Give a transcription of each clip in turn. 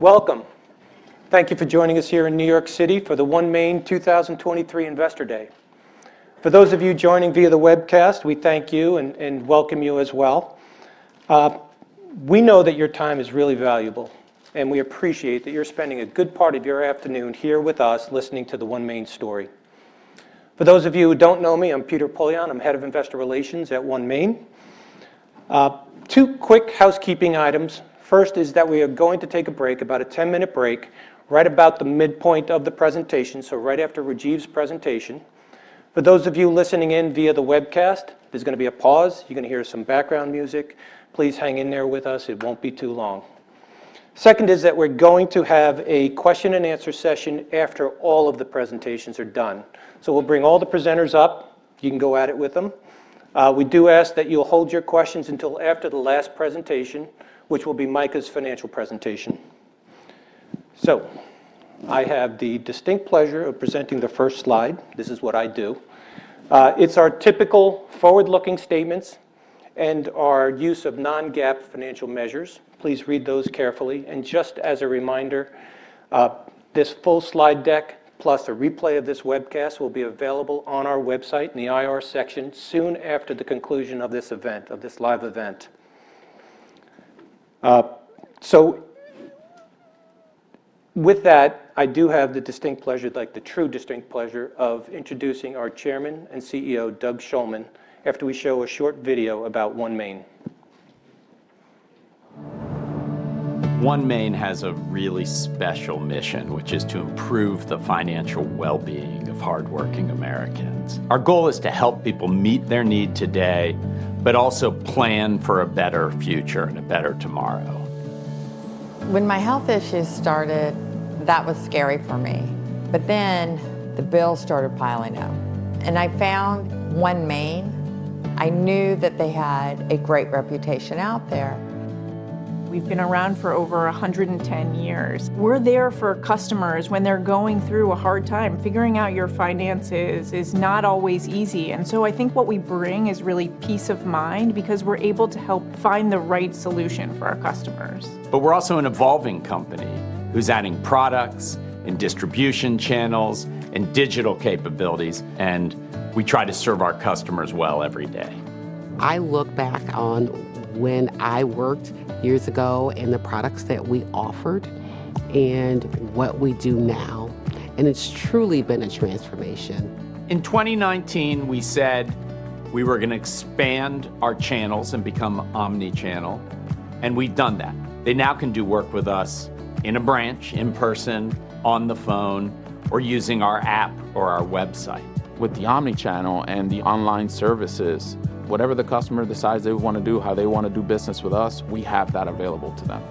Welcome! Thank you for joining us here in New York City for the OneMain 2023 Investor Day. For those of you joining via the webcast, we thank you and welcome you as well. We know that your time is really valuable, and we appreciate that you're spending a good part of your afternoon here with us, listening to the OneMain story. For those of you who don't know me, I'm Peter Poillon. I'm Head of Investor Relations at OneMain. Two quick housekeeping items. First is that we are going to take a break, about a 10-minute break, right about the midpoint of the presentation, so right after Rajive's presentation. For those of you listening in via the webcast, there's gonna be a pause. You're gonna hear some background music. Please hang in there with us. It won't be too long. Second is that we're going to have a question and answer session after all of the presentations are done. So we'll bring all the presenters up, you can go at it with them. We do ask that you'll hold your questions until after the last presentation, which will be Micah's financial presentation. So I have the distinct pleasure of presenting the first slide. This is what I do. It's our typical forward-looking statements and our use of non-GAAP financial measures. Please read those carefully, and just as a reminder, this full slide deck, plus a replay of this webcast, will be available on our website in the IR section soon after the conclusion of this event, of this live event. With that, I do have the distinct pleasure, like, the true distinct pleasure of introducing our Chairman and CEO, Doug Shulman, after we show a short video about OneMain. OneMain has a really special mission, which is to improve the financial well-being of hardworking Americans. Our goal is to help people meet their need today, but also plan for a better future and a better tomorrow. When my health issues started, that was scary for me, but then the bills started piling up, and I found OneMain. I knew that they had a great reputation out there. We've been around for over 110 years. We're there for customers when they're going through a hard time. Figuring out your finances is not always easy, and so I think what we bring is really peace of mind because we're able to help find the right solution for our customers. But we're also an evolving company who's adding products and distribution channels and digital capabilities, and we try to serve our customers well every day. I look back on when I worked years ago and the products that we offered and what we do now, and it's truly been a transformation. In 2019, we said we were gonna expand our channels and become omnichannel, and we've done that. They now can do work with us in a branch, in person, on the phone, or using our app or our website. With the omnichannel and the online services, whatever the customer decides they want to do, how they want to do business with us, we have that available to them.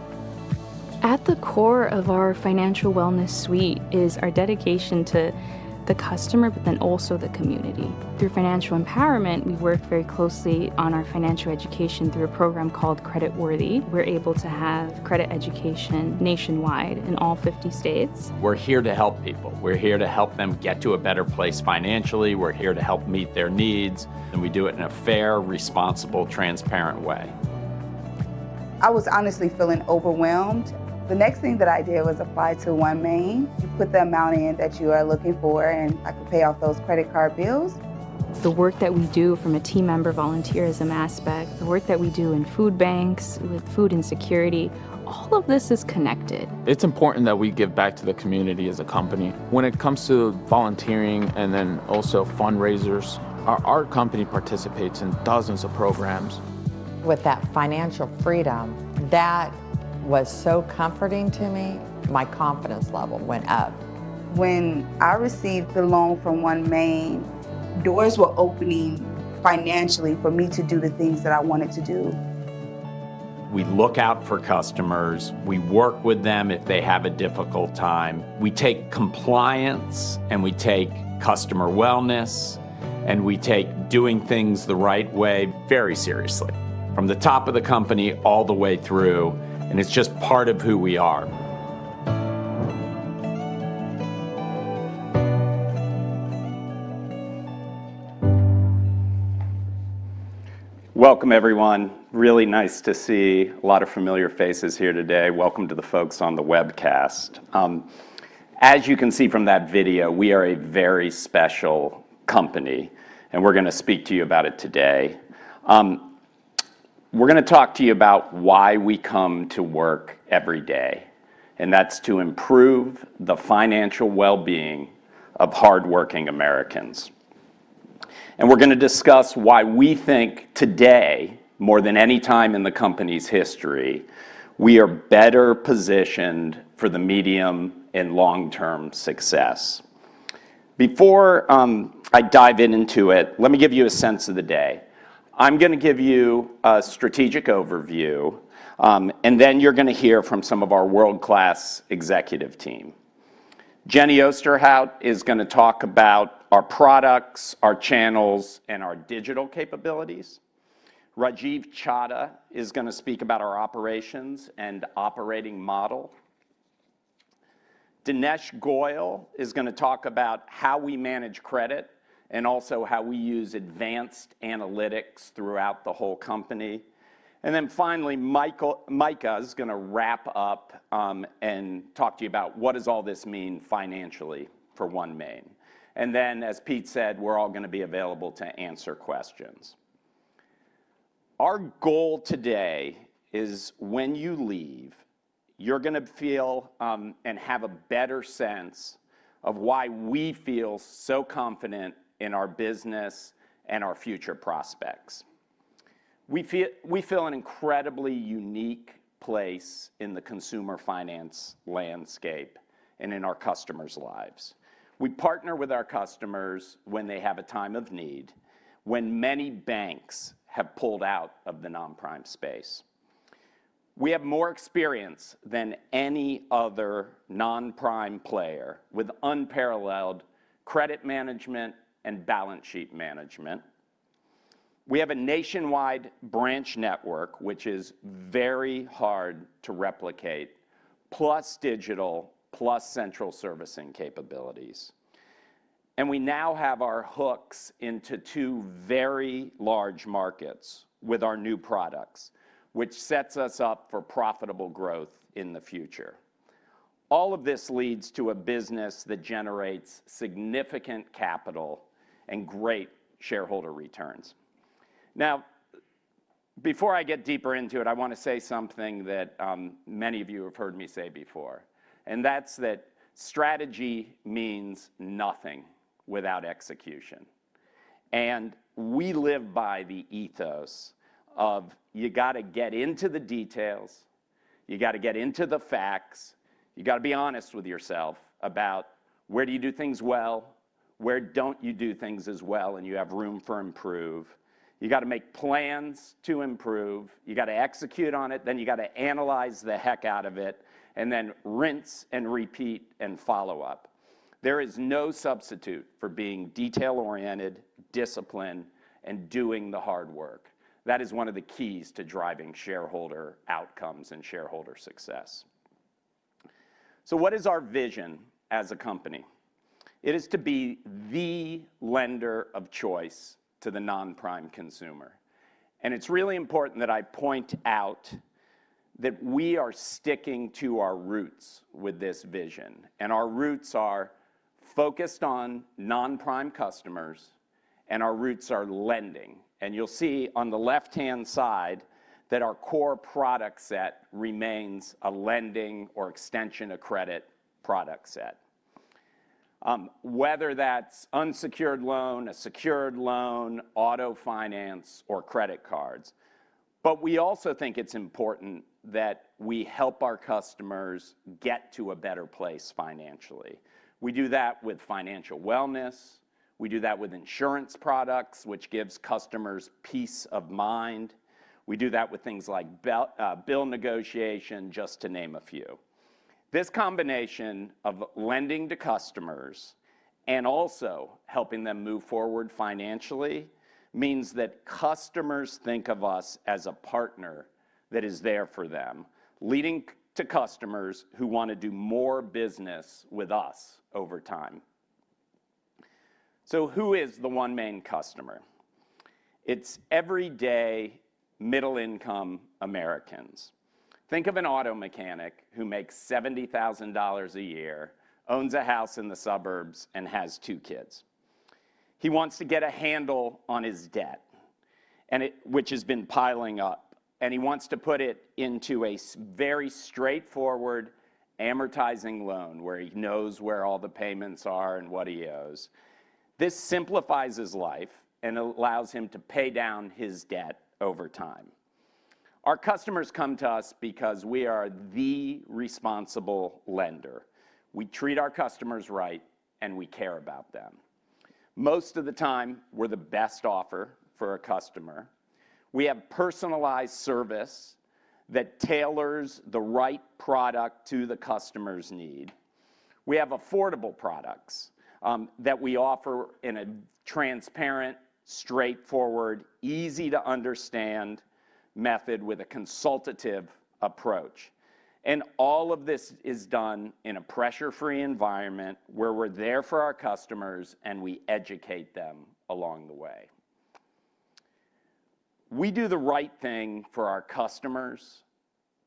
At the core of our financial wellness suite is our dedication to the customer, but then also the community. Through financial empowerment, we work very closely on our financial education through a program called Credit Worthy. We're able to have credit education nationwide in all 50 states. We're here to help people. We're here to help them get to a better place financially. We're here to help meet their needs, and we do it in a fair, responsible, transparent way. I was honestly feeling overwhelmed. The next thing that I did was apply to OneMain. You put the amount in that you are looking for, and I could pay off those credit card bills. The work that we do from a team member volunteerism aspect, the work that we do in food banks with food insecurity, all of this is connected. It's important that we give back to the community as a company. When it comes to volunteering, and then also fundraisers, our company participates in dozens of programs. With that financial freedom, that was so comforting to me. My confidence level went up. When I received the loan from OneMain, doors were opening financially for me to do the things that I wanted to do. We look out for customers. We work with them if they have a difficult time. We take compliance, and we take customer wellness, and we take doing things the right way very seriously, from the top of the company all the way through, and it's just part of who we are. Welcome, everyone. Really nice to see a lot of familiar faces here today. Welcome to the folks on the webcast. As you can see from that video, we are a very special company, and we're gonna speak to you about it today. We're gonna talk to you about why we come to work every day, and that's to improve the financial well-being of hardworking Americans. We're gonna discuss why we think today, more than any time in the company's history, we are better positioned for the medium- and long-term success. Before I dive into it, let me give you a sense of the day. I'm gonna give you a strategic overview, and then you're gonna hear from some of our world-class executive team. Jenny Osterhout is gonna talk about our products, our channels, and our digital capabilities. Rajive Chadha is gonna speak about our operations and operating model.... Dinesh Goyal is going to talk about how we manage credit and also how we use advanced analytics throughout the whole company. And then finally, Micah is going to wrap up, and talk to you about what does all this mean financially for OneMain. And then, as Pete said, we're all going to be available to answer questions. Our goal today is when you leave, you're going to feel, and have a better sense of why we feel so confident in our business and our future prospects. We feel an incredibly unique place in the consumer finance landscape and in our customers' lives. We partner with our customers when they have a time of need, when many banks have pulled out of the non-prime space. We have more experience than any other non-prime player, with unparalleled credit management and balance sheet management. We have a nationwide branch network, which is very hard to replicate, plus digital, plus central servicing capabilities. And we now have our hooks into two very large markets with our new products, which sets us up for profitable growth in the future. All of this leads to a business that generates significant capital and great shareholder returns. Now, before I get deeper into it, I want to say something that, many of you have heard me say before, and that's that strategy means nothing without execution. And we live by the ethos of you got to get into the details, you got to get into the facts, you got to be honest with yourself about where do you do things well, where don't you do things as well, and you have room for improve. You got to make plans to improve, you got to execute on it, then you got to analyze the heck out of it, and then rinse and repeat and follow up. There is no substitute for being detail-oriented, disciplined, and doing the hard work. That is one of the keys to driving shareholder outcomes and shareholder success. So what is our vision as a company? It is to be the lender of choice to the non-prime consumer. And it's really important that I point out that we are sticking to our roots with this vision, and our roots are focused on non-prime customers, and our roots are lending. And you'll see on the left-hand side that our core product set remains a lending or extension of credit product set. Whether that's unsecured loan, a secured loan, auto finance, or credit cards. But we also think it's important that we help our customers get to a better place financially. We do that with financial wellness. We do that with insurance products, which gives customers peace of mind. We do that with things like bill negotiation, just to name a few. This combination of lending to customers and also helping them move forward financially means that customers think of us as a partner that is there for them, leading to customers who want to do more business with us over time. So who is the OneMain customer? It's everyday middle-income Americans. Think of an auto mechanic who makes $70,000 a year, owns a house in the suburbs, and has two kids. He wants to get a handle on his debt, and it... which has been piling up, and he wants to put it into a very straightforward amortizing loan, where he knows where all the payments are and what he owes. This simplifies his life and allows him to pay down his debt over time. Our customers come to us because we are the responsible lender. We treat our customers right, and we care about them. Most of the time, we're the best offer for a customer. We have personalized service that tailors the right product to the customer's need. We have affordable products that we offer in a transparent, straightforward, easy-to-understand method with a consultative approach. All of this is done in a pressure-free environment where we're there for our customers, and we educate them along the way. We do the right thing for our customers,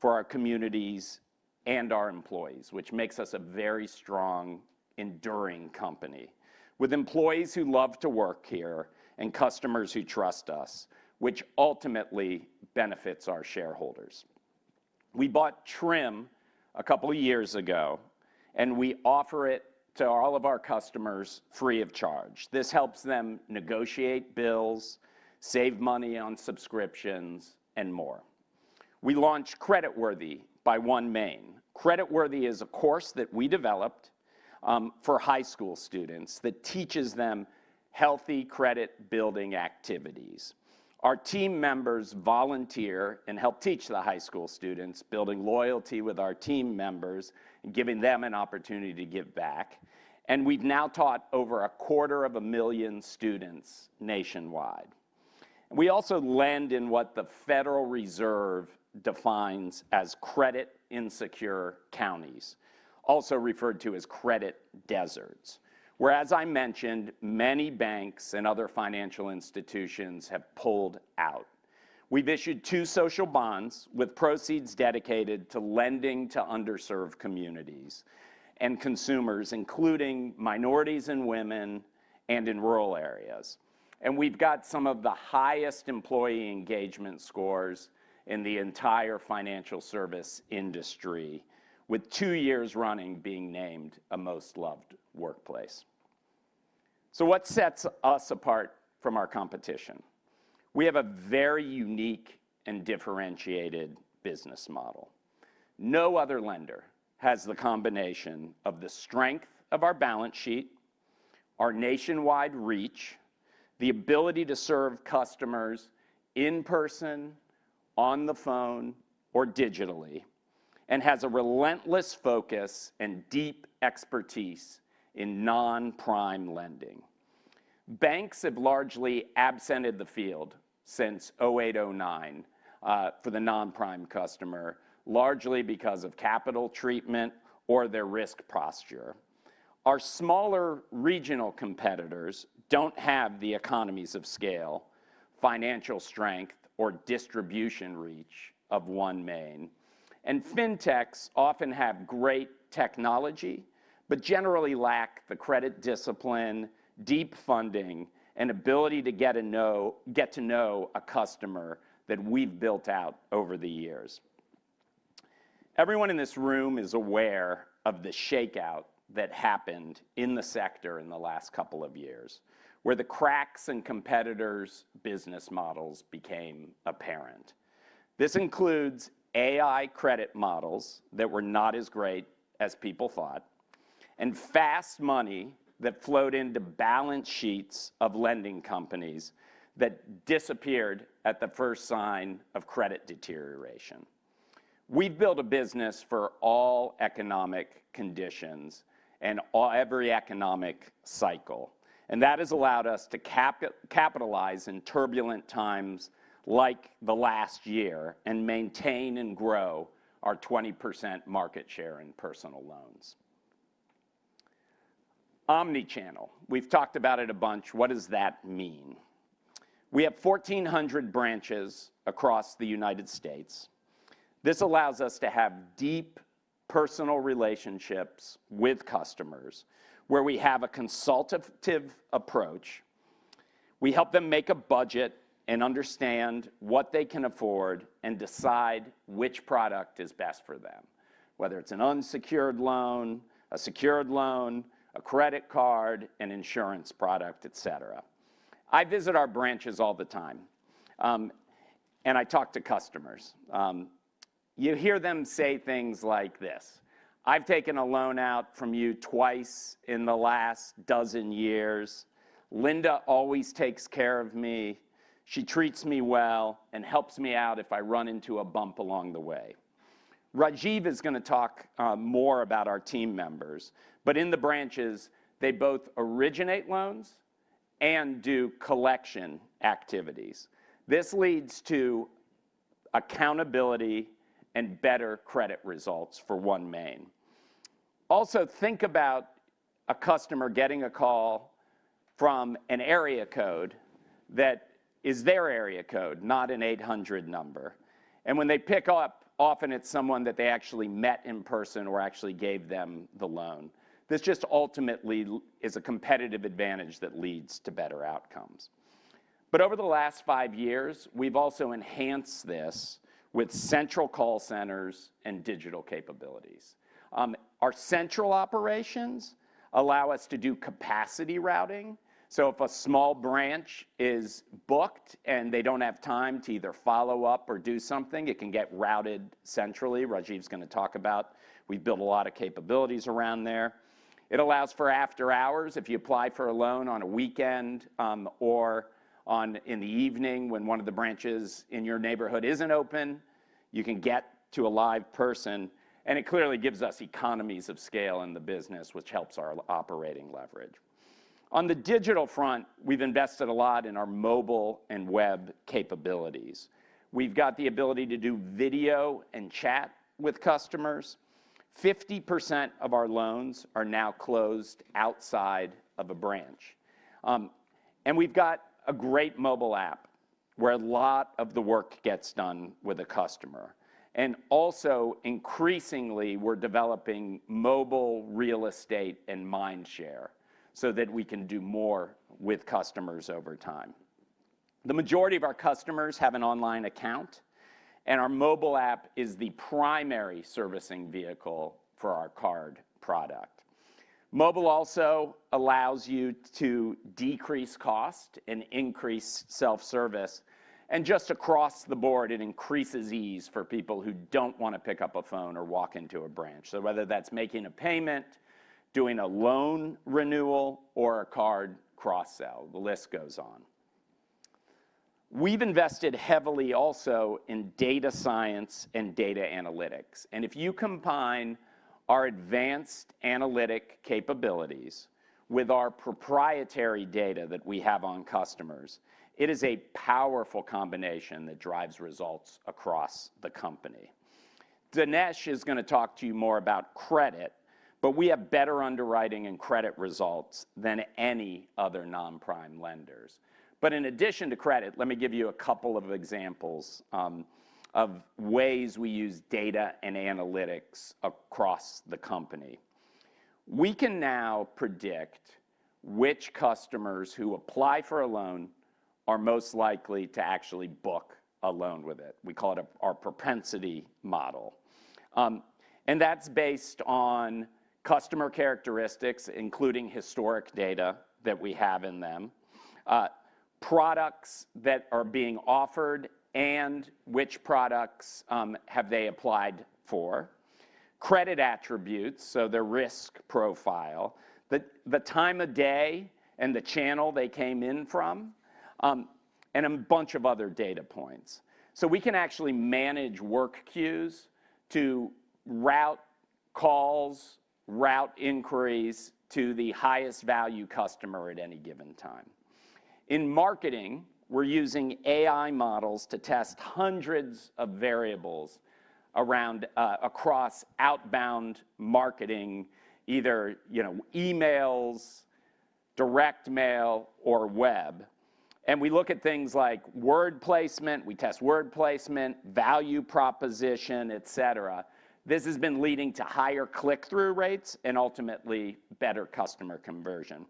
for our communities, and our employees, which makes us a very strong, enduring company, with employees who love to work here and customers who trust us, which ultimately benefits our shareholders. We bought Trim a couple of years ago, and we offer it to all of our customers free of charge. This helps them negotiate bills, save money on subscriptions, and more. We launched Credit Worthy by OneMain. Credit Worthy is a course that we developed, for high school students that teaches them healthy credit-building activities. Our team members volunteer and help teach the high school students, building loyalty with our team members and giving them an opportunity to give back. And we've now taught over 250,000 students nationwide. We also lend in what the Federal Reserve defines as credit insecure counties, also referred to as credit deserts, where, as I mentioned, many banks and other financial institutions have pulled out. We've issued two social bonds with proceeds dedicated to lending to underserved communities and consumers, including minorities and women and in rural areas. And we've got some of the highest employee engagement scores in the entire financial service industry, with two years running being named a most loved workplace. So what sets us apart from our competition? We have a very unique and differentiated business model. No other lender has the combination of the strength of our balance sheet, our nationwide reach, the ability to serve customers in person, on the phone or digitally, and has a relentless focus and deep expertise in non-prime lending. Banks have largely absented the field since 2008, 2009, for the non-prime customer, largely because of capital treatment or their risk posture. Our smaller regional competitors don't have the economies of scale, financial strength, or distribution reach of OneMain. Fintechs often have great technology, but generally lack the credit discipline, deep funding, and ability to get to know, get to know a customer that we've built out over the years. Everyone in this room is aware of the shakeout that happened in the sector in the last couple of years, where the cracks in competitors' business models became apparent. This includes AI credit models that were not as great as people thought, and fast money that flowed into balance sheets of lending companies that disappeared at the first sign of credit deterioration. We've built a business for all economic conditions and every economic cycle, and that has allowed us to capitalize in turbulent times like the last year and maintain and grow our 20% market share in personal loans. Omnichannel. We've talked about it a bunch. What does that mean? We have 1,400 branches across the United States. This allows us to have deep personal relationships with customers, where we have a consultative approach. We help them make a budget and understand what they can afford and decide which product is best for them, whether it's an unsecured loan, a secured loan, a credit card, an insurance product, et cetera. I visit our branches all the time, and I talk to customers. You hear them say things like this: "I've taken a loan out from you twice in the last dozen years. Linda always takes care of me. She treats me well and helps me out if I run into a bump along the way." Rajive is going to talk more about our team members, but in the branches, they both originate loans and do collection activities. This leads to accountability and better credit results for OneMain. Also, think about a customer getting a call from an area code that is their area code, not an 800 number, and when they pick up, often it's someone that they actually met in person or actually gave them the loan. This just ultimately is a competitive advantage that leads to better outcomes. But over the last five years, we've also enhanced this with central call centers and digital capabilities. Our central operations allow us to do capacity routing, so if a small branch is booked and they don't have time to either follow up or do something, it can get routed centrally. Rajive's going to talk about... We've built a lot of capabilities around there. It allows for after-hours. If you apply for a loan on a weekend, or online in the evening, when one of the branches in your neighborhood isn't open, you can get to a live person, and it clearly gives us economies of scale in the business, which helps our operating leverage. On the digital front, we've invested a lot in our mobile and web capabilities. We've got the ability to do video and chat with customers. 50% of our loans are now closed outside of a branch. We've got a great mobile app, where a lot of the work gets done with a customer. Also, increasingly, we're developing mobile real estate and mind share so that we can do more with customers over time. The majority of our customers have an online account, and our mobile app is the primary servicing vehicle for our card product. Mobile also allows you to decrease cost and increase self-service, and just across the board, it increases ease for people who don't want to pick up a phone or walk into a branch. So whether that's making a payment, doing a loan renewal, or a card cross-sell, the list goes on. We've invested heavily also in data science and data analytics, and if you combine our advanced analytic capabilities with our proprietary data that we have on customers, it is a powerful combination that drives results across the company. Dinesh is going to talk to you more about credit, but we have better underwriting and credit results than any other non-prime lenders. But in addition to credit, let me give you a couple of examples of ways we use data and analytics across the company. We can now predict which customers who apply for a loan are most likely to actually book a loan with it. We call it our propensity model. And that's based on customer characteristics, including historic data that we have in them, products that are being offered and which products, have they applied for, credit attributes, so their risk profile, the time of day and the channel they came in from, and a bunch of other data points. So we can actually manage work queues to route calls, route inquiries to the highest value customer at any given time. In marketing, we're using AI models to test hundreds of variables around, across outbound marketing, either, you know, emails, direct mail, or web. And we look at things like word placement, we test word placement, value proposition, et cetera. This has been leading to higher click-through rates and ultimately better customer conversion.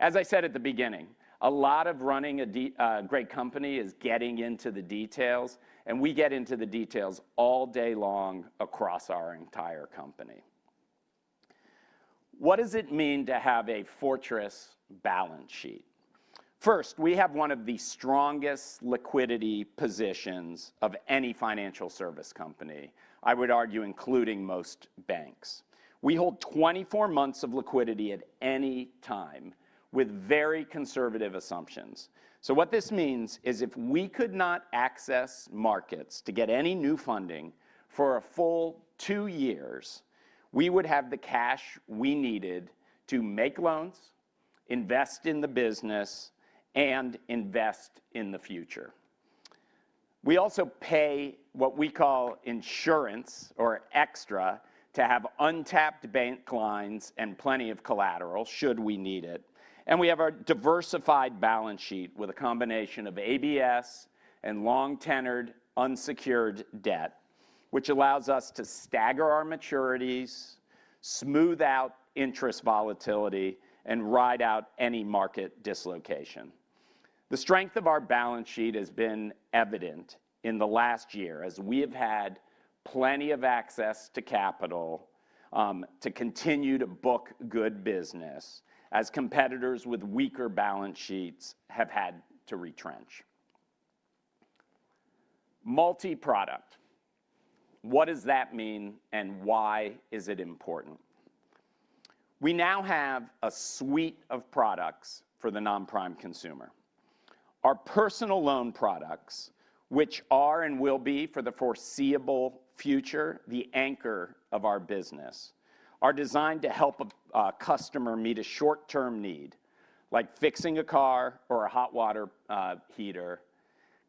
As I said at the beginning, a lot of running a great company is getting into the details, and we get into the details all day long across our entire company. What does it mean to have a fortress balance sheet? First, we have one of the strongest liquidity positions of any financial service company, I would argue, including most banks. We hold 24 months of liquidity at any time with very conservative assumptions. So what this means is if we could not access markets to get any new funding for a full two years, we would have the cash we needed to make loans, invest in the business, and invest in the future. We also pay what we call insurance or extra to have untapped bank lines and plenty of collateral should we need it. We have our diversified balance sheet with a combination of ABS and long-tenored unsecured debt, which allows us to stagger our maturities, smooth out interest volatility, and ride out any market dislocation. The strength of our balance sheet has been evident in the last year, as we have had plenty of access to capital to continue to book good business as competitors with weaker balance sheets have had to retrench. Multi-product. What does that mean and why is it important? We now have a suite of products for the non-prime consumer. Our personal loan products, which are and will be, for the foreseeable future, the anchor of our business, are designed to help a customer meet a short-term need, like fixing a car or a hot water heater,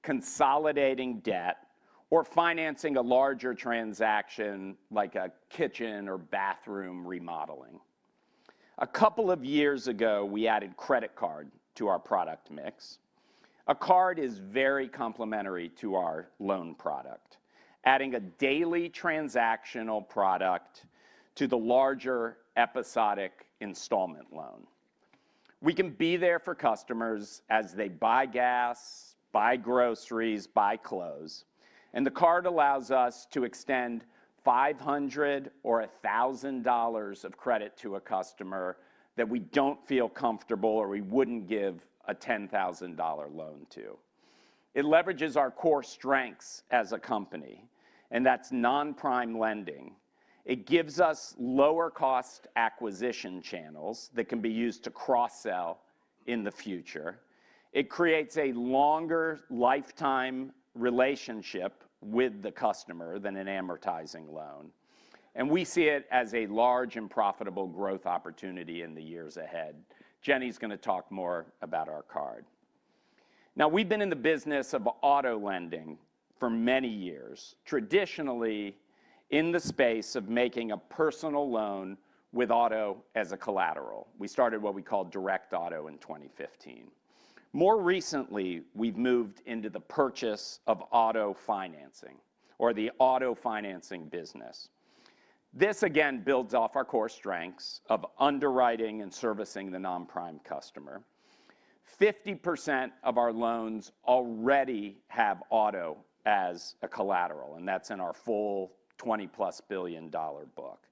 consolidating debt, or financing a larger transaction, like a kitchen or bathroom remodeling. A couple of years ago, we added credit card to our product mix. A card is very complementary to our loan product, adding a daily transactional product to the larger episodic installment loan. We can be there for customers as they buy gas, buy groceries, buy clothes, and the card allows us to extend $500 or $1,000 of credit to a customer that we don't feel comfortable or we wouldn't give a $10,000 loan to. It leverages our core strengths as a company, and that's non-prime lending. It gives us lower-cost acquisition channels that can be used to cross-sell in the future. It creates a longer lifetime relationship with the customer than an amortizing loan, and we see it as a large and profitable growth opportunity in the years ahead. Jenny's going to talk more about our card. Now, we've been in the business of auto lending for many years, traditionally in the space of making a personal loan with auto as a collateral. We started what we call direct auto in 2015. More recently, we've moved into the purchase of auto financing or the auto financing business. This again builds off our core strengths of underwriting and servicing the non-prime customer. 50% of our loans already have auto as a collateral, and that's in our full $20+ billion book.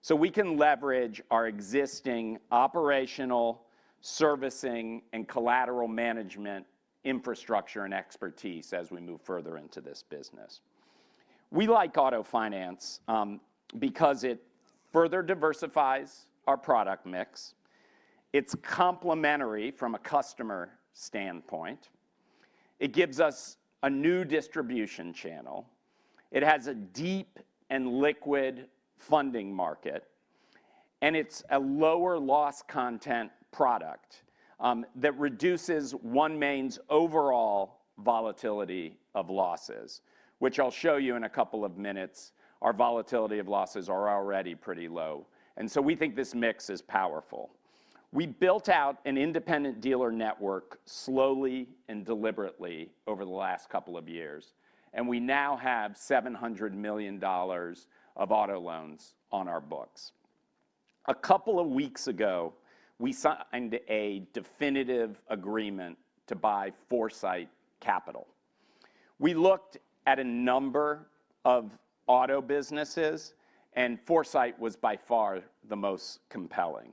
So we can leverage our existing operational, servicing, and collateral management infrastructure and expertise as we move further into this business. We like auto finance because it further diversifies our product mix. It's complementary from a customer standpoint. It gives us a new distribution channel. It has a deep and liquid funding market. and it's a lower loss content product, that reduces OneMain's overall volatility of losses, which I'll show you in a couple of minutes. Our volatility of losses are already pretty low, and so we think this mix is powerful. We built out an independent dealer network slowly and deliberately over the last couple of years, and we now have $700 million of auto loans on our books. A couple of weeks ago, we signed a definitive agreement to buy Foursight Capital. We looked at a number of auto businesses, and Foursight was by far the most compelling.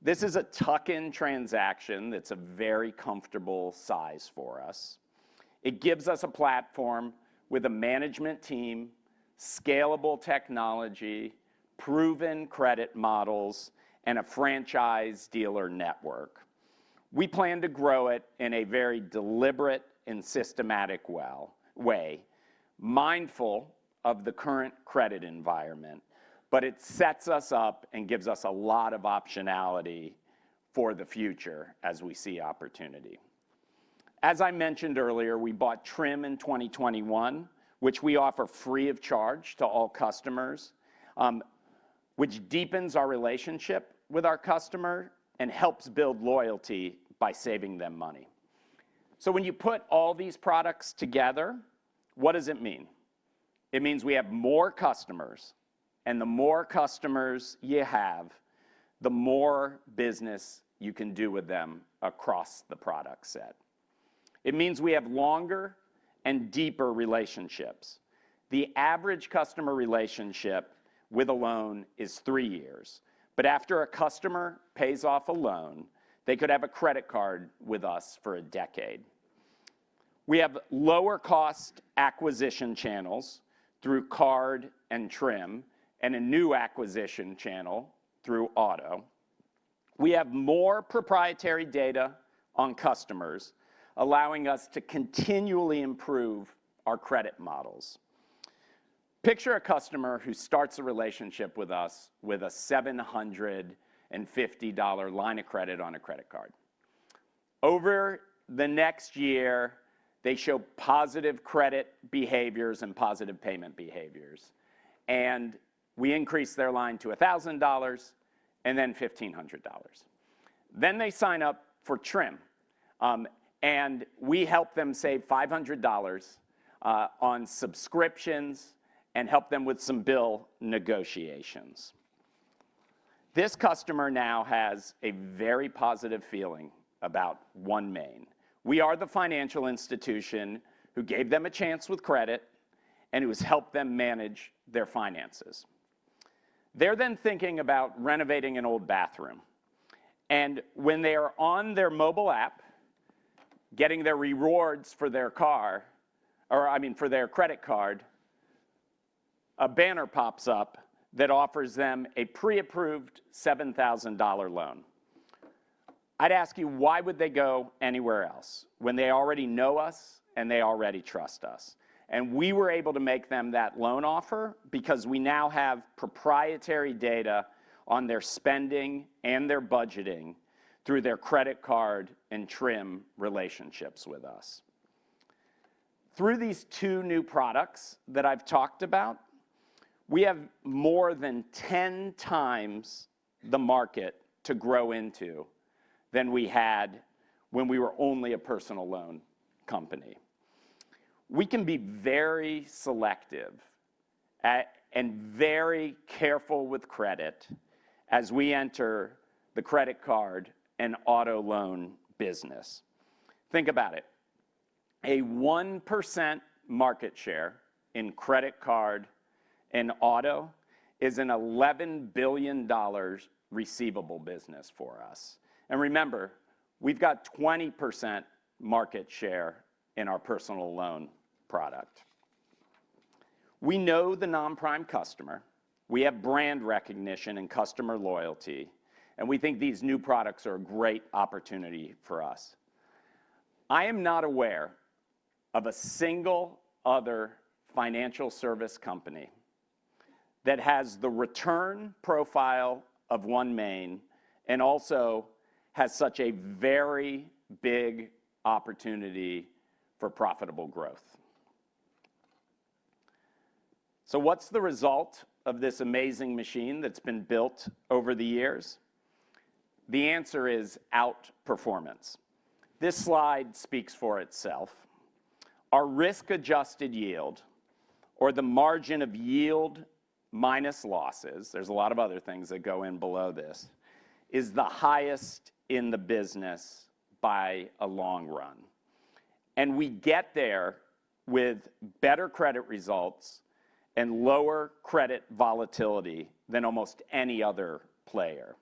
This is a tuck-in transaction that's a very comfortable size for us. It gives us a platform with a management team, scalable technology, proven credit models, and a franchise dealer network. We plan to grow it in a very deliberate and systematic way, mindful of the current credit environment, but it sets us up and gives us a lot of optionality for the future as we see opportunity. As I mentioned earlier, we bought Trim in 2021, which we offer free of charge to all customers, which deepens our relationship with our customer and helps build loyalty by saving them money. So when you put all these products together, what does it mean? It means we have more customers, and the more customers you have, the more business you can do with them across the product set. It means we have longer and deeper relationships. The average customer relationship with a loan is three years, but after a customer pays off a loan, they could have a credit card with us for a decade. We have lower cost acquisition channels through card and Trim, and a new acquisition channel through auto. We have more proprietary data on customers, allowing us to continually improve our credit models. Picture a customer who starts a relationship with us with a $750 line of credit on a credit card. Over the next year, they show positive credit behaviors and positive payment behaviors, and we increase their line to $1,000 and then $1,500. Then they sign up for Trim, and we help them save $500 on subscriptions and help them with some bill negotiations. This customer now has a very positive feeling about OneMain. We are the financial institution who gave them a chance with credit and who has helped them manage their finances. They're then thinking about renovating an old bathroom, and when they are on their mobile app, getting their rewards for their car, or I mean, for their credit card, a banner pops up that offers them a pre-approved $7,000 loan. I'd ask you, why would they go anywhere else when they already know us and they already trust us? And we were able to make them that loan offer because we now have proprietary data on their spending and their budgeting through their credit card and Trim relationships with us. Through these two new products that I've talked about, we have more than 10x the market to grow into than we had when we were only a personal loan company. We can be very selective and very careful with credit as we enter the credit card and auto loan business. Think about it. A 1% market share in credit card and auto is an $11 billion receivable business for us. And remember, we've got 20% market share in our personal loan product. We know the non-prime customer, we have brand recognition and customer loyalty, and we think these new products are a great opportunity for us. I am not aware of a single other financial service company that has the return profile of OneMain and also has such a very big opportunity for profitable growth. So what's the result of this amazing machine that's been built over the years? The answer is outperformance. This slide speaks for itself. Our risk-adjusted yield or the margin of yield minus losses, there's a lot of other things that go in below this, is the highest in the business by a long run. We get there with better credit results and lower credit volatility than almost any other player,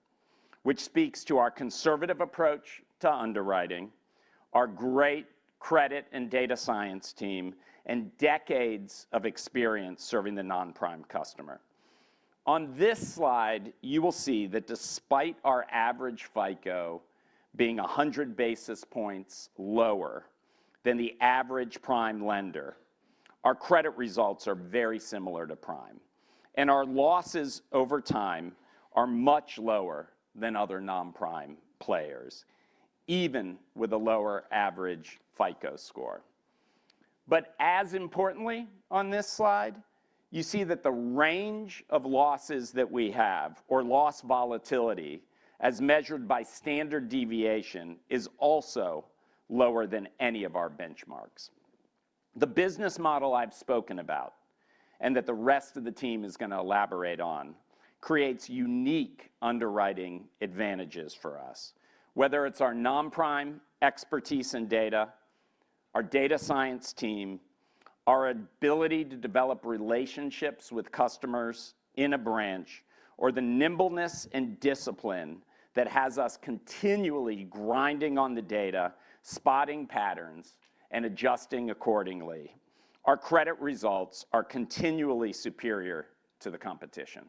which speaks to our conservative approach to underwriting, our great credit and data science team, and decades of experience serving the non-prime customer. On this slide, you will see that despite our average FICO being 100 basis points lower than the average prime lender. Our credit results are very similar to prime, and our losses over time are much lower than other non-prime players, even with a lower average FICO score. As importantly, on this slide, you see that the range of losses that we have or loss volatility, as measured by standard deviation, is also lower than any of our benchmarks. The business model I've spoken about, and that the rest of the team is going to elaborate on, creates unique underwriting advantages for us. Whether it's our non-prime expertise and data, our data science team, our ability to develop relationships with customers in a branch, or the nimbleness and discipline that has us continually grinding on the data, spotting patterns, and adjusting accordingly, our credit results are continually superior to the competition.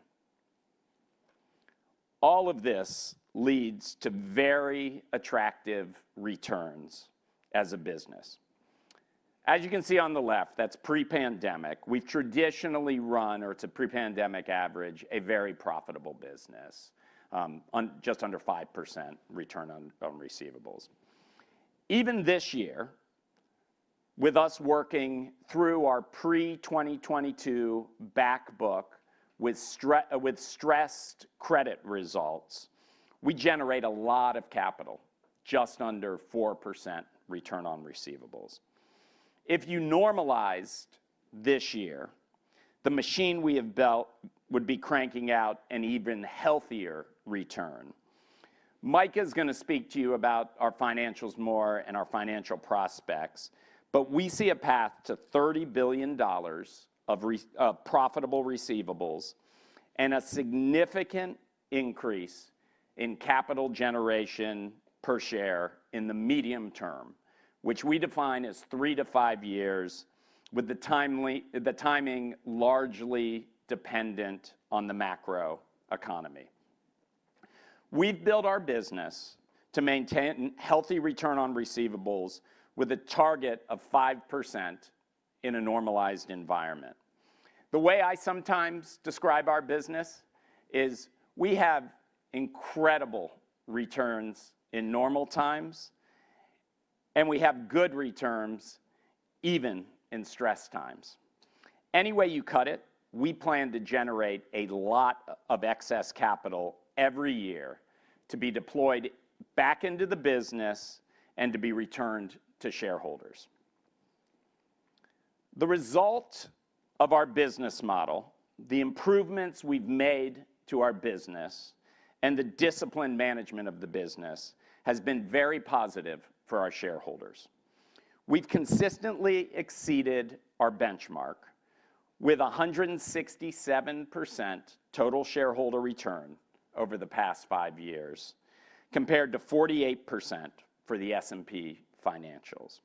All of this leads to very attractive returns as a business. As you can see on the left, that's pre-pandemic. We've traditionally run, or it's a pre-pandemic average, a very profitable business on just under 5% return on receivables. Even this year, with us working through our pre-2022 back book with stressed credit results, we generate a lot of capital, just under 4% return on receivables. If you normalized this year, the machine we have built would be cranking out an even healthier return. Micah is going to speak to you about our financials more and our financial prospects, but we see a path to $30 billion of profitable receivables and a significant increase in capital generation per share in the medium term, which we define as three to five years, with the timing largely dependent on the macro economy. We've built our business to maintain healthy return on receivables with a target of 5% in a normalized environment. The way I sometimes describe our business is we have incredible returns in normal times, and we have good returns even in stress times. Any way you cut it, we plan to generate a lot of excess capital every year to be deployed back into the business and to be returned to shareholders. The result of our business model, the improvements we've made to our business, and the disciplined management of the business, has been very positive for our shareholders. We've consistently exceeded our benchmark with 167% total shareholder return over the past five years, compared to 48% for the S&P financials.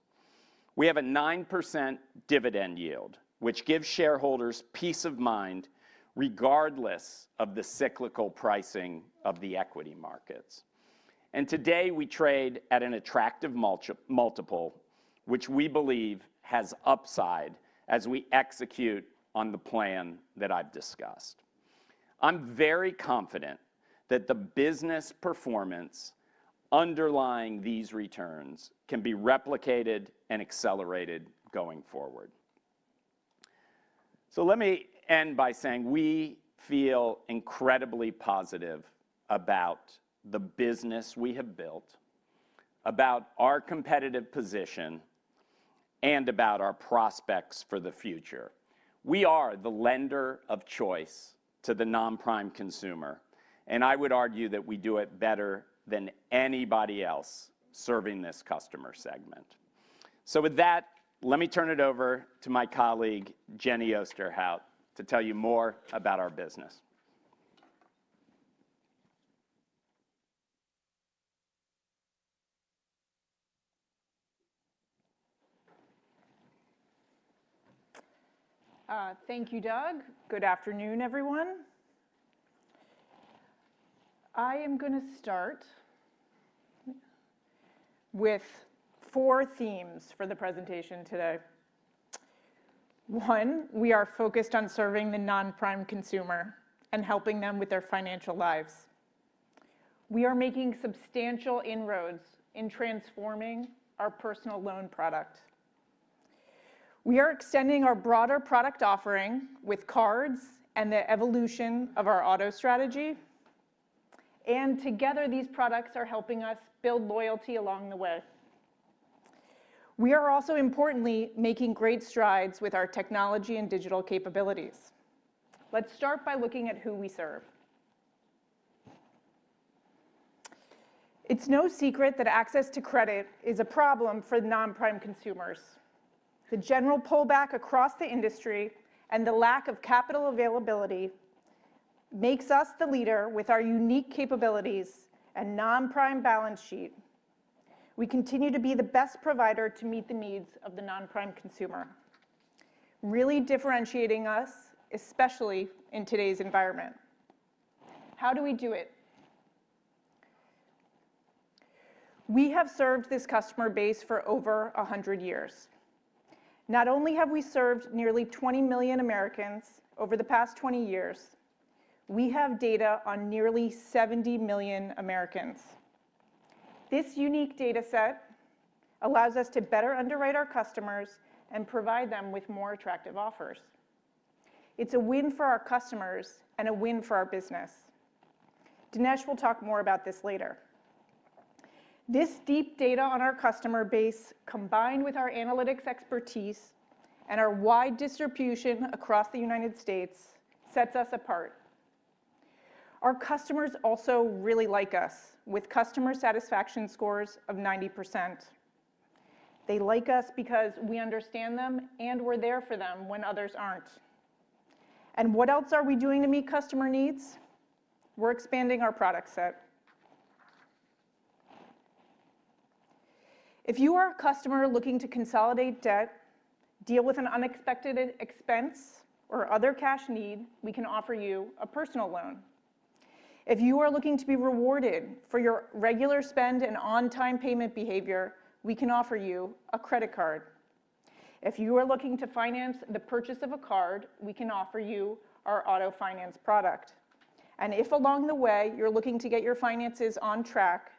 We have a 9% dividend yield, which gives shareholders peace of mind regardless of the cyclical pricing of the equity markets. And today, we trade at an attractive multiple, which we believe has upside as we execute on the plan that I've discussed. I'm very confident that the business performance underlying these returns can be replicated and accelerated going forward. So let me end by saying we feel incredibly positive about the business we have built, about our competitive position, and about our prospects for the future. We are the lender of choice to the non-prime consumer, and I would argue that we do it better than anybody else serving this customer segment. So with that, let me turn it over to my colleague, Jenny Osterhout, to tell you more about our business. Thank you, Doug. Good afternoon, everyone. I am going to start with four themes for the presentation today. One, we are focused on serving the non-prime consumer and helping them with their financial lives. We are making substantial inroads in transforming our personal loan product. We are extending our broader product offering with cards and the evolution of our auto strategy, and together, these products are helping us build loyalty along the way. We are also importantly, making great strides with our technology and digital capabilities. Let's start by looking at who we serve. It's no secret that access to credit is a problem for non-prime consumers. The general pullback across the industry and the lack of capital availability makes us the leader with our unique capabilities and non-prime balance sheet. We continue to be the best provider to meet the needs of the non-prime consumer, really differentiating us, especially in today's environment. How do we do it?... We have served this customer base for over 100 years. Not only have we served nearly 20 million Americans over the past 20 years, we have data on nearly 70 million Americans. This unique data set allows us to better underwrite our customers and provide them with more attractive offers. It's a win for our customers and a win for our business. Dinesh will talk more about this later. This deep data on our customer base, combined with our analytics expertise and our wide distribution across the United States, sets us apart. Our customers also really like us, with customer satisfaction scores of 90%. They like us because we understand them, and we're there for them when others aren't. What else are we doing to meet customer needs? We're expanding our product set. If you are a customer looking to consolidate debt, deal with an unexpected expense or other cash need, we can offer you a personal loan. If you are looking to be rewarded for your regular spend and on-time payment behavior, we can offer you a credit card. If you are looking to finance the purchase of a card, we can offer you our auto finance product. And if along the way, you're looking to get your finances on track,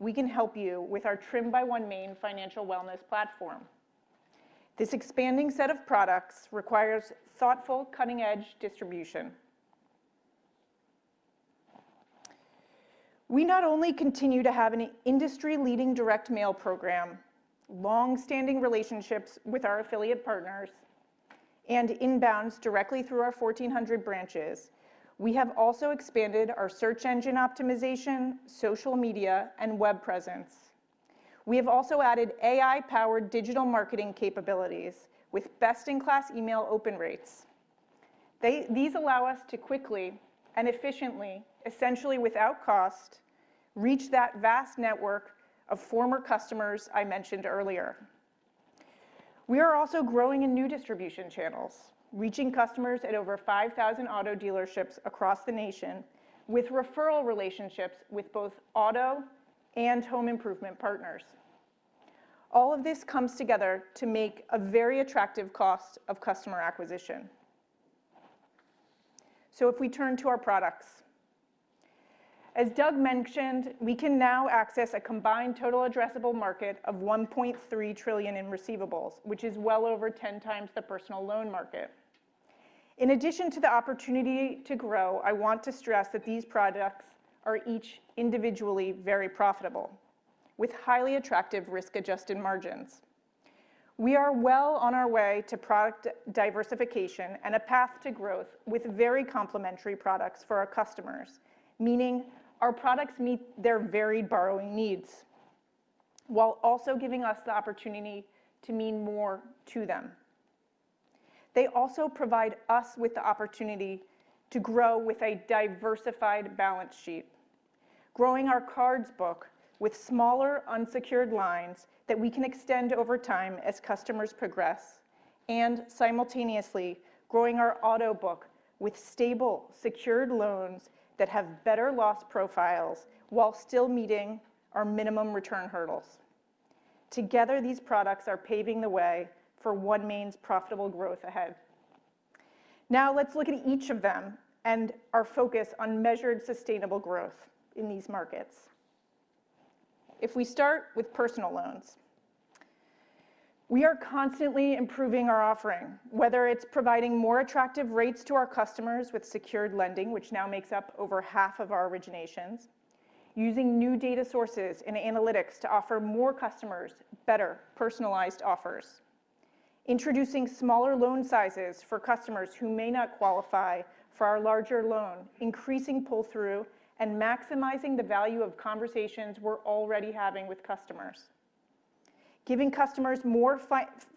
we can help you with our Trim by OneMain financial wellness platform. This expanding set of products requires thoughtful, cutting-edge distribution. We not only continue to have an industry-leading direct mail program, long-standing relationships with our affiliate partners, and inbounds directly through our 1,400 branches, we have also expanded our search engine optimization, social media, and web presence. We have also added AI-powered digital marketing capabilities with best-in-class email open rates. These allow us to quickly and efficiently, essentially without cost, reach that vast network of former customers I mentioned earlier. We are also growing in new distribution channels, reaching customers at over 5,000 auto dealerships across the nation, with referral relationships with both auto and home improvement partners. All of this comes together to make a very attractive cost of customer acquisition. So if we turn to our products, as Doug mentioned, we can now access a combined total addressable market of $1.3 trillion in receivables, which is well over 10x the personal loan market. In addition to the opportunity to grow, I want to stress that these products are each individually very profitable, with highly attractive risk-adjusted margins. We are well on our way to product diversification and a path to growth with very complementary products for our customers, meaning our products meet their varied borrowing needs while also giving us the opportunity to mean more to them. They also provide us with the opportunity to grow with a diversified balance sheet, growing our cards book with smaller unsecured lines that we can extend over time as customers progress and simultaneously growing our auto book with stable, secured loans that have better loss profiles while still meeting our minimum return hurdles. Together, these products are paving the way for OneMain's profitable growth ahead. Now, let's look at each of them and our focus on measured, sustainable growth in these markets. If we start with personal loans, we are constantly improving our offering, whether it's providing more attractive rates to our customers with secured lending, which now makes up over half of our originations, using new data sources and analytics to offer more customers better personalized offers, introducing smaller loan sizes for customers who may not qualify for our larger loan, increasing pull-through, and maximizing the value of conversations we're already having with customers, giving customers more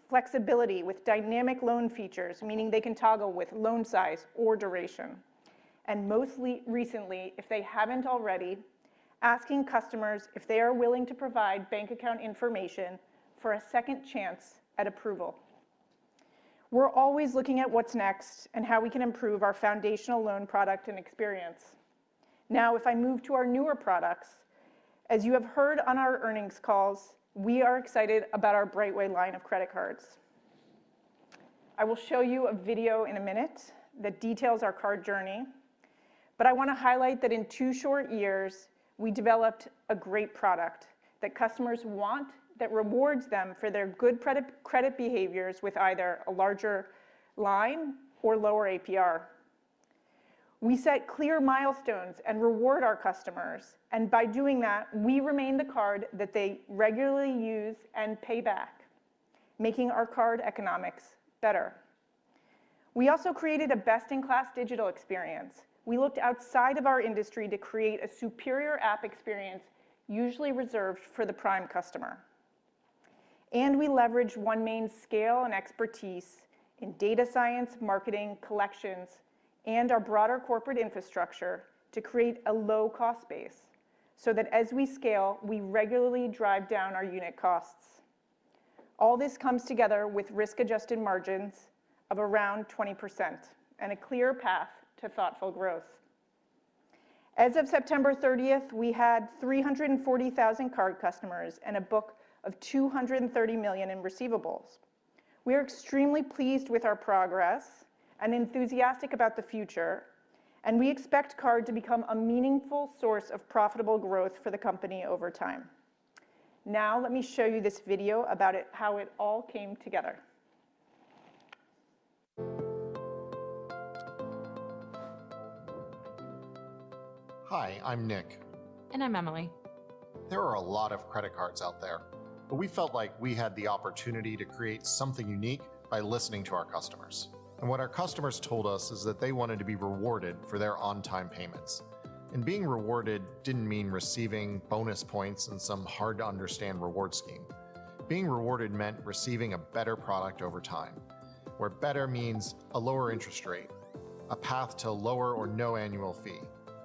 flexibility with dynamic loan features, meaning they can toggle with loan size or duration, and most recently, if they haven't already, asking customers if they are willing to provide bank account information for a second chance at approval. We're always looking at what's next and how we can improve our foundational loan product and experience. Now, if I move to our newer products, as you have heard on our earnings calls, we are excited about our Brightway line of credit cards. I will show you a video in a minute that details our card journey, but I want to highlight that in two short years, we developed a great product that customers want, that rewards them for their good credit, credit behaviors with either a larger line or lower APR. We set clear milestones and reward our customers, and by doing that, we remain the card that they regularly use and pay back, making our card economics better. We also created a best-in-class digital experience. We looked outside of our industry to create a superior app experience usually reserved for the prime customer. We leveraged OneMain's scale and expertise in data science, marketing, collections, and our broader corporate infrastructure to create a low-cost base so that as we scale, we regularly drive down our unit costs. All this comes together with risk-adjusted margins of around 20% and a clear path to thoughtful growth. As of September 30, we had 340,000 Card customers and a book of $230 million in receivables. We are extremely pleased with our progress and enthusiastic about the future, and we expect Card to become a meaningful source of profitable growth for the company over time. Now, let me show you this video about it, how it all came together. Hi, I'm Nick. I'm Emily. There are a lot of credit cards out there, but we felt like we had the opportunity to create something unique by listening to our customers. What our customers told us is that they wanted to be rewarded for their on-time payments. Being rewarded didn't mean receiving bonus points and some hard-to-understand reward scheme. Being rewarded meant receiving a better product over time, where better means a lower interest rate, a path to lower or no annual fee,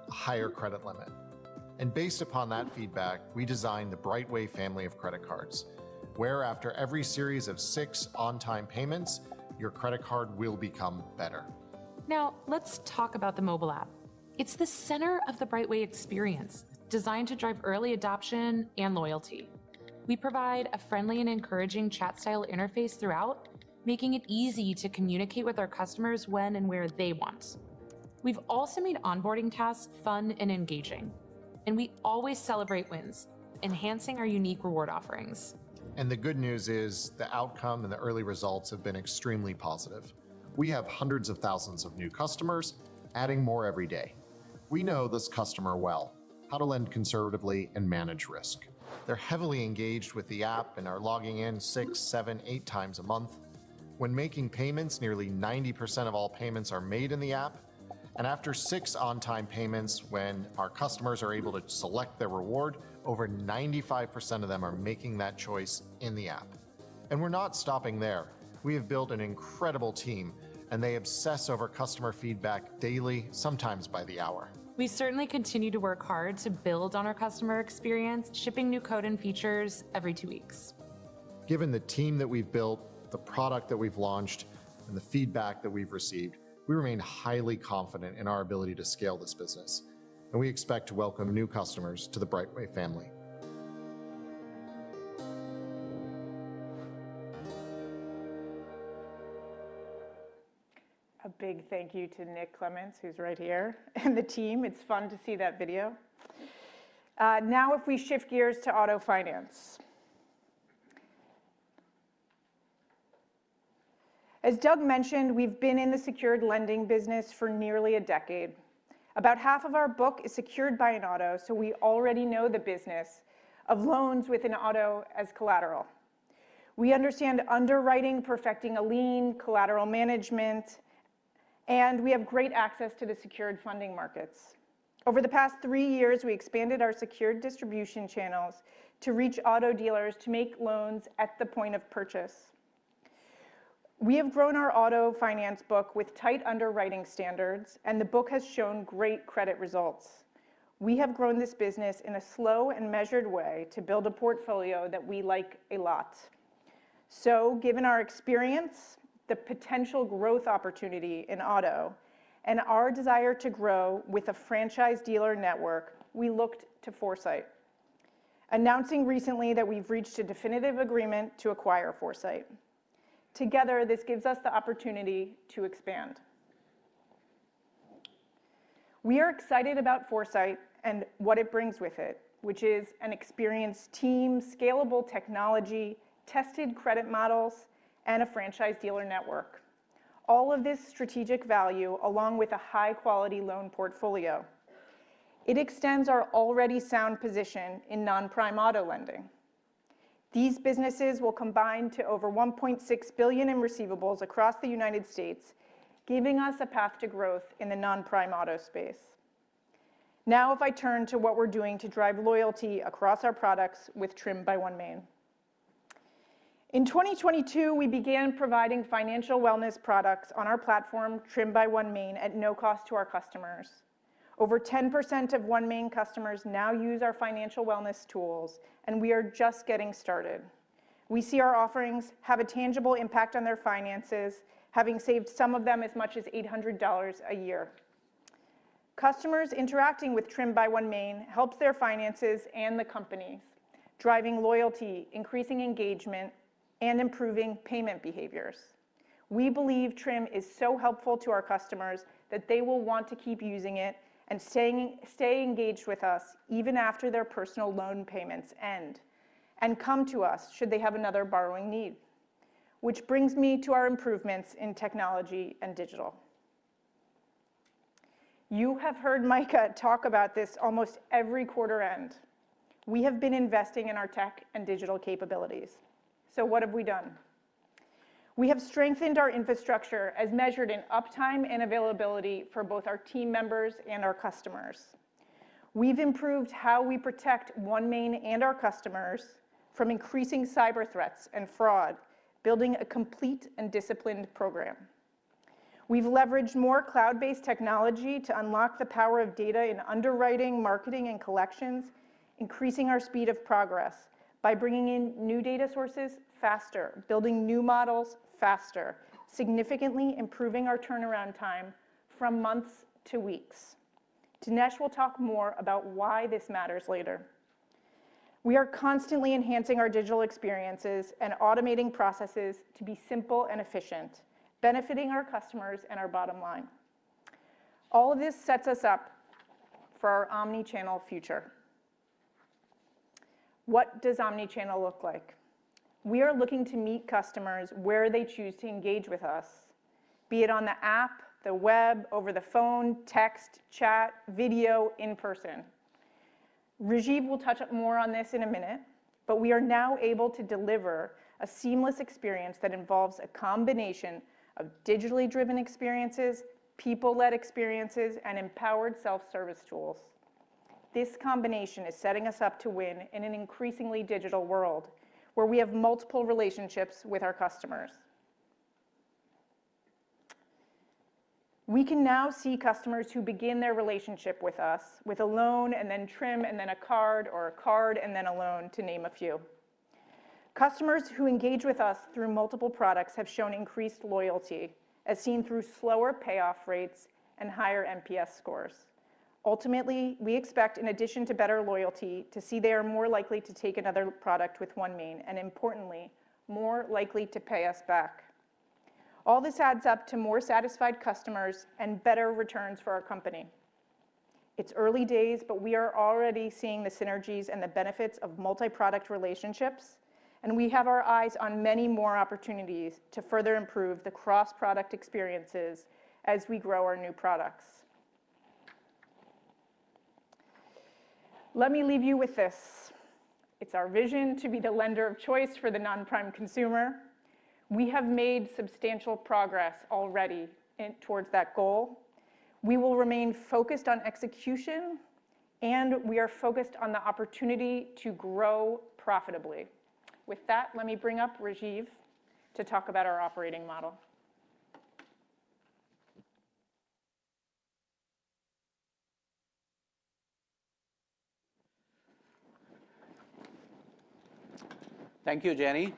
a higher credit limit. Based upon that feedback, we designed the Brightway family of credit cards, where after every series of six on-time payments, your credit card will become better. Now, let's talk about the mobile app. It's the center of the Brightway experience, designed to drive early adoption and loyalty. We provide a friendly and encouraging chat-style interface throughout, making it easy to communicate with our customers when and where they want. We've also made onboarding tasks fun and engaging, and we always celebrate wins, enhancing our unique reward offerings. The good news is, the outcome and the early results have been extremely positive. We have hundreds of thousands of new customers, adding more every day. We know this customer well, how to lend conservatively and manage risk. They're heavily engaged with the app and are logging in six, seven, eight times a month. When making payments, nearly 90% of all payments are made in the app, and after six on-time payments, when our customers are able to select their reward, over 95% of them are making that choice in the app. We're not stopping there. We have built an incredible team, and they obsess over customer feedback daily, sometimes by the hour. We certainly continue to work hard to build on our customer experience, shipping new code and features every two weeks. Given the team that we've built, the product that we've launched, and the feedback that we've received, we remain highly confident in our ability to scale this business, and we expect to welcome new customers to the Brightway family. A big thank you to Nick Clements, who's right here, and the team. It's fun to see that video. Now, if we shift gears to Auto Finance. As Doug mentioned, we've been in the secured lending business for nearly a decade. About half of our book is secured by an auto, so we already know the business of loans with an auto as collateral. We understand underwriting, perfecting a lien, collateral management, and we have great access to the secured funding markets. Over the past three years, we expanded our secured distribution channels to reach auto dealers to make loans at the point of purchase. We have grown our auto finance book with tight underwriting standards, and the book has shown great credit results. We have grown this business in a slow and measured way to build a portfolio that we like a lot. So given our experience, the potential growth opportunity in auto, and our desire to grow with a franchise dealer network, we looked to Foursight, announcing recently that we've reached a definitive agreement to acquire Foursight. Together, this gives us the opportunity to expand. We are excited about Foursight and what it brings with it, which is an experienced team, scalable technology, tested credit models, and a franchise dealer network. All of this strategic value, along with a high-quality loan portfolio. It extends our already sound position in non-prime auto lending. These businesses will combine to over $1.6 billion in receivables across the United States, giving us a path to growth in the non-prime auto space. Now, if I turn to what we're doing to drive loyalty across our products with Trim by OneMain. In 2022, we began providing financial wellness products on our platform, Trim by OneMain, at no cost to our customers. Over 10% of OneMain customers now use our financial wellness tools, and we are just getting started. We see our offerings have a tangible impact on their finances, having saved some of them as much as $800 a year. Customers interacting with Trim by OneMain helps their finances and the company's, driving loyalty, increasing engagement, and improving payment behaviors. We believe Trim is so helpful to our customers that they will want to keep using it and staying, stay engaged with us even after their personal loan payments end, and come to us should they have another borrowing need. Which brings me to our improvements in technology and digital. You have heard Micah talk about this almost every quarter end. We have been investing in our tech and digital capabilities. So what have we done? We have strengthened our infrastructure as measured in uptime and availability for both our team members and our customers. We've improved how we protect OneMain and our customers from increasing cyber threats and fraud, building a complete and disciplined program. We've leveraged more cloud-based technology to unlock the power of data in underwriting, marketing, and collections, increasing our speed of progress by bringing in new data sources faster, building new models faster, significantly improving our turnaround time from months to weeks. Dinesh will talk more about why this matters later. We are constantly enhancing our digital experiences and automating processes to be simple and efficient, benefiting our customers and our bottom line. All of this sets us up for our omni-channel future. What does omni-channel look like? We are looking to meet customers where they choose to engage with us, be it on the app, the web, over the phone, text, chat, video, in person. Rajive will touch up more on this in a minute, but we are now able to deliver a seamless experience that involves a combination of digitally driven experiences, people-led experiences, and empowered self-service tools. This combination is setting us up to win in an increasingly digital world, where we have multiple relationships with our customers. We can now see customers who begin their relationship with us with a loan, and then trim, and then a card, or a card, and then a loan, to name a few. Customers who engage with us through multiple products have shown increased loyalty, as seen through slower payoff rates and higher NPS scores. Ultimately, we expect, in addition to better loyalty, to see they are more likely to take another product with OneMain, and importantly, more likely to pay us back. All this adds up to more satisfied customers and better returns for our company. It's early days, but we are already seeing the synergies and the benefits of multi-product relationships, and we have our eyes on many more opportunities to further improve the cross-product experiences as we grow our new products. Let me leave you with this: It's our vision to be the lender of choice for the non-prime consumer. We have made substantial progress already towards that goal. We will remain focused on execution, and we are focused on the opportunity to grow profitably. With that, let me bring up Rajive to talk about our operating model. Thank you, Jenny.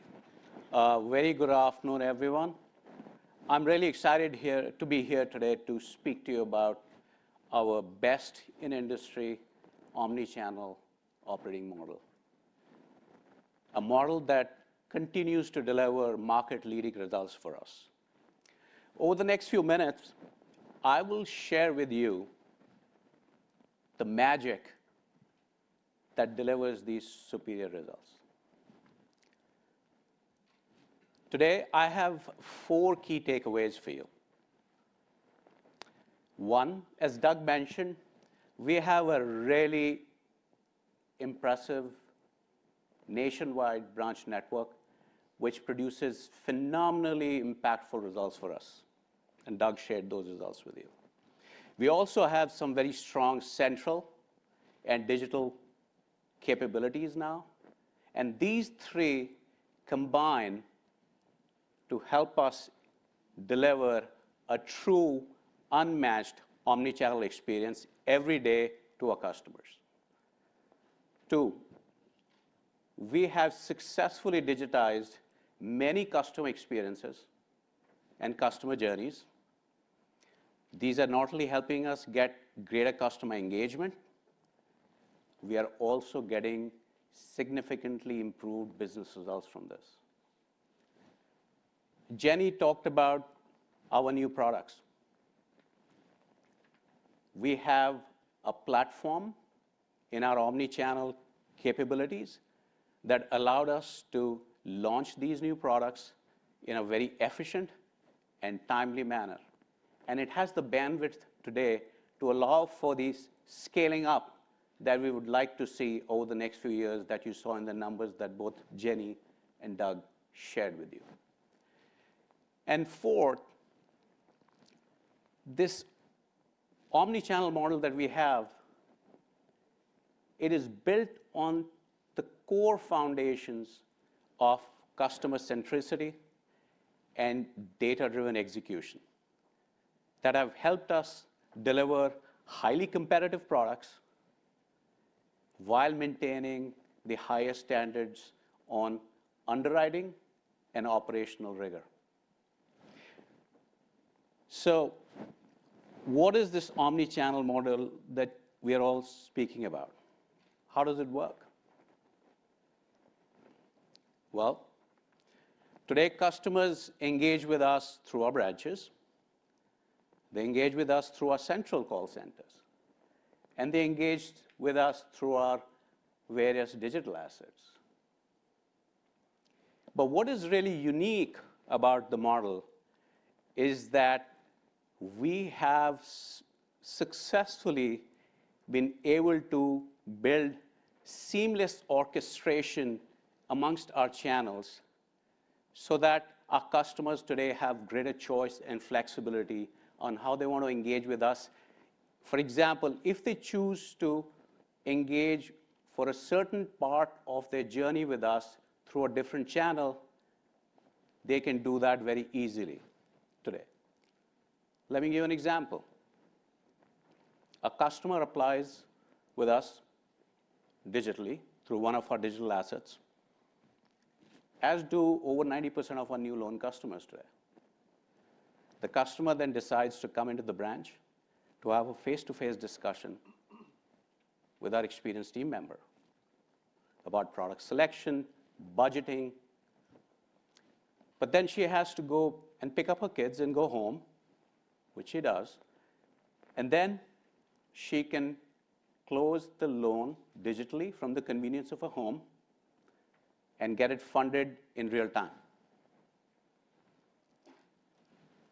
Very good afternoon, everyone. I'm really excited here to be here today to speak to you about our best-in-industry omni-channel operating model. A model that continues to deliver market-leading results for us. Over the next few minutes, I will share with you the magic that delivers these superior results. Today, I have four key takeaways for you. One, as Doug mentioned, we have a really impressive nationwide branch network, which produces phenomenally impactful results for us, and Doug shared those results with you. We also have some very strong central and digital capabilities now, and these three combine to help us deliver a true, unmatched, omni-channel experience every day to our customers. Two, we have successfully digitized many customer experiences and customer journeys. These are not only helping us get greater customer engagement, we are also getting significantly improved business results from this. Jenny talked about our new products. We have a platform in our omni-channel capabilities that allowed us to launch these new products in a very efficient and timely manner, and it has the bandwidth today to allow for this scaling up that we would like to see over the next few years, that you saw in the numbers that both Jenny and Doug shared with you. And four, this omni-channel model that we have, it is built on the core foundations of customer centricity and data-driven execution, that have helped us deliver highly competitive products while maintaining the highest standards on underwriting and operational rigor. So what is this omni-channel model that we are all speaking about? How does it work? Well, today, customers engage with us through our branches, they engage with us through our central call centers, and they engage with us through our various digital assets. But what is really unique about the model is that we have successfully been able to build seamless orchestration among our channels so that our customers today have greater choice and flexibility on how they want to engage with us. For example, if they choose to engage for a certain part of their journey with us through a different channel, they can do that very easily today. Let me give you an example. A customer applies with us digitally through one of our digital assets, as do over 90% of our new loan customers today. The customer then decides to come into the branch to have a face-to-face discussion with our experienced team member about product selection, budgeting. But then she has to go and pick up her kids and go home, which she does, and then she can close the loan digitally from the convenience of her home and get it funded in real time.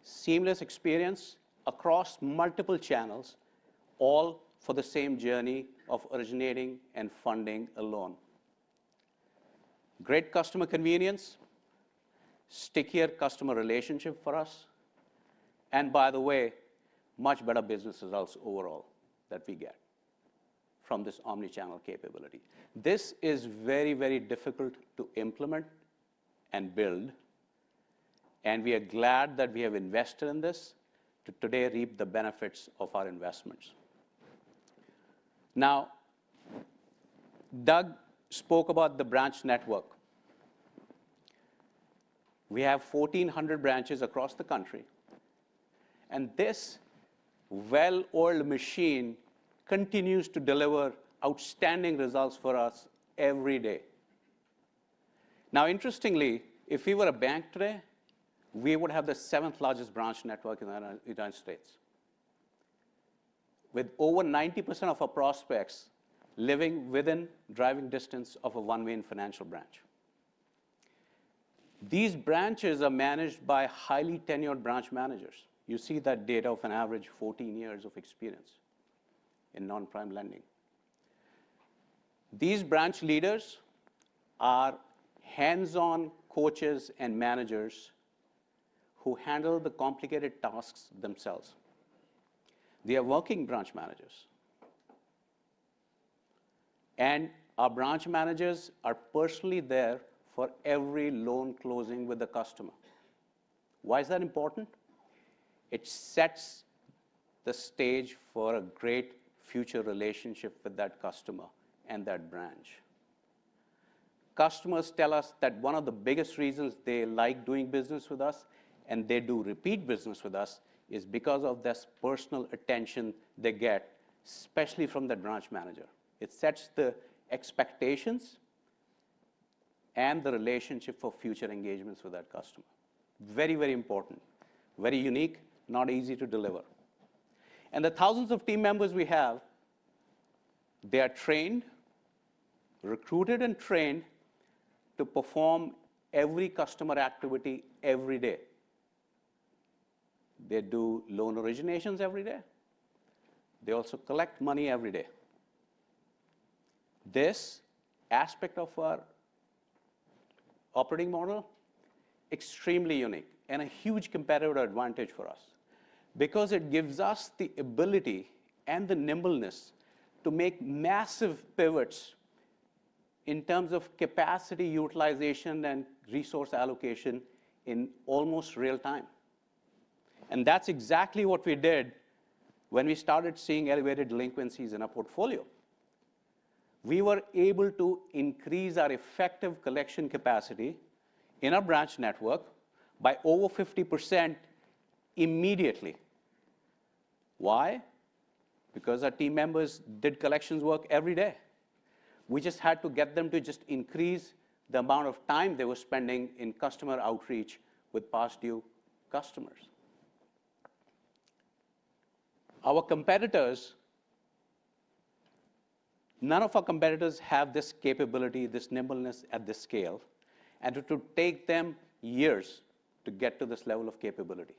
Seamless experience across multiple channels, all for the same journey of originating and funding a loan. Great customer convenience, stickier customer relationship for us, and by the way, much better business results overall that we get from this omni-channel capability. This is very, very difficult to implement and build, and we are glad that we have invested in this to today reap the benefits of our investments. Now, Doug spoke about the branch network. We have 1,400 branches across the country, and this well-oiled machine continues to deliver outstanding results for us every day. Now, interestingly, if we were a bank today, we would have the seventh largest branch network in the United States, with over 90% of our prospects living within driving distance of a OneMain Financial branch. These branches are managed by highly tenured branch managers. You see that data of an average 14 years of experience in non-prime lending. These branch leaders are hands-on coaches and managers who handle the complicated tasks themselves. They are working branch managers. And our branch managers are personally there for every loan closing with the customer. Why is that important? It sets the stage for a great future relationship with that customer and that branch. Customers tell us that one of the biggest reasons they like doing business with us, and they do repeat business with us, is because of this personal attention they get, especially from the branch manager. It sets the expectations and the relationship for future engagements with that customer. Very, very important, very unique, not easy to deliver. The thousands of team members we have, they are trained, recruited, and trained to perform every customer activity every day. They do loan originations every day. They also collect money every day. This aspect of our operating model, extremely unique and a huge competitive advantage for us because it gives us the ability and the nimbleness to make massive pivots in terms of capacity utilization and resource allocation in almost real time. That's exactly what we did when we started seeing elevated delinquencies in our portfolio. We were able to increase our effective collection capacity in our branch network by over 50% immediately. Why? Because our team members did collections work every day. We just had to get them to just increase the amount of time they were spending in customer outreach with past due customers. Our competitors, none of our competitors have this capability, this nimbleness at this scale, and it will take them years to get to this level of capability,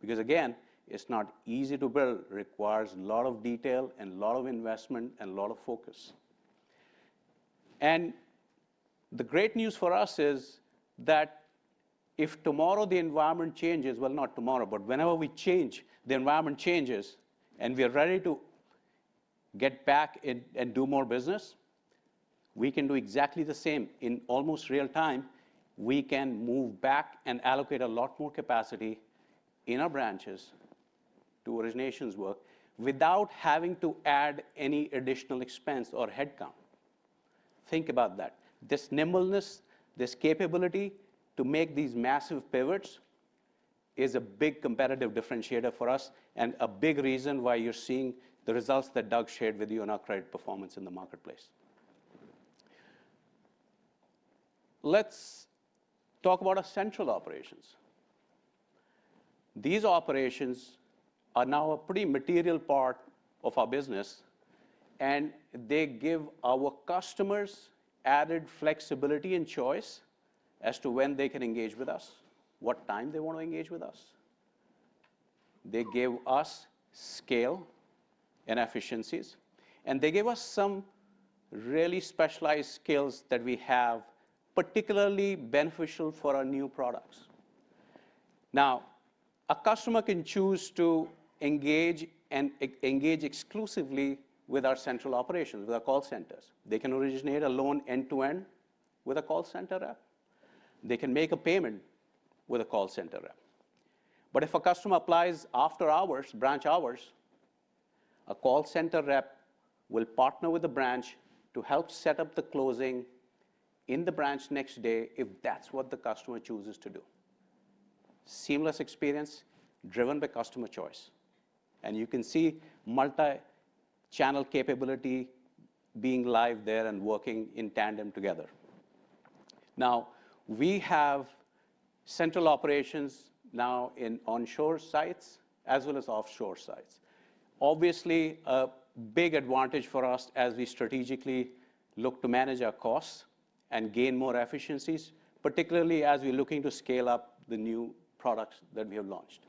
because, again, it's not easy to build. It requires a lot of detail and a lot of investment and a lot of focus. And the great news for us is that if tomorrow the environment changes, well, not tomorrow, but whenever we change, the environment changes, and we are ready to get back and, and do more business, we can do exactly the same in almost real time. We can move back and allocate a lot more capacity in our branches to originations work without having to add any additional expense or headcount. Think about that. This nimbleness, this capability to make these massive pivots is a big competitive differentiator for us and a big reason why you're seeing the results that Doug shared with you on our credit performance in the marketplace. Let's talk about our central operations. These operations are now a pretty material part of our business, and they give our customers added flexibility and choice as to when they can engage with us, what time they want to engage with us. They give us scale and efficiencies, and they give us some really specialized skills that we have, particularly beneficial for our new products.... Now, a customer can choose to engage exclusively with our central operations, with our call centers. They can originate a loan end-to-end with a call center rep. They can make a payment with a call center rep. But if a customer applies after hours, branch hours, a call center rep will partner with the branch to help set up the closing in the branch next day, if that's what the customer chooses to do. Seamless experience driven by customer choice, and you can see multi-channel capability being live there and working in tandem together. Now, we have central operations now in onshore sites as well as offshore sites. Obviously, a big advantage for us as we strategically look to manage our costs and gain more efficiencies, particularly as we're looking to scale up the new products that we have launched.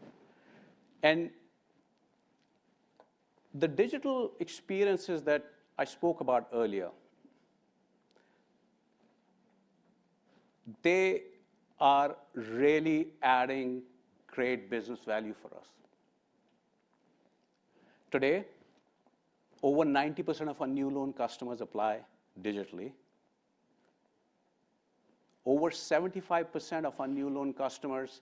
And the digital experiences that I spoke about earlier, they are really adding great business value for us. Today, over 90% of our new loan customers apply digitally. Over 75% of our new loan customers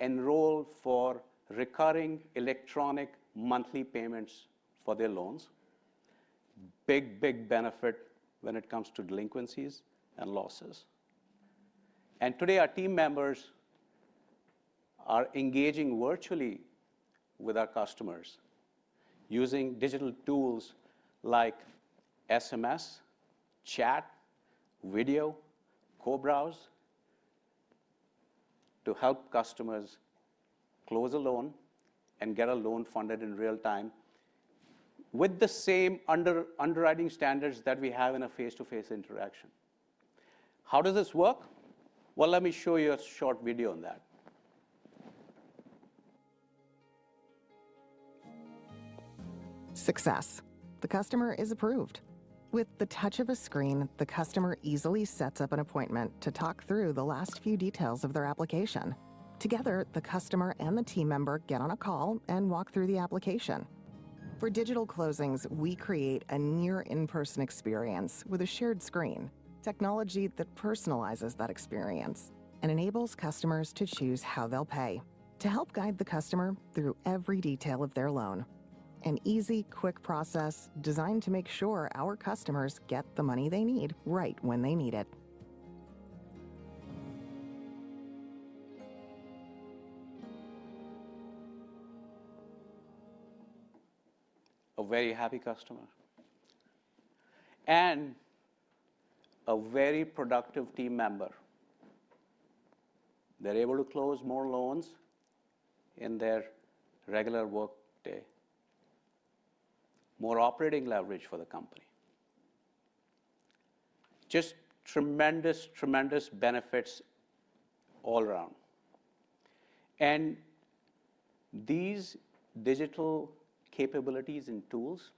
enroll for recurring electronic monthly payments for their loans. Big, big benefit when it comes to delinquencies and losses. Today, our team members are engaging virtually with our customers using digital tools like SMS, chat, video, co-browse, to help customers close a loan and get a loan funded in real time with the same underwriting standards that we have in a face-to-face interaction. How does this work? Well, let me show you a short video on that. Success. The customer is approved. With the touch of a screen, the customer easily sets up an appointment to talk through the last few details of their application. Together, the customer and the team member get on a call and walk through the application. For digital closings, we create a near in-person experience with a shared screen, technology that personalizes that experience and enables customers to choose how they'll pay, to help guide the customer through every detail of their loan. An easy, quick process designed to make sure our customers get the money they need, right when they need it. A very happy customer and a very productive team member. They're able to close more loans in their regular workday. More operating leverage for the company. Just tremendous, tremendous benefits all around. These digital capabilities and tools,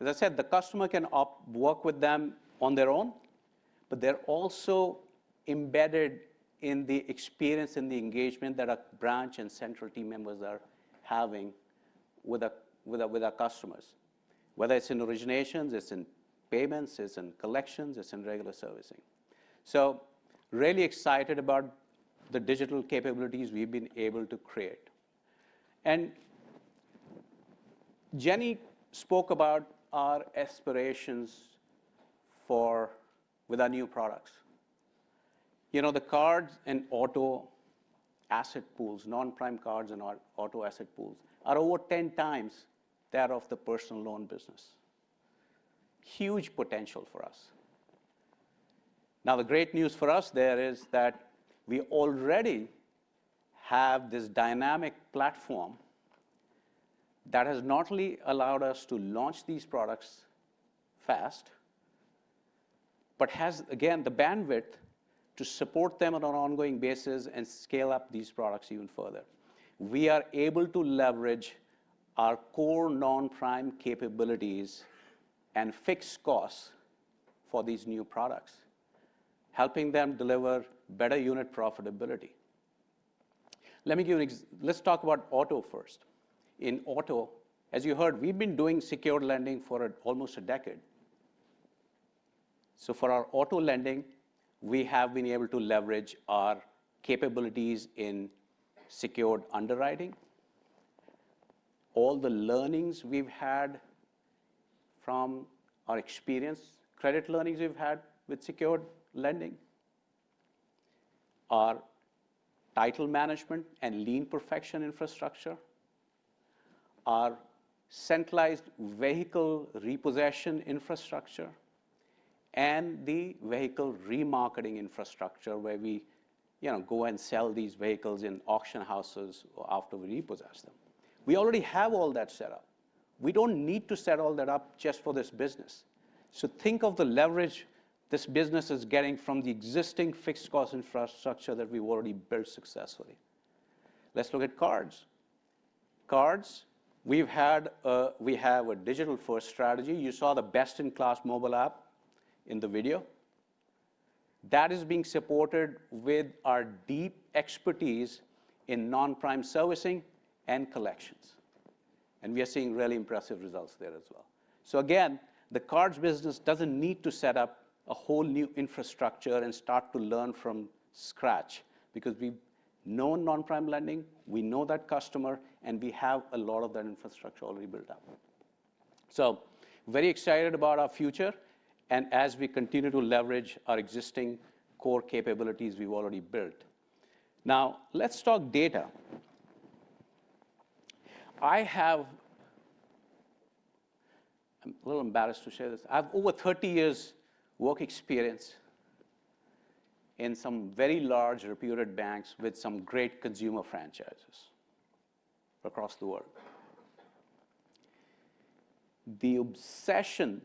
as I said, the customer can work with them on their own, but they're also embedded in the experience and the engagement that our branch and central team members are having with our customers, whether it's in originations, it's in payments, it's in collections, it's in regular servicing. Really excited about the digital capabilities we've been able to create. Jenny spoke about our aspirations for... with our new products. You know, the cards and auto asset pools, non-prime cards and auto asset pools, are over 10x that of the personal loan business. Huge potential for us. Now, the great news for us there is that we already have this dynamic platform that has not only allowed us to launch these products fast, but has, again, the bandwidth to support them on an ongoing basis and scale up these products even further. We are able to leverage our core non-prime capabilities and fixed costs for these new products, helping them deliver better unit profitability. Let me give you. Let's talk about auto first. In auto, as you heard, we've been doing secured lending for almost a decade. So for our auto lending, we have been able to leverage our capabilities in secured underwriting, all the learnings we've had from our experience, credit learnings we've had with secured lending, our title management and lien perfection infrastructure, our centralized vehicle repossession infrastructure, and the vehicle remarketing infrastructure, where we, you know, go and sell these vehicles in auction houses after we repossess them. We already have all that set up. We don't need to set all that up just for this business. So think of the leverage this business is getting from the existing fixed cost infrastructure that we've already built successfully. Let's look at cards... cards. We've had, we have a digital-first strategy. You saw the best-in-class mobile app in the video. That is being supported with our deep expertise in non-prime servicing and collections, and we are seeing really impressive results there as well. So again, the cards business doesn't need to set up a whole new infrastructure and start to learn from scratch because we know non-prime lending, we know that customer, and we have a lot of that infrastructure already built out. So very excited about our future, and as we continue to leverage our existing core capabilities we've already built. Now, let's talk data. I have... I'm a little embarrassed to share this. I have over 30 years work experience in some very large reputed banks with some great consumer franchises across the world. The obsession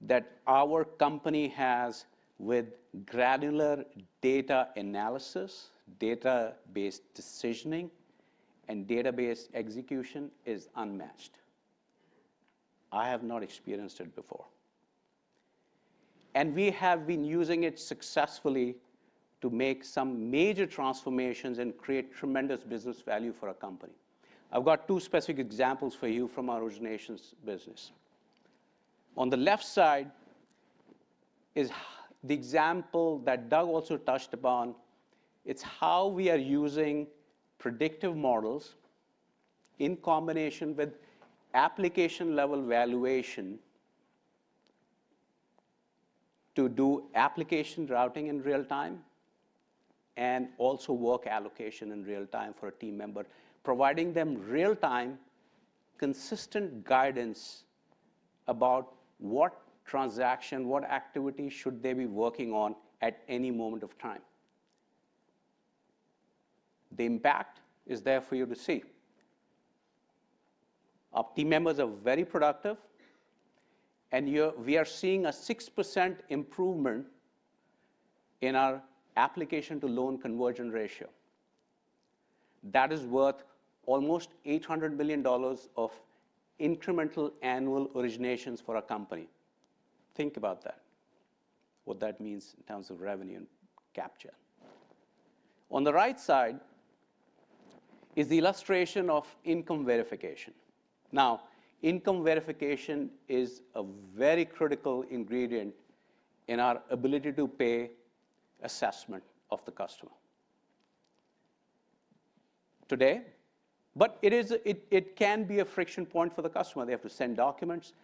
that our company has with granular data analysis, data-based decisioning, and data-based execution is unmatched. I have not experienced it before. We have been using it successfully to make some major transformations and create tremendous business value for our company. I've got two specific examples for you from our originations business. On the left side is the example that Doug also touched upon. It's how we are using predictive models in combination with application-level valuation to do application routing in real time, and also work allocation in real time for a team member, providing them real-time, consistent guidance about what transaction, what activity should they be working on at any moment of time. The impact is there for you to see. Our team members are very productive, and we are seeing a 6% improvement in our application-to-loan conversion ratio. That is worth almost $800 million of incremental annual originations for our company. Think about that, what that means in terms of revenue and capture. On the right side is the illustration of income verification. Now, income verification is a very critical ingredient in our ability-to-pay assessment of the customer. Today... But it is a friction point for the customer. They have to send documents,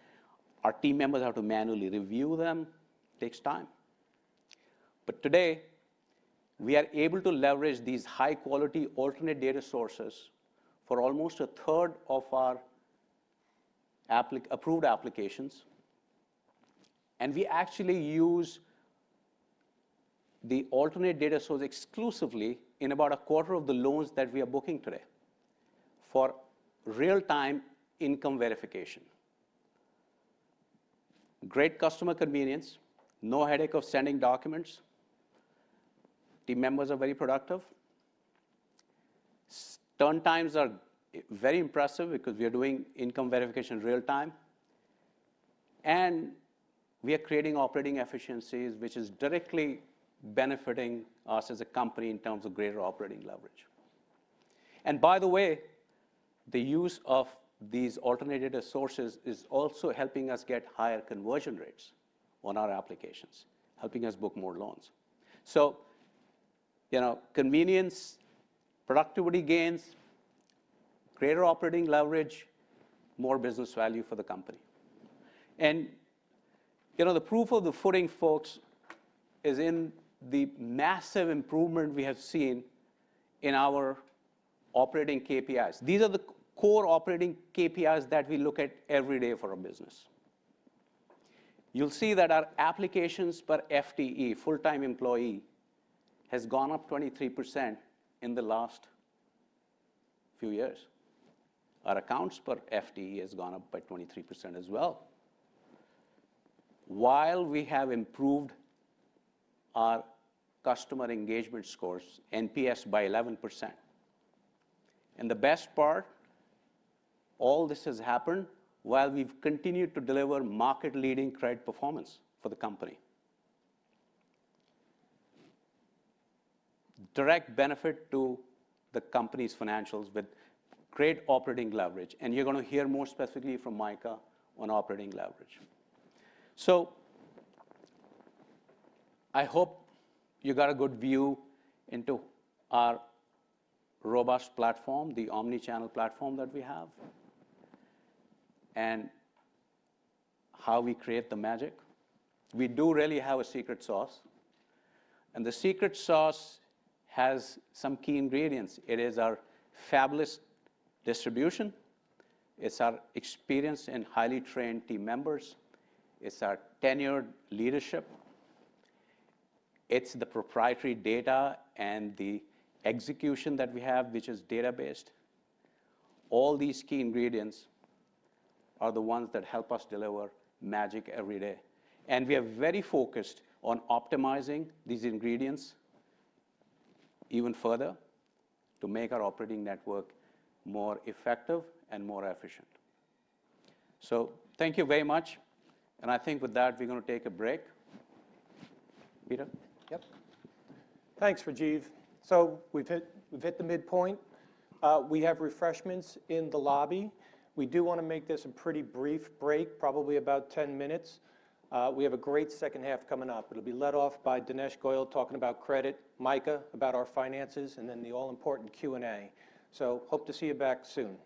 our team members have to manually review them. Takes time. But today, we are able to leverage these high-quality alternate data sources for almost a third of our approved applications, and we actually use the alternate data source exclusively in about a quarter of the loans that we are booking today for real-time income verification. Great customer convenience, no headache of sending documents. Team members are very productive. Turn times are very impressive because we are doing income verification real time, and we are creating operating efficiencies, which is directly benefiting us as a company in terms of greater operating leverage. And by the way, the use of these alternate data sources is also helping us get higher conversion rates on our applications, helping us book more loans. So, you know, convenience, productivity gains, greater operating leverage, more business value for the company. And, you know, the proof of the pudding, folks, is in the massive improvement we have seen in our operating KPIs. These are the core operating KPIs that we look at every day for our business. You'll see that our applications per FTE, full-time employee, has gone up 23% in the last few years. Our accounts per FTE has gone up by 23% as well. While we have improved our customer engagement scores, NPS, by 11%. And the best part? All this has happened while we've continued to deliver market-leading credit performance for the company. Direct benefit to the company's financials with great operating leverage, and you're going to hear more specifically from Micah on operating leverage. So I hope you got a good view into our robust platform, the omni-channel platform that we have, and how we create the magic. We do really have a secret sauce, and the secret sauce has some key ingredients. It is our fabulous distribution, it's our experienced and highly trained team members, it's our tenured leadership, it's the proprietary data and the execution that we have, which is data-based. All these key ingredients are the ones that help us deliver magic every day. And we are very focused on optimizing these ingredients even further to make our operating network more effective and more efficient. So thank you very much, and I think with that, we're going to take a break. Peter? Yep. Thanks, Rajive. So we've hit the midpoint. We have refreshments in the lobby. We do want to make this a pretty brief break, probably about 10 minutes. We have a great second half coming up. It'll be led off by Dinesh Goyal, talking about credit, Micah, about our finances, and then the all-important Q&A. So hope to see you back soon.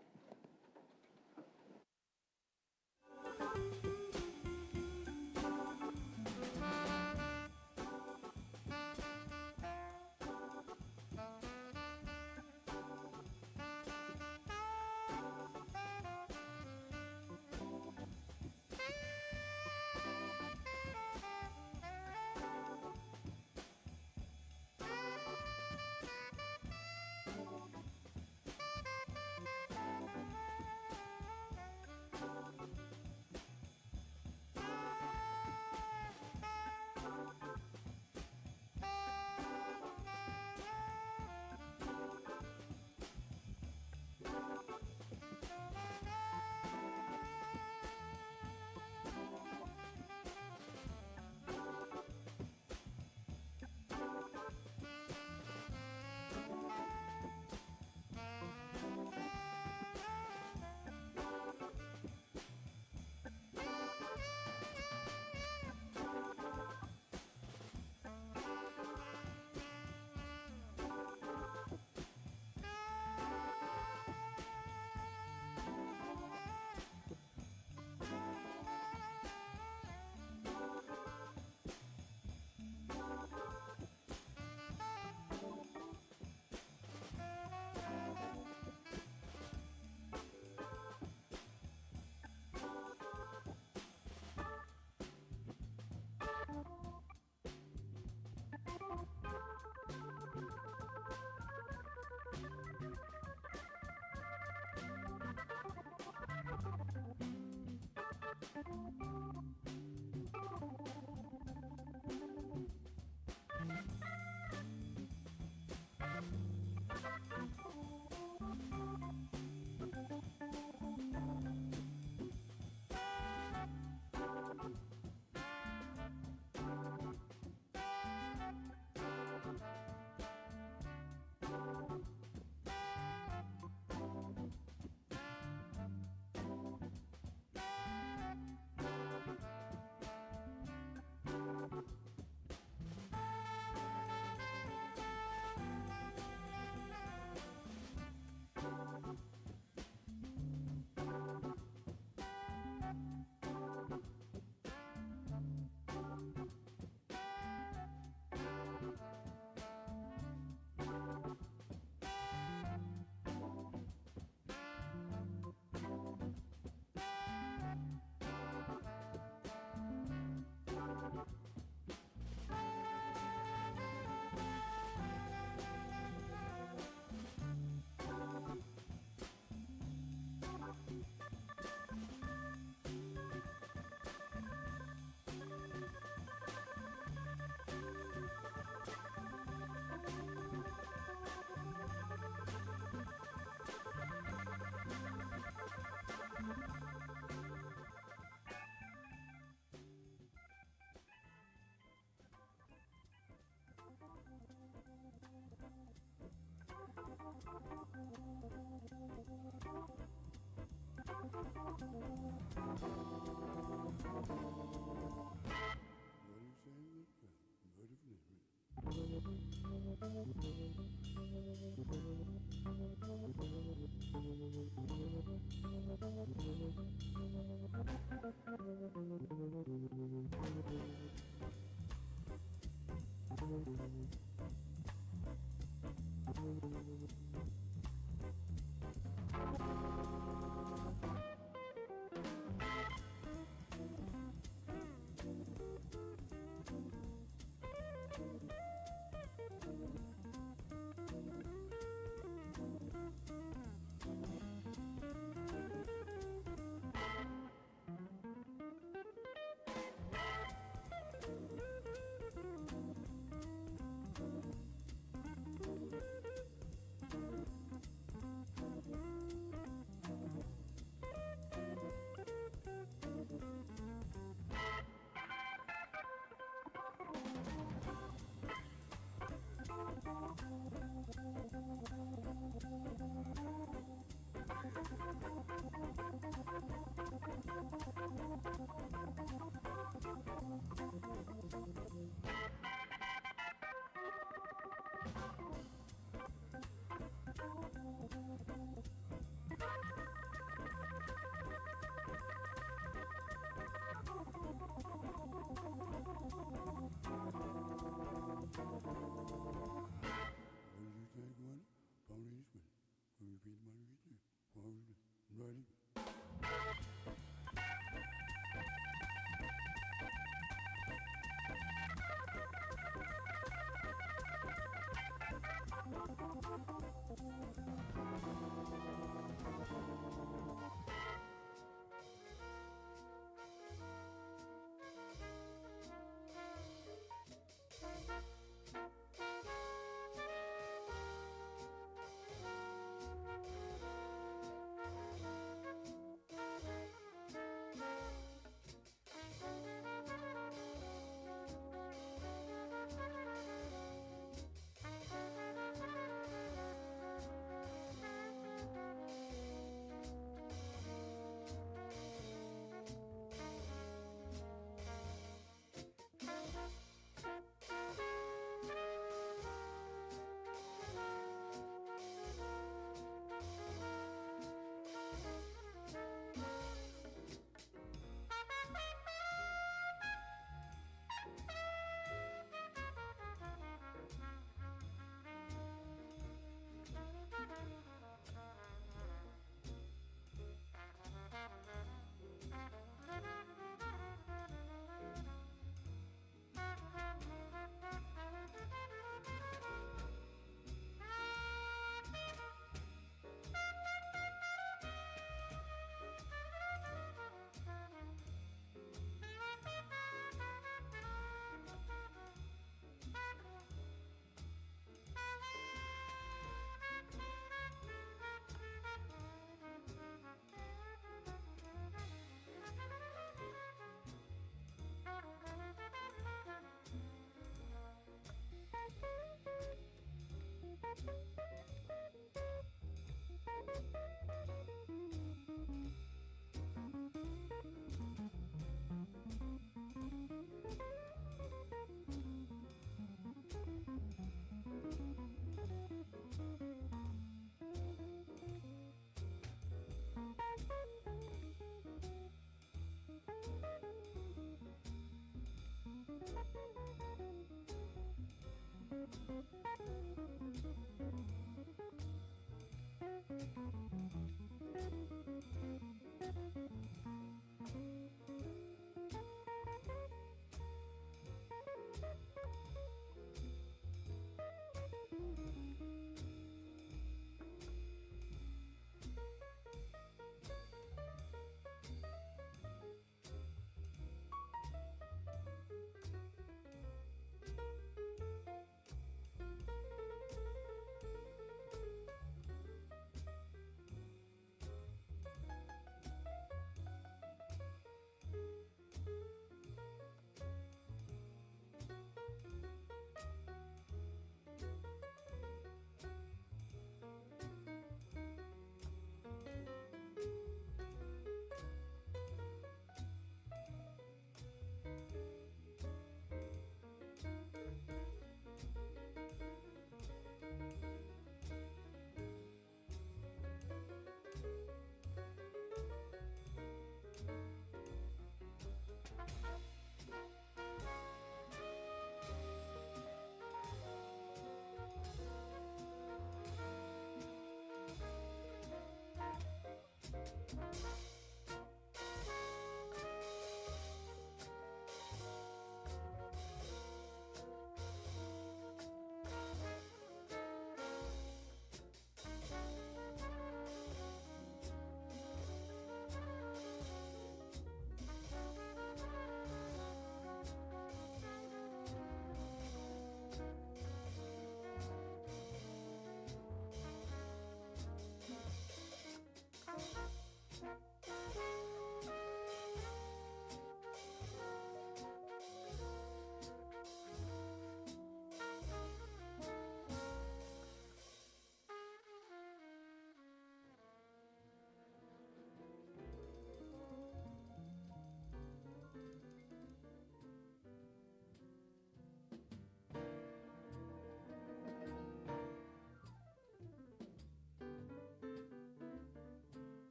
Okay,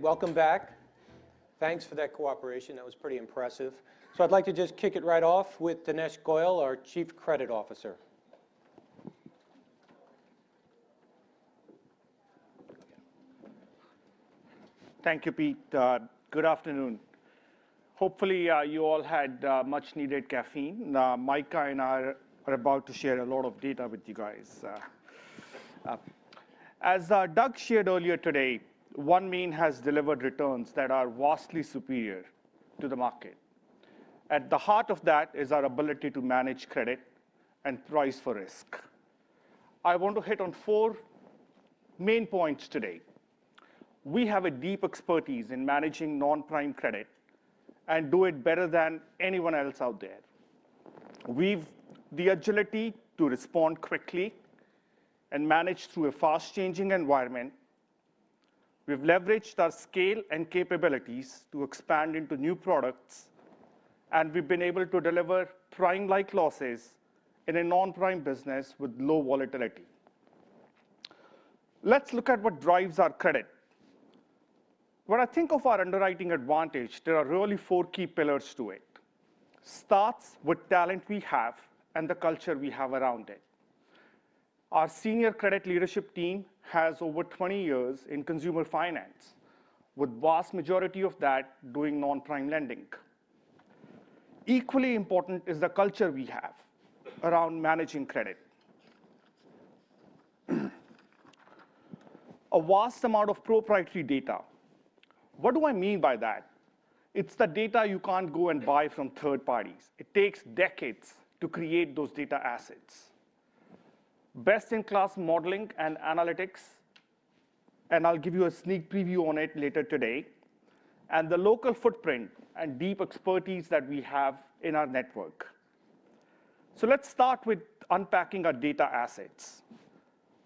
welcome back. Thanks for that cooperation. That was pretty impressive. So I'd like to just kick it right off with Dinesh Goyal, our Chief Credit Officer. Thank you, Pete. Good afternoon. Hopefully, you all had much needed caffeine. Micah and I are about to share a lot of data with you guys. As Doug shared earlier today, OneMain has delivered returns that are vastly superior to the market. At the heart of that is our ability to manage credit and price for risk. I want to hit on four main points today. We have a deep expertise in managing non-prime credit and do it better than anyone else out there. We've the agility to respond quickly and manage through a fast-changing environment. We've leveraged our scale and capabilities to expand into new products, and we've been able to deliver prime-like losses in a non-prime business with low volatility. Let's look at what drives our credit. When I think of our underwriting advantage, there are really four key pillars to it. Starts with talent we have and the culture we have around it. Our senior credit leadership team has over 20 years in consumer finance, with vast majority of that doing non-prime lending. Equally important is the culture we have around managing credit. A vast amount of proprietary data. What do I mean by that? It's the data you can't go and buy from third parties. It takes decades to create those data assets. Best-in-class modeling and analytics, and I'll give you a sneak preview on it later today, and the local footprint and deep expertise that we have in our network. So let's start with unpacking our data assets.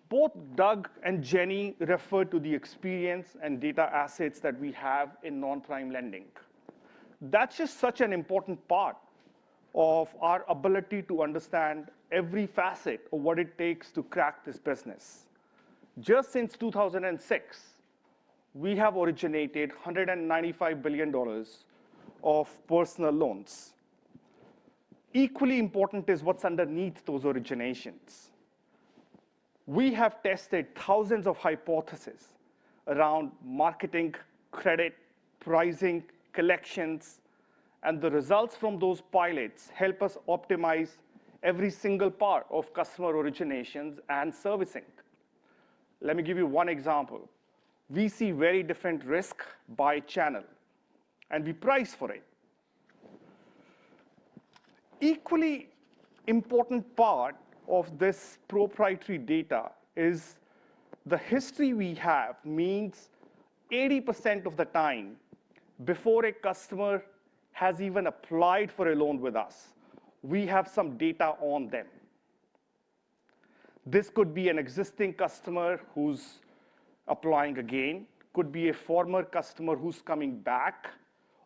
Both Doug and Jenny referred to the experience and data assets that we have in non-prime lending. That's just such an important part of our ability to understand every facet of what it takes to crack this business. Just since 2006, we have originated $195 billion of personal loans. Equally important is what's underneath those originations. We have tested thousands of hypotheses around marketing, credit, pricing, collections, and the results from those pilots help us optimize every single part of customer originations and servicing. Let me give you one example. We see very different risk by channel, and we price for it. Equally important part of this proprietary data is the history we have means 80% of the time, before a customer has even applied for a loan with us, we have some data on them. This could be an existing customer who's applying again, could be a former customer who's coming back,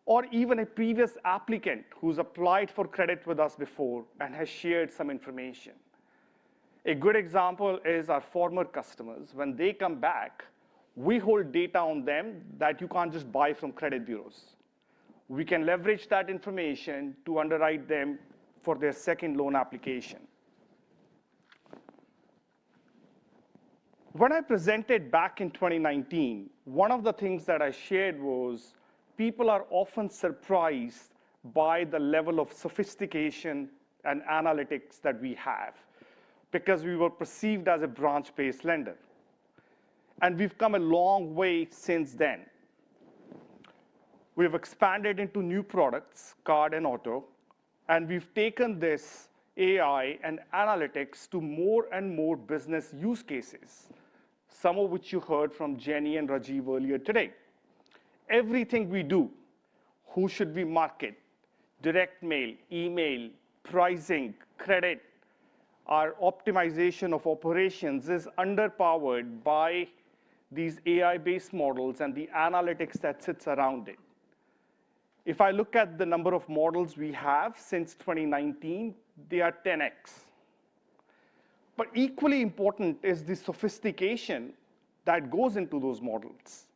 or even a previous applicant who's applied for credit with us before and has shared some information. A good example is our former customers. When they come back, we hold data on them that you can't just buy from credit bureaus. We can leverage that information to underwrite them for their second loan application. When I presented back in 2019, one of the things that I shared was, people are often surprised by the level of sophistication and analytics that we have, because we were perceived as a branch-based lender, and we've come a long way since then. We've expanded into new products, card and auto, and we've taken this AI and analytics to more and more business use cases, some of which you heard from Jenny and Rajive earlier today. Everything we do, who should we market? Direct mail, email, pricing, credit, our optimization of operations is underpowered by these AI-based models and the analytics that sits around it. If I look at the number of models we have since 2019, they are 10x. But equally important is the sophistication that goes into those models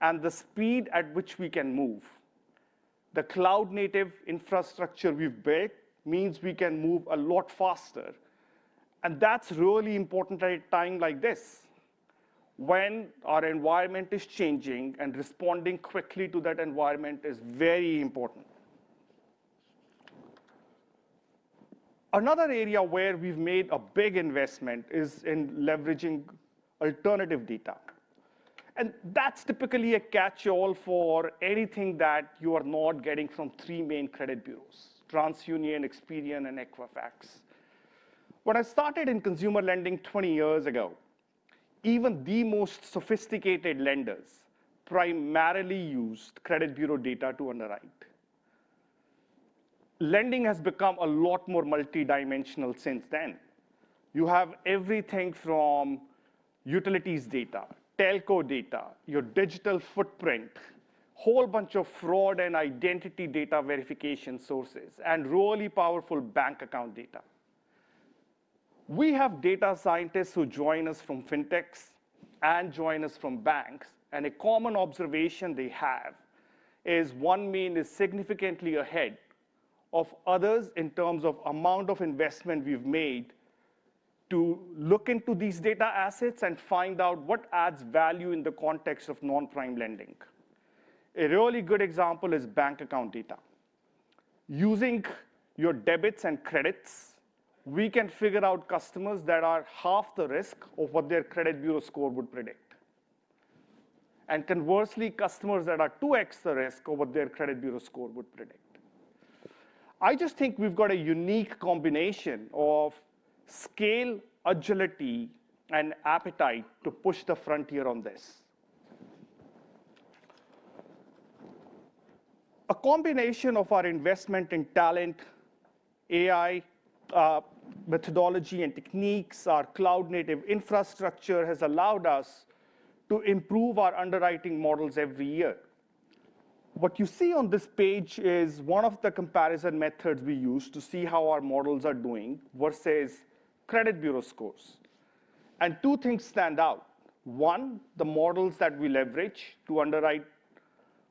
and the speed at which we can move. The cloud-native infrastructure we've built means we can move a lot faster, and that's really important at a time like this, when our environment is changing and responding quickly to that environment is very important. Another area where we've made a big investment is in leveraging alternative data, and that's typically a catch-all for anything that you are not getting from three main credit bureaus, TransUnion, Experian, and Equifax. When I started in consumer lending 20 years ago, even the most sophisticated lenders primarily used credit bureau data to underwrite. Lending has become a lot more multi-dimensional since then. You have everything from utilities data, telco data, your digital footprint, whole bunch of fraud and identity data verification sources, and really powerful bank account data. We have data scientists who join us from fintechs and join us from banks, and a common observation they have is OneMain is significantly ahead of others in terms of amount of investment we've made to look into these data assets and find out what adds value in the context of non-prime lending. A really good example is bank account data. Using your debits and credits, we can figure out customers that are half the risk of what their credit bureau score would predict, and conversely, customers that are 2x the risk of what their credit bureau score would predict. I just think we've got a unique combination of scale, agility, and appetite to push the frontier on this. A combination of our investment in talent, AI, methodology and techniques, our cloud-native infrastructure has allowed us to improve our underwriting models every year. What you see on this page is one of the comparison methods we use to see how our models are doing versus credit bureau scores. And two things stand out. One, the models that we leverage to underwrite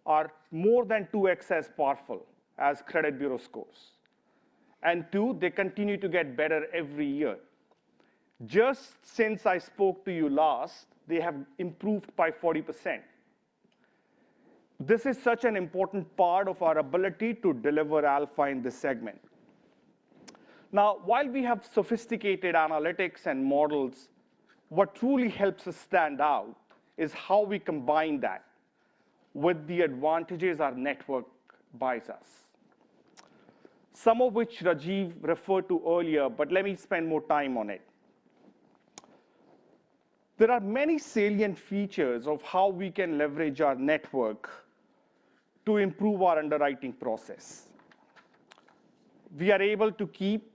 are more than 2X as powerful as credit bureau scores. And two, they continue to get better every year. Just since I spoke to you last, they have improved by 40%. This is such an important part of our ability to deliver alpha in this segment. Now, while we have sophisticated analytics and models, what truly helps us stand out is how we combine that with the advantages our network buys us. Some of which Rajive referred to earlier, but let me spend more time on it. There are many salient features of how we can leverage our network to improve our underwriting process. We are able to keep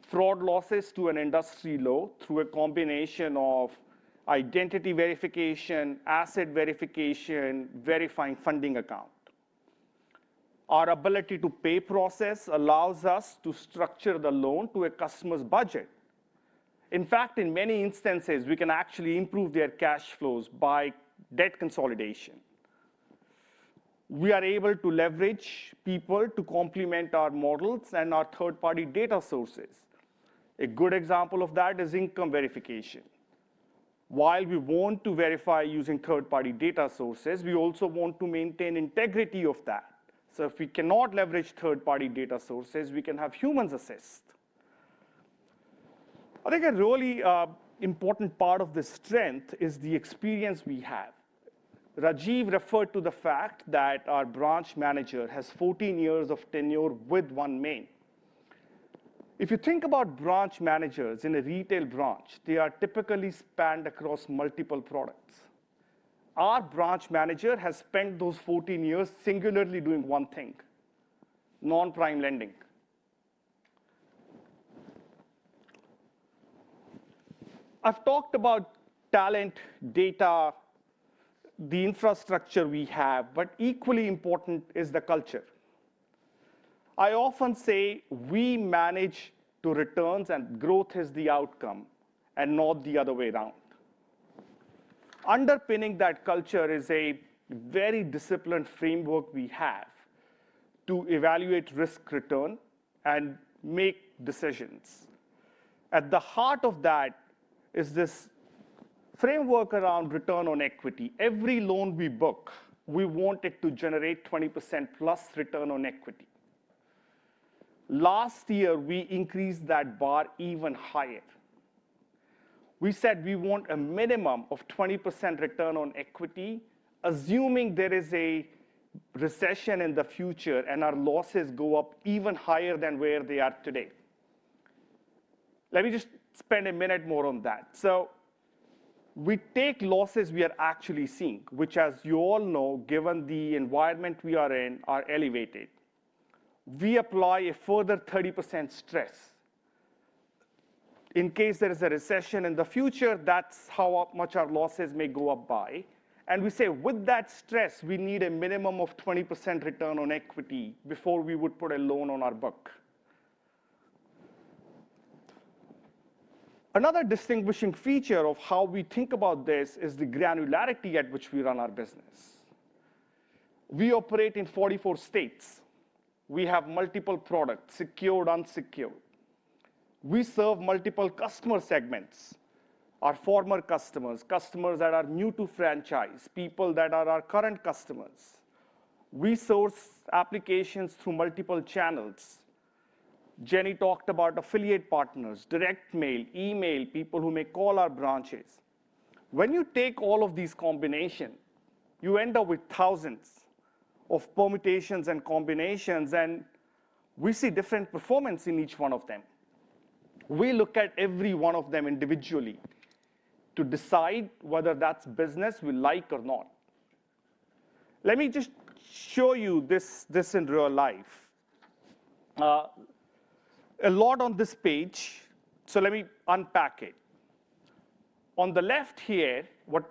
fraud losses to an industry low through a combination of identity verification, asset verification, verifying funding account. Our ability to pay process allows us to structure the loan to a customer's budget. In fact, in many instances, we can actually improve their cash flows by debt consolidation. We are able to leverage people to complement our models and our third-party data sources. A good example of that is income verification. While we want to verify using third-party data sources, we also want to maintain integrity of that. So if we cannot leverage third-party data sources, we can have humans assist. I think a really important part of the strength is the experience we have. Rajive referred to the fact that our branch manager has 14 years of tenure with OneMain. If you think about branch managers in a retail branch, they are typically spanned across multiple products. Our branch manager has spent those 14 years singularly doing one thing: non-prime lending. I've talked about talent, data, the infrastructure we have, but equally important is the culture. I often say we manage to returns, and growth is the outcome, and not the other way around. Underpinning that culture is a very disciplined framework we have to evaluate risk/return and make decisions. At the heart of that is this framework around return on equity. Every loan we book, we want it to generate 20%+ return on equity. Last year, we increased that bar even higher. We said we want a minimum of 20% return on equity, assuming there is a recession in the future and our losses go up even higher than where they are today. Let me just spend a minute more on that. So we take losses we are actually seeing, which, as you all know, given the environment we are in, are elevated. We apply a further 30% stress. In case there is a recession in the future, that's how much our losses may go up by, and we say, with that stress, we need a minimum of 20% return on equity before we would put a loan on our book. Another distinguishing feature of how we think about this is the granularity at which we run our business. We operate in 44 states. We have multiple products, secured, unsecured. We serve multiple customer segments, our former customers, customers that are new to franchise, people that are our current customers. We source applications through multiple channels. Jenny talked about affiliate partners, direct mail, email, people who may call our branches. When you take all of these combination, you end up with thousands of permutations and combinations, and we see different performance in each one of them. We look at every one of them individually to decide whether that's business we like or not. Let me just show you this in real life. A lot on this page, so let me unpack it. On the left here, what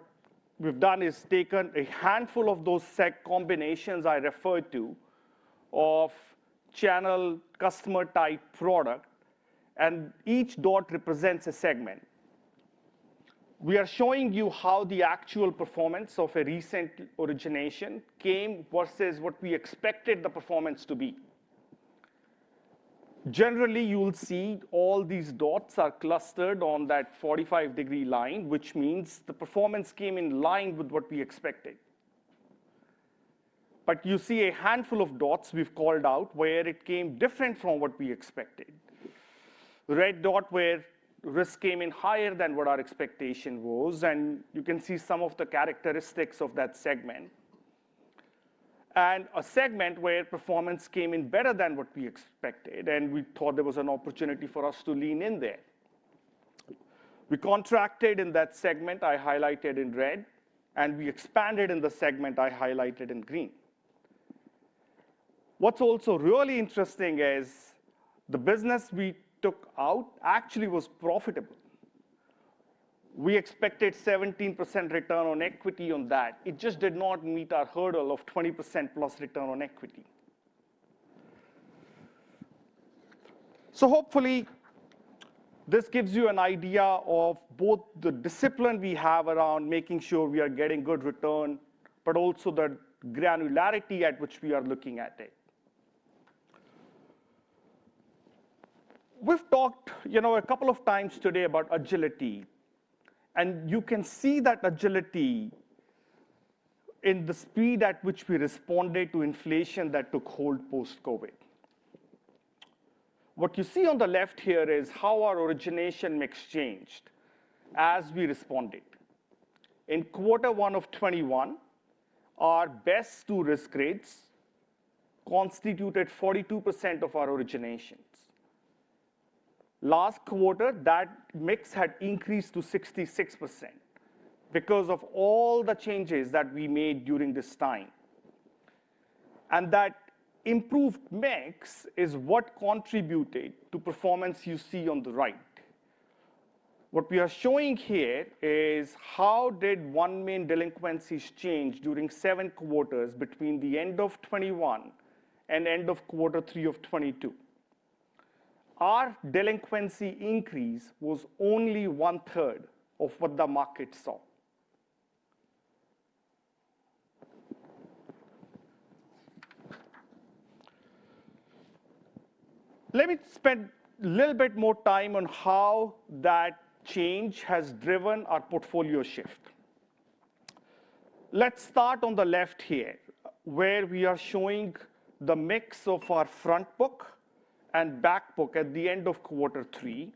we've done is taken a handful of those seg combinations I referred to of channel, customer type, product, and each dot represents a segment. We are showing you how the actual performance of a recent origination came versus what we expected the performance to be. Generally, you will see all these dots are clustered on that 45-degree line, which means the performance came in line with what we expected. But you see a handful of dots we've called out, where it came different from what we expected. Red dot, where risk came in higher than what our expectation was, and you can see some of the characteristics of that segment. A segment where performance came in better than what we expected, and we thought there was an opportunity for us to lean in there.... We contracted in that segment I highlighted in red, and we expanded in the segment I highlighted in green. What's also really interesting is the business we took out actually was profitable. We expected 17% return on equity on that. It just did not meet our hurdle of 20%+ return on equity. So hopefully, this gives you an idea of both the discipline we have around making sure we are getting good return, but also the granularity at which we are looking at it. We've talked, you know, a couple of times today about agility, and you can see that agility in the speed at which we responded to inflation that took hold post-COVID. What you see on the left here is how our origination mix changed as we responded. In Q1 2021, our best two risk grades constituted 42% of our originations. Last quarter, that mix had increased to 66% because of all the changes that we made during this time. And that improved mix is what contributed to performance you see on the right. What we are showing here is, how did OneMain delinquencies change during seven quarters between the end of 2021 and end of Q3 2022? Our delinquency increase was only one-third of what the market saw. Let me spend a little bit more time on how that change has driven our portfolio shift. Let's start on the left here, where we are showing the mix of our front book and back book at the end of quarter three.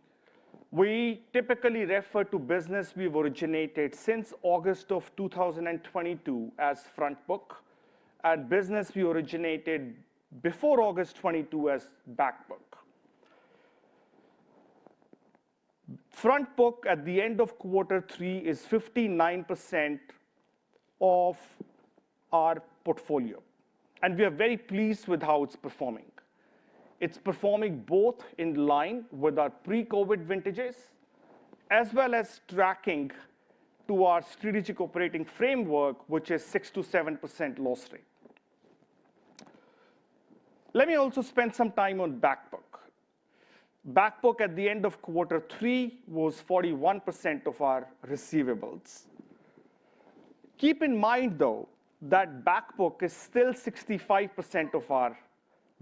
We typically refer to business we've originated since August of 2022 as front book, and business we originated before August 2022 as back book. Front book at the end of quarter three is 59% of our portfolio, and we are very pleased with how it's performing. It's performing both in line with our pre-COVID vintages, as well as tracking to our strategic operating framework, which is 6%-7% loss rate. Let me also spend some time on back book. Back book at the end of quarter three was 41% of our receivables. Keep in mind, though, that back book is still 65% of our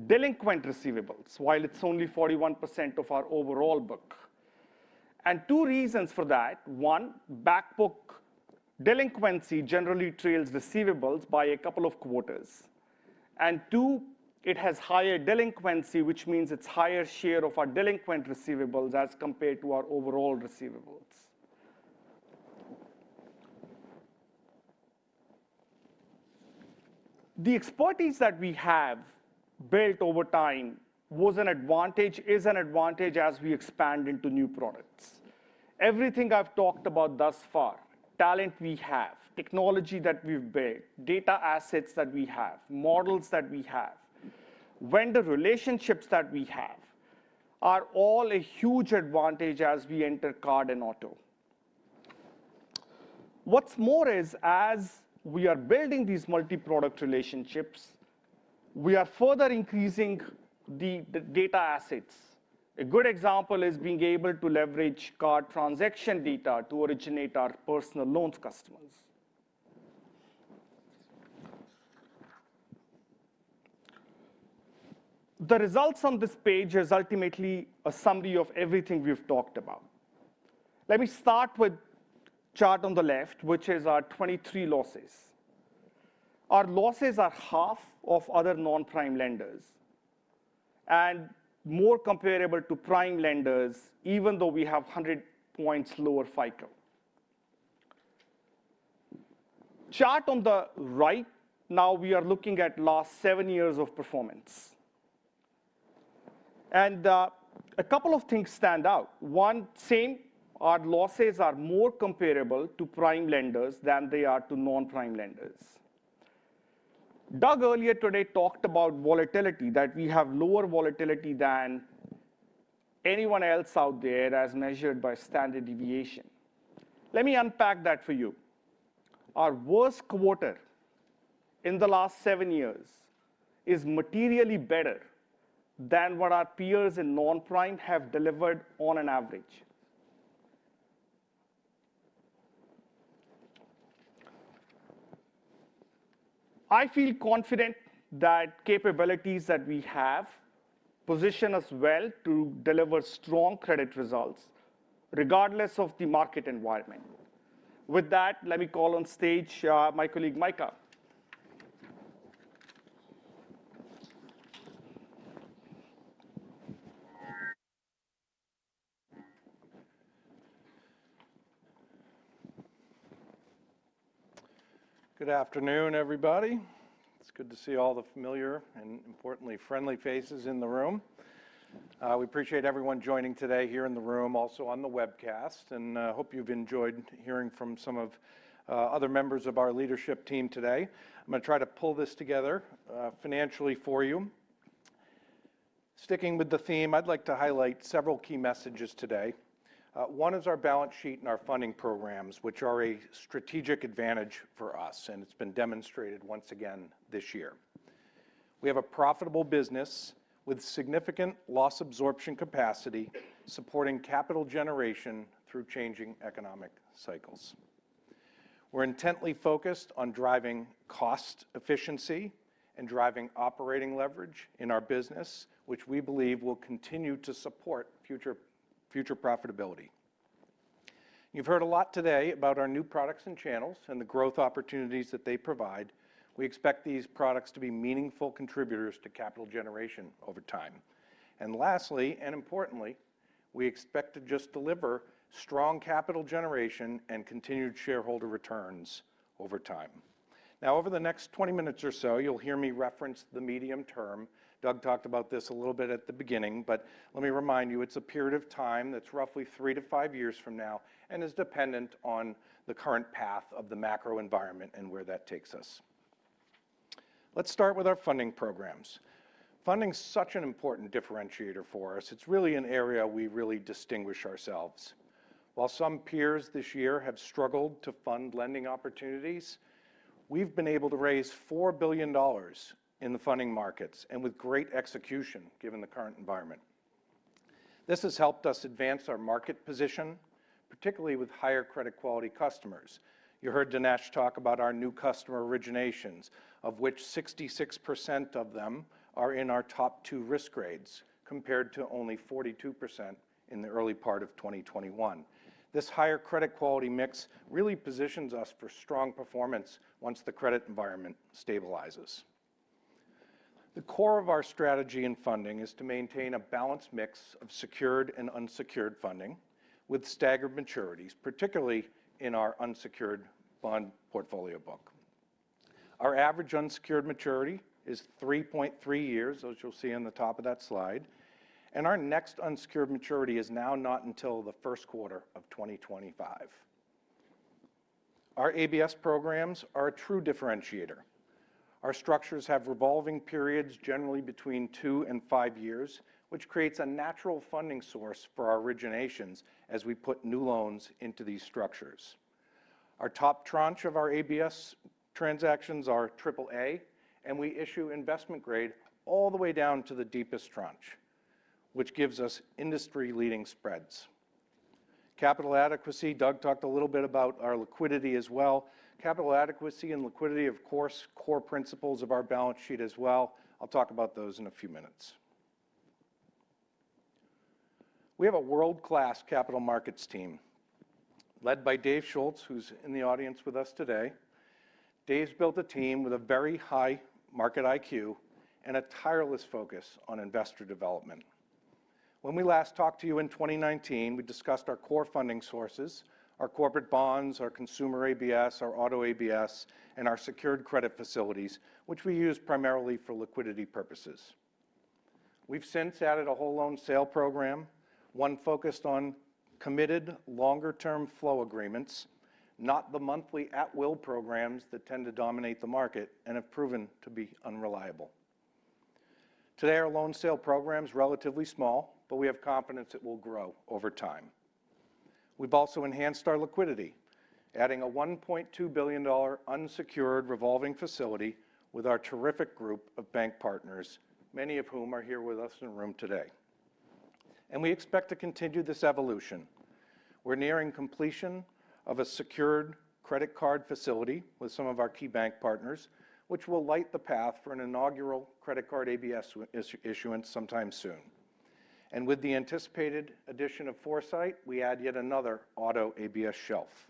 delinquent receivables, while it's only 41% of our overall book. Two reasons for that: one, back book delinquency generally trails receivables by a couple of quarters, and two, it has higher delinquency, which means it's higher share of our delinquent receivables as compared to our overall receivables. The expertise that we have built over time was an advantage, is an advantage as we expand into new products. Everything I've talked about thus far, talent we have, technology that we've built, data assets that we have, models that we have, vendor relationships that we have, are all a huge advantage as we enter card and auto. What's more is, as we are building these multi-product relationships, we are further increasing the data assets. A good example is being able to leverage card transaction data to originate our personal loans customers. The results on this page is ultimately a summary of everything we've talked about. Let me start with the chart on the left, which is our 2023 losses. Our losses are half of other non-prime lenders and more comparable to prime lenders, even though we have 100 points lower FICO. The chart on the right, now we are looking at the last seven years of performance. And, a couple of things stand out. One, same, our losses are more comparable to prime lenders than they are to non-prime lenders. Doug, earlier today, talked about volatility, that we have lower volatility than anyone else out there as measured by standard deviation. Let me unpack that for you. Our worst quarter in the last seven years is materially better than what our peers in non-prime have delivered on an average. I feel confident that capabilities that we have position us well to deliver strong credit results regardless of the market environment. With that, let me call on stage, my colleague, Micah. ... Good afternoon, everybody. It's good to see all the familiar and importantly, friendly faces in the room. We appreciate everyone joining today here in the room, also on the webcast, and hope you've enjoyed hearing from some of other members of our leadership team today. I'm gonna try to pull this together financially for you. Sticking with the theme, I'd like to highlight several key messages today. One is our balance sheet and our funding programs, which are a strategic advantage for us, and it's been demonstrated once again this year. We have a profitable business with significant loss absorption capacity, supporting capital generation through changing economic cycles. We're intently focused on driving cost efficiency and driving operating leverage in our business, which we believe will continue to support future, future profitability. You've heard a lot today about our new products and channels and the growth opportunities that they provide. We expect these products to be meaningful contributors to capital generation over time. And lastly, and importantly, we expect to just deliver strong capital generation and continued shareholder returns over time. Now, over the next 20 minutes or so, you'll hear me reference the medium term. Doug talked about this a little bit at the beginning, but let me remind you, it's a period of time that's roughly 3-5 years from now and is dependent on the current path of the macro environment and where that takes us. Let's start with our funding programs. Funding is such an important differentiator for us. It's really an area we really distinguish ourselves. While some peers this year have struggled to fund lending opportunities, we've been able to raise $4 billion in the funding markets and with great execution, given the current environment. This has helped us advance our market position, particularly with higher credit quality customers. You heard Dinesh talk about our new customer originations, of which 66% of them are in our top two risk grades, compared to only 42% in the early part of 2021. This higher credit quality mix really positions us for strong performance once the credit environment stabilizes. The core of our strategy in funding is to maintain a balanced mix of secured and unsecured funding with staggered maturities, particularly in our unsecured bond portfolio book. Our average unsecured maturity is 3.3 years, as you'll see on the top of that slide, and our next unsecured maturity is now not until the first quarter of 2025. Our ABS programs are a true differentiator. Our structures have revolving periods, generally between two and five years, which creates a natural funding source for our originations as we put new loans into these structures. Our top tranche of our ABS transactions are triple-A, and we issue investment-grade all the way down to the deepest tranche, which gives us industry-leading spreads. Capital adequacy, Doug talked a little bit about our liquidity as well. Capital adequacy and liquidity, of course, core principles of our balance sheet as well. I'll talk about those in a few minutes. We have a world-class capital markets team, led by Dave Schultz, who's in the audience with us today. Dave's built a team with a very high market IQ and a tireless focus on investor development. When we last talked to you in 2019, we discussed our core funding sources, our corporate bonds, our consumer ABS, our auto ABS, and our secured credit facilities, which we use primarily for liquidity purposes. We've since added a whole loan sale program, one focused on committed longer-term flow agreements, not the monthly at-will programs that tend to dominate the market and have proven to be unreliable. Today, our loan sale program is relatively small, but we have confidence it will grow over time. We've also enhanced our liquidity, adding a $1.2 billion unsecured revolving facility with our terrific group of bank partners, many of whom are here with us in the room today. We expect to continue this evolution. We're nearing completion of a secured credit card facility with some of our key bank partners, which will light the path for an inaugural credit card ABS issuance sometime soon. With the anticipated addition of Foursight, we add yet another auto ABS shelf.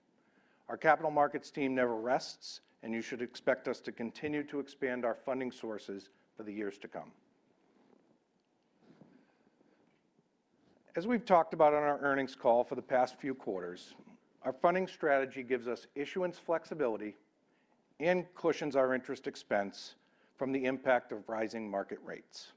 Our capital markets team never rests, and you should expect us to continue to expand our funding sources for the years to come. As we've talked about on our earnings call for the past few quarters, our funding strategy gives us issuance flexibility and cushions our interest expense from the impact of rising market rates.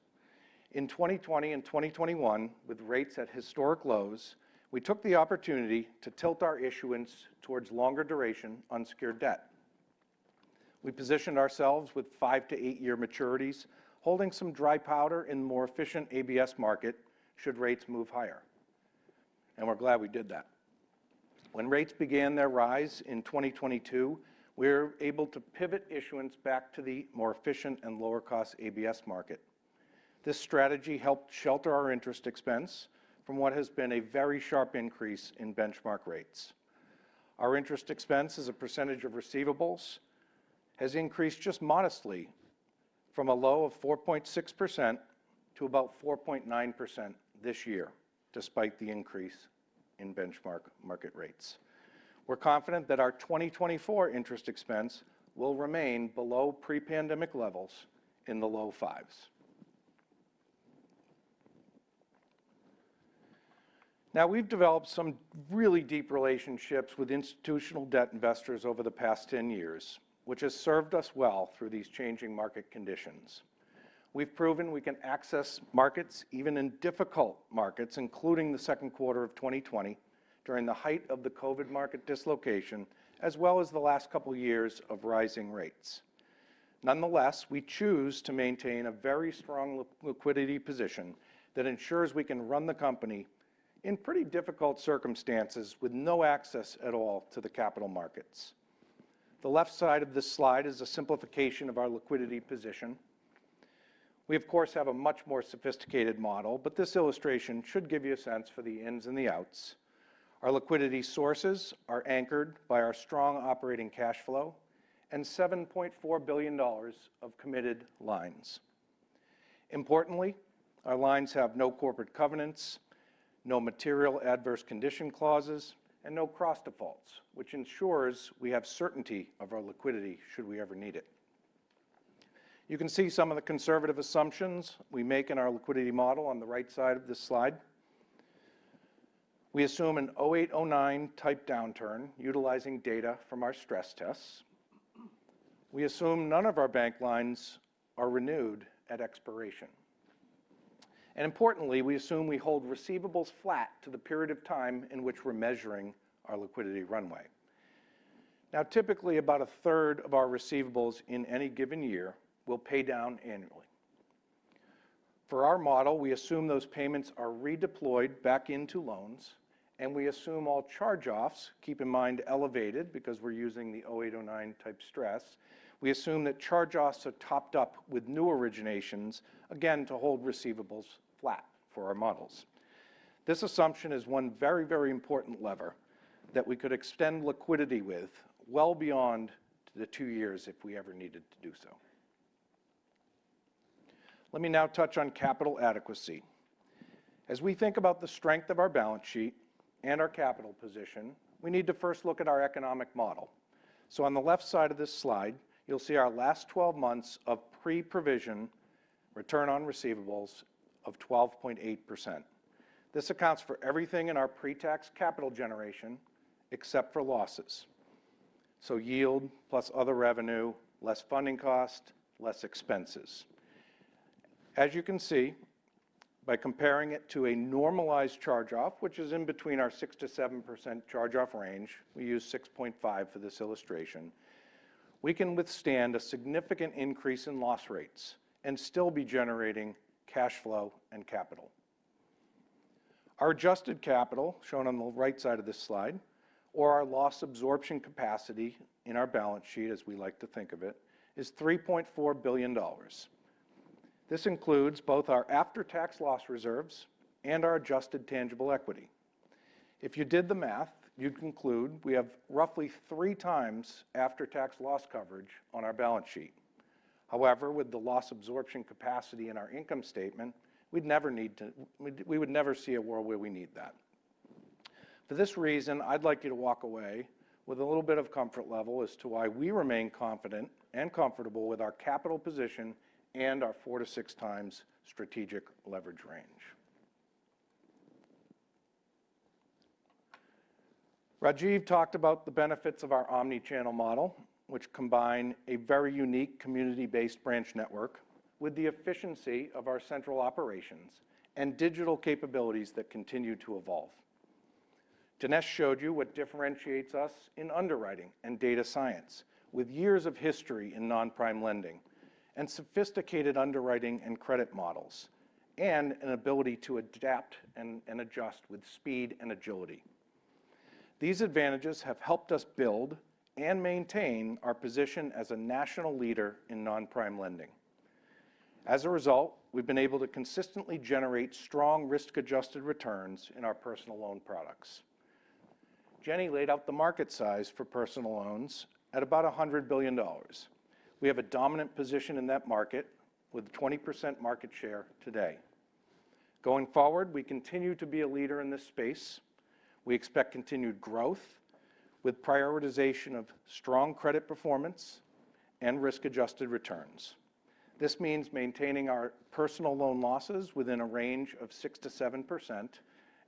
In 2020 and 2021, with rates at historic lows, we took the opportunity to tilt our issuance towards longer duration unsecured debt. We positioned ourselves with 5- to 8-year maturities, holding some dry powder in more efficient ABS market should rates move higher, and we're glad we did that. When rates began their rise in 2022, we were able to pivot issuance back to the more efficient and lower-cost ABS market. This strategy helped shelter our interest expense from what has been a very sharp increase in benchmark rates. Our interest expense as a percentage of receivables has increased just modestly from a low of 4.6% to about 4.9% this year, despite the increase in benchmark market rates. We're confident that our 2024 interest expense will remain below pre-pandemic levels in the low 5s.... Now, we've developed some really deep relationships with institutional debt investors over the past 10 years, which has served us well through these changing market conditions. We've proven we can access markets, even in difficult markets, including the second quarter of 2020 during the height of the COVID market dislocation, as well as the last couple years of rising rates. Nonetheless, we choose to maintain a very strong liquidity position that ensures we can run the company in pretty difficult circumstances with no access at all to the capital markets. The left side of this slide is a simplification of our liquidity position. We, of course, have a much more sophisticated model, but this illustration should give you a sense for the ins and the outs. Our liquidity sources are anchored by our strong operating cash flow and $7.4 billion of committed lines. Importantly, our lines have no corporate covenants, no material adverse condition clauses, and no cross defaults, which ensures we have certainty of our liquidity should we ever need it. You can see some of the conservative assumptions we make in our liquidity model on the right side of this slide. We assume a 2008, 2009-type downturn, utilizing data from our stress tests. We assume none of our bank lines are renewed at expiration. And importantly, we assume we hold receivables flat to the period of time in which we're measuring our liquidity runway. Now, typically, about a third of our receivables in any given year will pay down annually. For our model, we assume those payments are redeployed back into loans, and we assume all charge-offs, keep in mind, elevated, because we're using the 2008, 2009-type stress. We assume that charge-offs are topped up with new originations, again, to hold receivables flat for our models. This assumption is one very, very important lever that we could extend liquidity with well beyond the two years if we ever needed to do so. Let me now touch on capital adequacy. As we think about the strength of our balance sheet and our capital position, we need to first look at our economic model. So on the left side of this slide, you'll see our last 12 months of pre-provision return on receivables of 12.8%. This accounts for everything in our pre-tax capital generation, except for losses. So yield plus other revenue, less funding cost, less expenses. As you can see, by comparing it to a normalized charge-off, which is in between our 6%-7% charge-off range, we use 6.5 for this illustration, we can withstand a significant increase in loss rates and still be generating cash flow and capital. Our adjusted capital, shown on the right side of this slide, or our loss absorption capacity in our balance sheet, as we like to think of it, is $3.4 billion. This includes both our after-tax loss reserves and our adjusted tangible equity. If you did the math, you'd conclude we have roughly three times after-tax loss coverage on our balance sheet. However, with the loss absorption capacity in our income statement, we'd never need to—we would never see a world where we need that. For this reason, I'd like you to walk away with a little bit of comfort level as to why we remain confident and comfortable with our capital position and our 4-6x strategic leverage range. Rajive talked about the benefits of our omni-channel model, which combine a very unique community-based branch network with the efficiency of our central operations and digital capabilities that continue to evolve. Dinesh showed you what differentiates us in underwriting and data science, with years of history in non-prime lending and sophisticated underwriting and credit models, and an ability to adapt and adjust with speed and agility. These advantages have helped us build and maintain our position as a national leader in non-prime lending. As a result, we've been able to consistently generate strong risk-adjusted returns in our personal loan products. Jenny laid out the market size for personal loans at about $100 billion. We have a dominant position in that market with 20% market share today. Going forward, we continue to be a leader in this space. We expect continued growth with prioritization of strong credit performance and risk-adjusted returns. This means maintaining our personal loan losses within a range of 6%-7%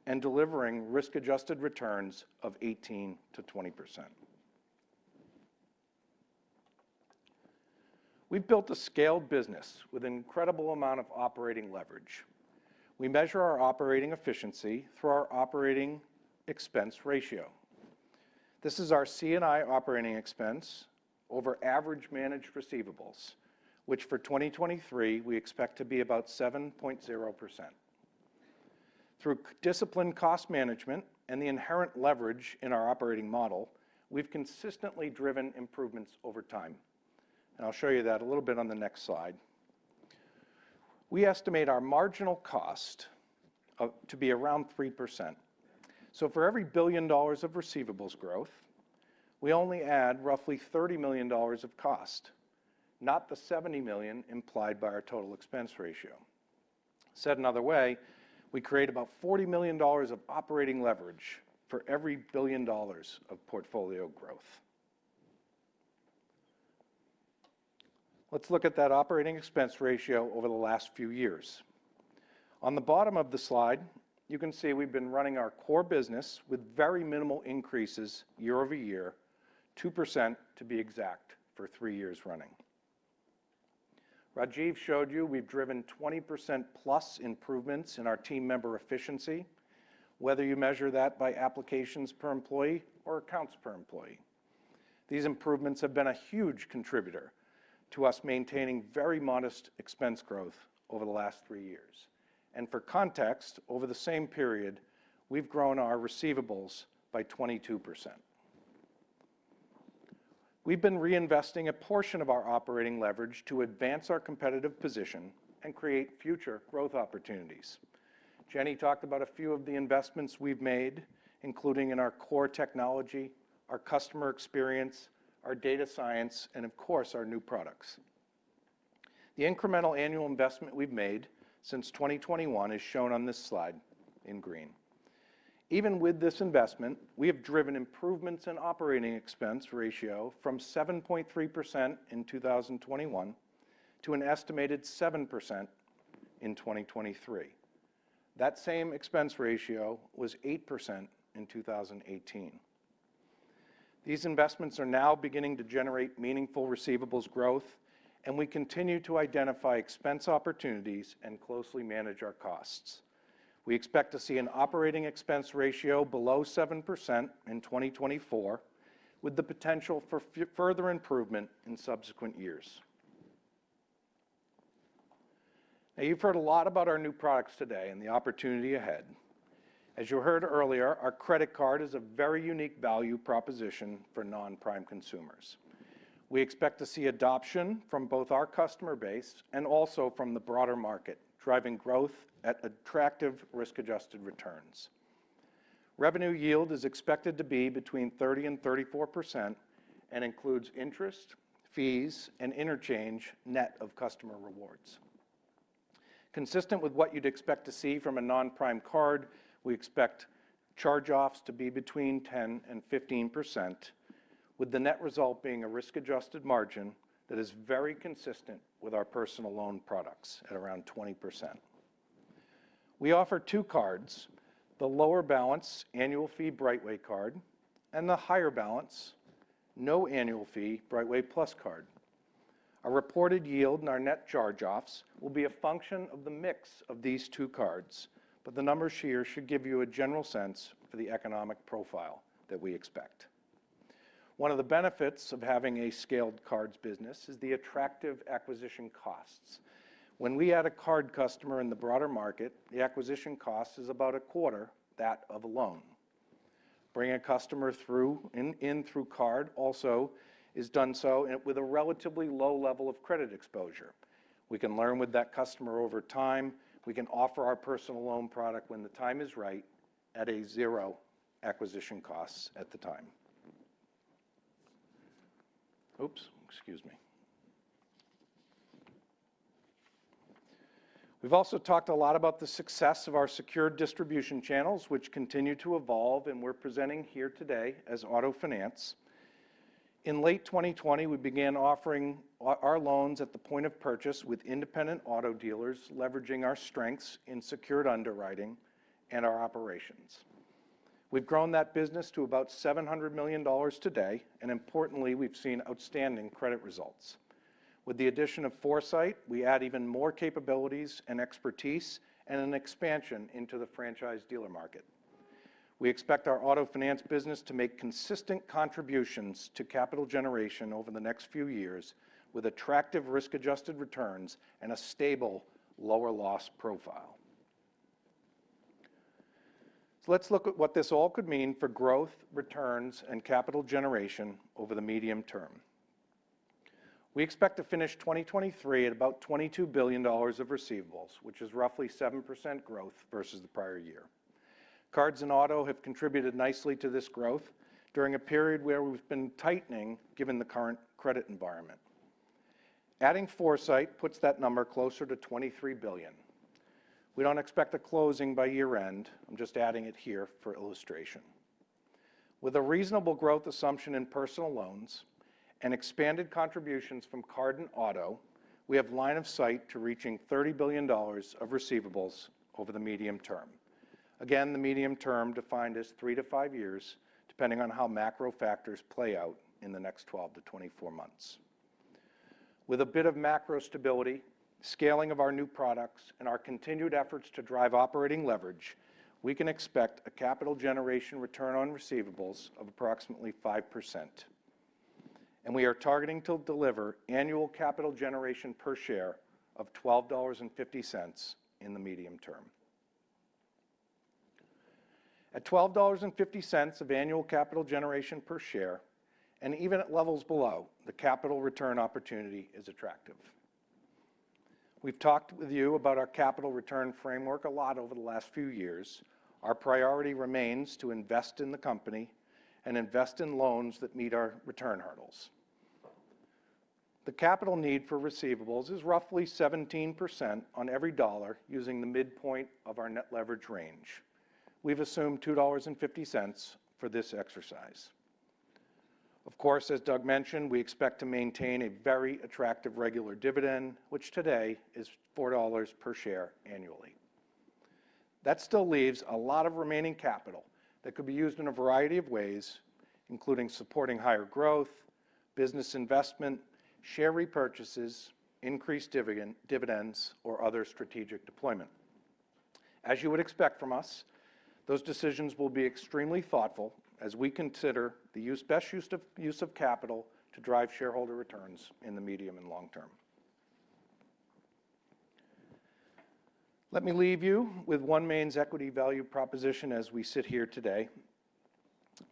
and delivering risk-adjusted returns of 18%-20%. We've built a scaled business with an incredible amount of operating leverage. We measure our operating efficiency through our operating expense ratio. This is our C&I operating expense over average managed receivables, which for 2023, we expect to be about 7.0%. Through disciplined cost management and the inherent leverage in our operating model, we've consistently driven improvements over time, and I'll show you that a little bit on the next slide. We estimate our marginal cost to be around 3%. So for every $1 billion of receivables growth, we only add roughly $30 million of cost, not the $70 million implied by our total expense ratio. Said another way, we create about $40 million of operating leverage for every $1 billion of portfolio growth.... Let's look at that operating expense ratio over the last few years. On the bottom of the slide, you can see we've been running our core business with very minimal increases year-over-year, 2% to be exact, for three years running. Rajive showed you we've driven 20%+ improvements in our team member efficiency, whether you measure that by applications per employee or accounts per employee. These improvements have been a huge contributor to us maintaining very modest expense growth over the last three years. For context, over the same period, we've grown our receivables by 22%. We've been reinvesting a portion of our operating leverage to advance our competitive position and create future growth opportunities. Jenny talked about a few of the investments we've made, including in our core technology, our customer experience, our data science, and of course, our new products. The incremental annual investment we've made since 2021 is shown on this slide in green. Even with this investment, we have driven improvements in operating expense ratio from 7.3% in 2021 to an estimated 7% in 2023. That same expense ratio was 8% in 2018. These investments are now beginning to generate meaningful receivables growth, and we continue to identify expense opportunities and closely manage our costs. We expect to see an operating expense ratio below 7% in 2024, with the potential for further improvement in subsequent years. Now, you've heard a lot about our new products today and the opportunity ahead. As you heard earlier, our credit card is a very unique value proposition for non-prime consumers. We expect to see adoption from both our customer base and also from the broader market, driving growth at attractive risk-adjusted returns. Revenue yield is expected to be between 30%-34% and includes interest, fees, and interchange net of customer rewards. Consistent with what you'd expect to see from a non-prime card, we expect charge-offs to be between 10%-15%, with the net result being a risk-adjusted margin that is very consistent with our personal loan products at around 20%. We offer two cards: the lower balance annual fee Brightway Card and the higher balance, no annual fee Brightway Plus Card. Our reported yield and our net charge-offs will be a function of the mix of these two cards, but the numbers here should give you a general sense for the economic profile that we expect. One of the benefits of having a scaled cards business is the attractive acquisition costs. When we add a card customer in the broader market, the acquisition cost is about a quarter that of a loan. Bringing a customer through in through card also is done so with a relatively low level of credit exposure. We can learn with that customer over time. We can offer our personal loan product when the time is right at a zero acquisition costs at the time. Oops! Excuse me. We've also talked a lot about the success of our secure distribution channels, which continue to evolve, and we're presenting here today as Auto Finance. In late 2020, we began offering our loans at the point of purchase with independent auto dealers, leveraging our strengths in secured underwriting and our operations. We've grown that business to about $700 million today, and importantly, we've seen outstanding credit results. With the addition of Foursight, we add even more capabilities and expertise and an expansion into the franchise dealer market. We expect our auto finance business to make consistent contributions to capital generation over the next few years, with attractive risk-adjusted returns and a stable, lower loss profile. Let's look at what this all could mean for growth, returns, and capital generation over the medium term. We expect to finish 2023 at about $22 billion of receivables, which is roughly 7% growth versus the prior year. Cards and auto have contributed nicely to this growth during a period where we've been tightening, given the current credit environment. Adding Foursight puts that number closer to $23 billion. We don't expect a closing by year-end. I'm just adding it here for illustration. With a reasonable growth assumption in personal loans and expanded contributions from card and auto, we have line of sight to reaching $30 billion of receivables over the medium term. Again, the medium term defined as 3-5 years, depending on how macro factors play out in the next 12-24 months. With a bit of macro stability, scaling of our new products, and our continued efforts to drive operating leverage, we can expect a capital generation return on receivables of approximately 5%. We are targeting to deliver annual capital generation per share of $12.50 in the medium term. At $12.50 of annual capital generation per share, and even at levels below, the capital return opportunity is attractive. We've talked with you about our capital return framework a lot over the last few years. Our priority remains to invest in the company and invest in loans that meet our return hurdles. The capital need for receivables is roughly 17% on every dollar using the midpoint of our net leverage range. We've assumed $2.50 for this exercise. Of course, as Doug mentioned, we expect to maintain a very attractive regular dividend, which today is $4 per share annually. That still leaves a lot of remaining capital that could be used in a variety of ways, including supporting higher growth, business investment, share repurchases, increased dividends, or other strategic deployment. As you would expect from us, those decisions will be extremely thoughtful as we consider the best use of capital to drive shareholder returns in the medium and long term. Let me leave you with OneMain's equity value proposition as we sit here today.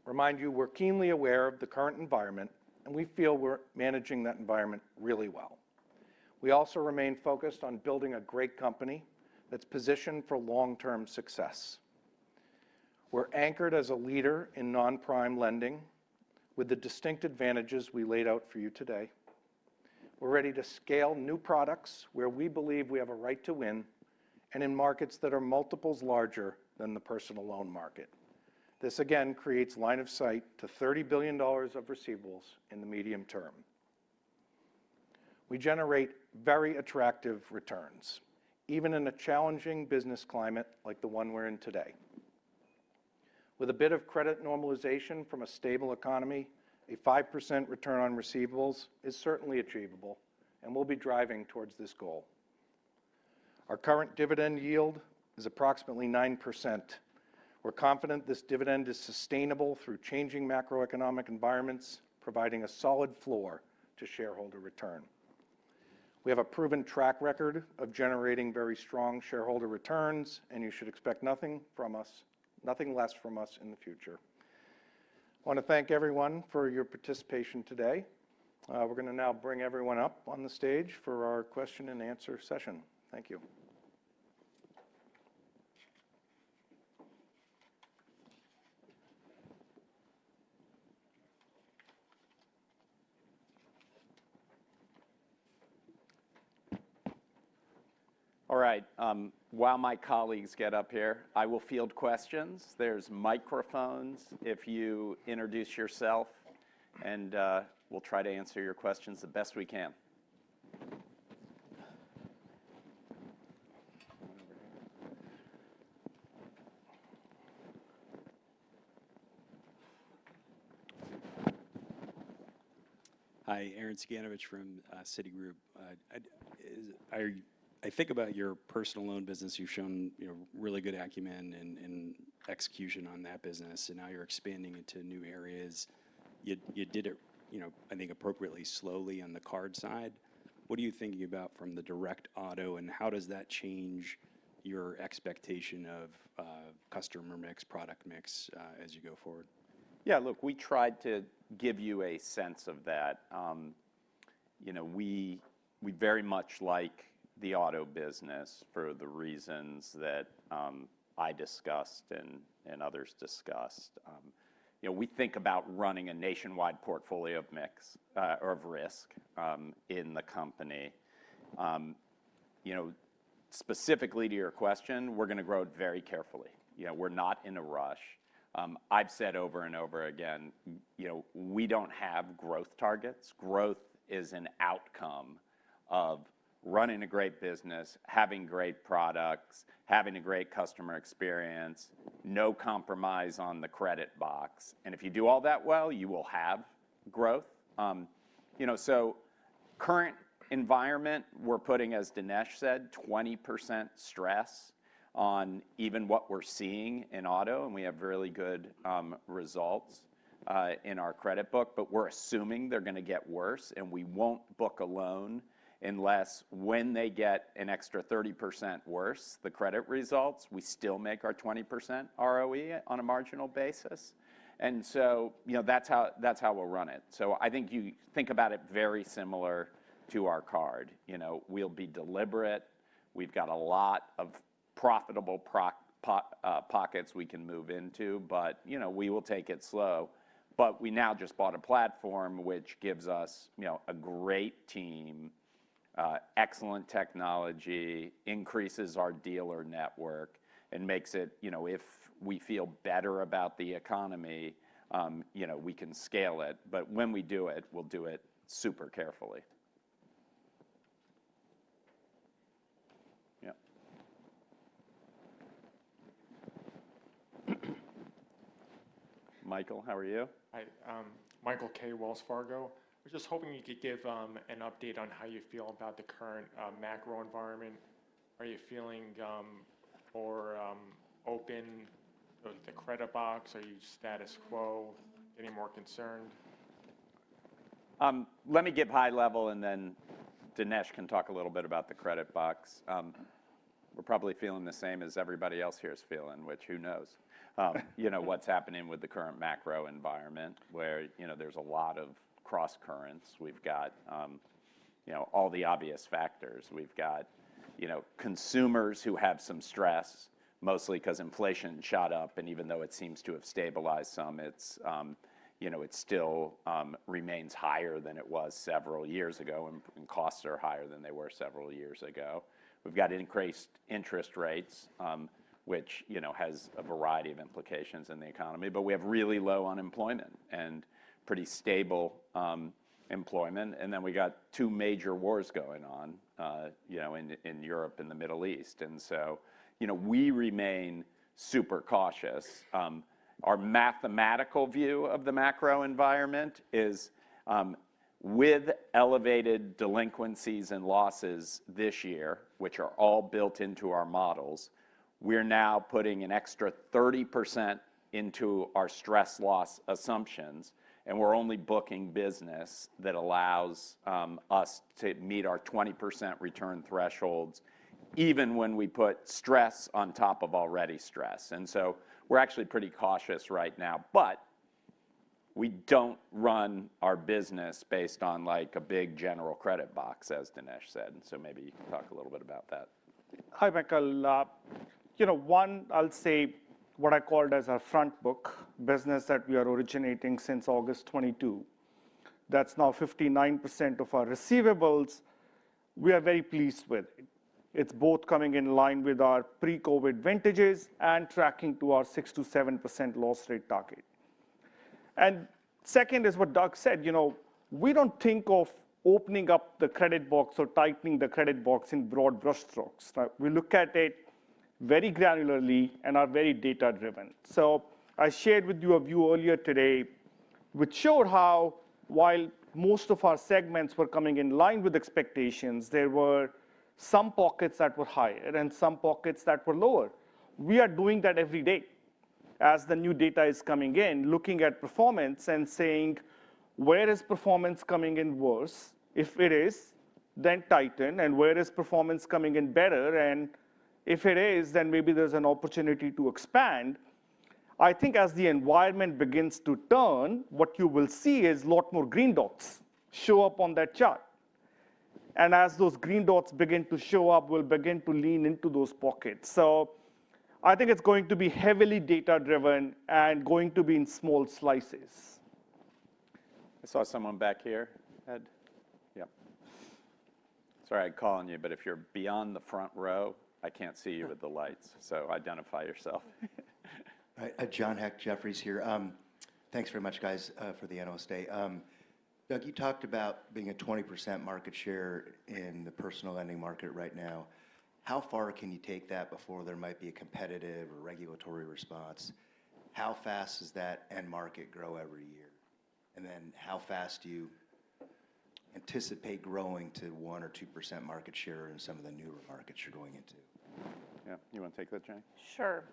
Remind you, we're keenly aware of the current environment, and we feel we're managing that environment really well. We also remain focused on building a great company that's positioned for long-term success. We're anchored as a leader in non-prime lending, with the distinct advantages we laid out for you today. We're ready to scale new products where we believe we have a right to win, and in markets that are multiples larger than the personal loan market. This again creates line of sight to $30 billion of receivables in the medium term. We generate very attractive returns, even in a challenging business climate like the one we're in today. With a bit of credit normalization from a stable economy, a 5% return on receivables is certainly achievable, and we'll be driving towards this goal. Our current dividend yield is approximately 9%. We're confident this dividend is sustainable through changing macroeconomic environments, providing a solid floor to shareholder return. We have a proven track record of generating very strong shareholder returns, and you should expect nothing from us, nothing less from us in the future. I wanna thank everyone for your participation today. We're gonna now bring everyone up on the stage for our question and answer session. Thank you. All right, while my colleagues get up here, I will field questions. There's microphones if you introduce yourself, and we'll try to answer your questions the best we can. Hi, Glenn Schorr from Citigroup. I think about your personal loan business, you've shown, you know, really good acumen and execution on that business, and now you're expanding into new areas. You did it, you know, I think, appropriately slowly on the card side. What are you thinking about from the direct auto, and how does that change your expectation of customer mix, product mix as you go forward? Yeah, look, we tried to give you a sense of that. You know, we very much like the auto business for the reasons that I discussed and others discussed. You know, we think about running a nationwide portfolio of mix or of risk in the company. You know, specifically to your question, we're gonna grow it very carefully. You know, we're not in a rush. I've said over and over again, you know, we don't have growth targets. Growth is an outcome of running a great business, having great products, having a great customer experience, no compromise on the credit box. And if you do all that well, you will have growth. You know, so current environment, we're putting, as Dinesh said, 20% stress on even what we're seeing in auto, and we have really good results in our credit book. But we're assuming they're gonna get worse, and we won't book a loan unless when they get an extra 30% worse, the credit results, we still make our 20% ROE on a marginal basis. And so, you know, that's how, that's how we'll run it. So I think you think about it very similar to our card. You know, we'll be deliberate. We've got a lot of profitable pockets we can move into, but, you know, we will take it slow. But we now just bought a platform which gives us, you know, a great team, excellent technology, increases our dealer network, and makes it, you know, if we feel better about the economy, you know, we can scale it. But when we do it, we'll do it super carefully. Yeah. Michael, how are you? Hi, Michael Kaye, Wells Fargo. I was just hoping you could give an update on how you feel about the current macro environment. Are you feeling more open with the credit box? Are you status quo? Any more concerned? Let me give high level, and then Dinesh can talk a little bit about the credit box. We're probably feeling the same as everybody else here is feeling, which, who knows? You know, what's happening with the current macro environment, where, you know, there's a lot of crosscurrents. We've got, you know, all the obvious factors. We've got, you know, consumers who have some stress, mostly 'cause inflation shot up, and even though it seems to have stabilized some, it's, you know, it still, remains higher than it was several years ago, and, and costs are higher than they were several years ago. We've got increased interest rates, which, you know, has a variety of implications in the economy, but we have really low unemployment and pretty stable, employment. Then we got two major wars going on, you know, in Europe and the Middle East. So, you know, we remain super cautious. Our mathematical view of the macro environment is with elevated delinquencies and losses this year, which are all built into our models, we're now putting an extra 30% into our stress loss assumptions, and we're only booking business that allows us to meet our 20% return thresholds, even when we put stress on top of already stress. So we're actually pretty cautious right now, but we don't run our business based on, like, a big general credit box, as Dinesh said. So maybe you can talk a little bit about that. Hi, Michael. You know, one, I'll say what I called as our front book business that we are originating since August 2022. That's now 59% of our receivables, we are very pleased with. It's both coming in line with our pre-COVID vintages and tracking to our 6%-7% loss rate target. And second is what Doug said, you know, we don't think of opening up the credit box or tightening the credit box in broad brushstrokes. Like, we look at it very granularly and are very data-driven. So I shared with you a view earlier today, which showed how while most of our segments were coming in line with expectations, there were some pockets that were higher and some pockets that were lower. We are doing that every day. As the new data is coming in, looking at performance and saying, "Where is performance coming in worse? If it is, then tighten. And where is performance coming in better? And if it is, then maybe there's an opportunity to expand." I think as the environment begins to turn, what you will see is a lot more green dots show up on that chart. And as those green dots begin to show up, we'll begin to lean into those pockets. So I think it's going to be heavily data-driven and going to be in small slices. I saw someone back here. Ed? Yeah. Sorry, I'd call on you, but if you're beyond the front row, I can't see you with the lights, so identify yourself. Hi. John Hecht, Jefferies here. Thanks very much, guys, for the analyst day. Doug, you talked about being a 20% market share in the personal lending market right now. How far can you take that before there might be a competitive or regulatory response? How fast does that end market grow every year? And then how fast do you anticipate growing to 1% or 2% market share in some of the newer markets you're going into? Yeah, you wanna take that, Jenny? Sure.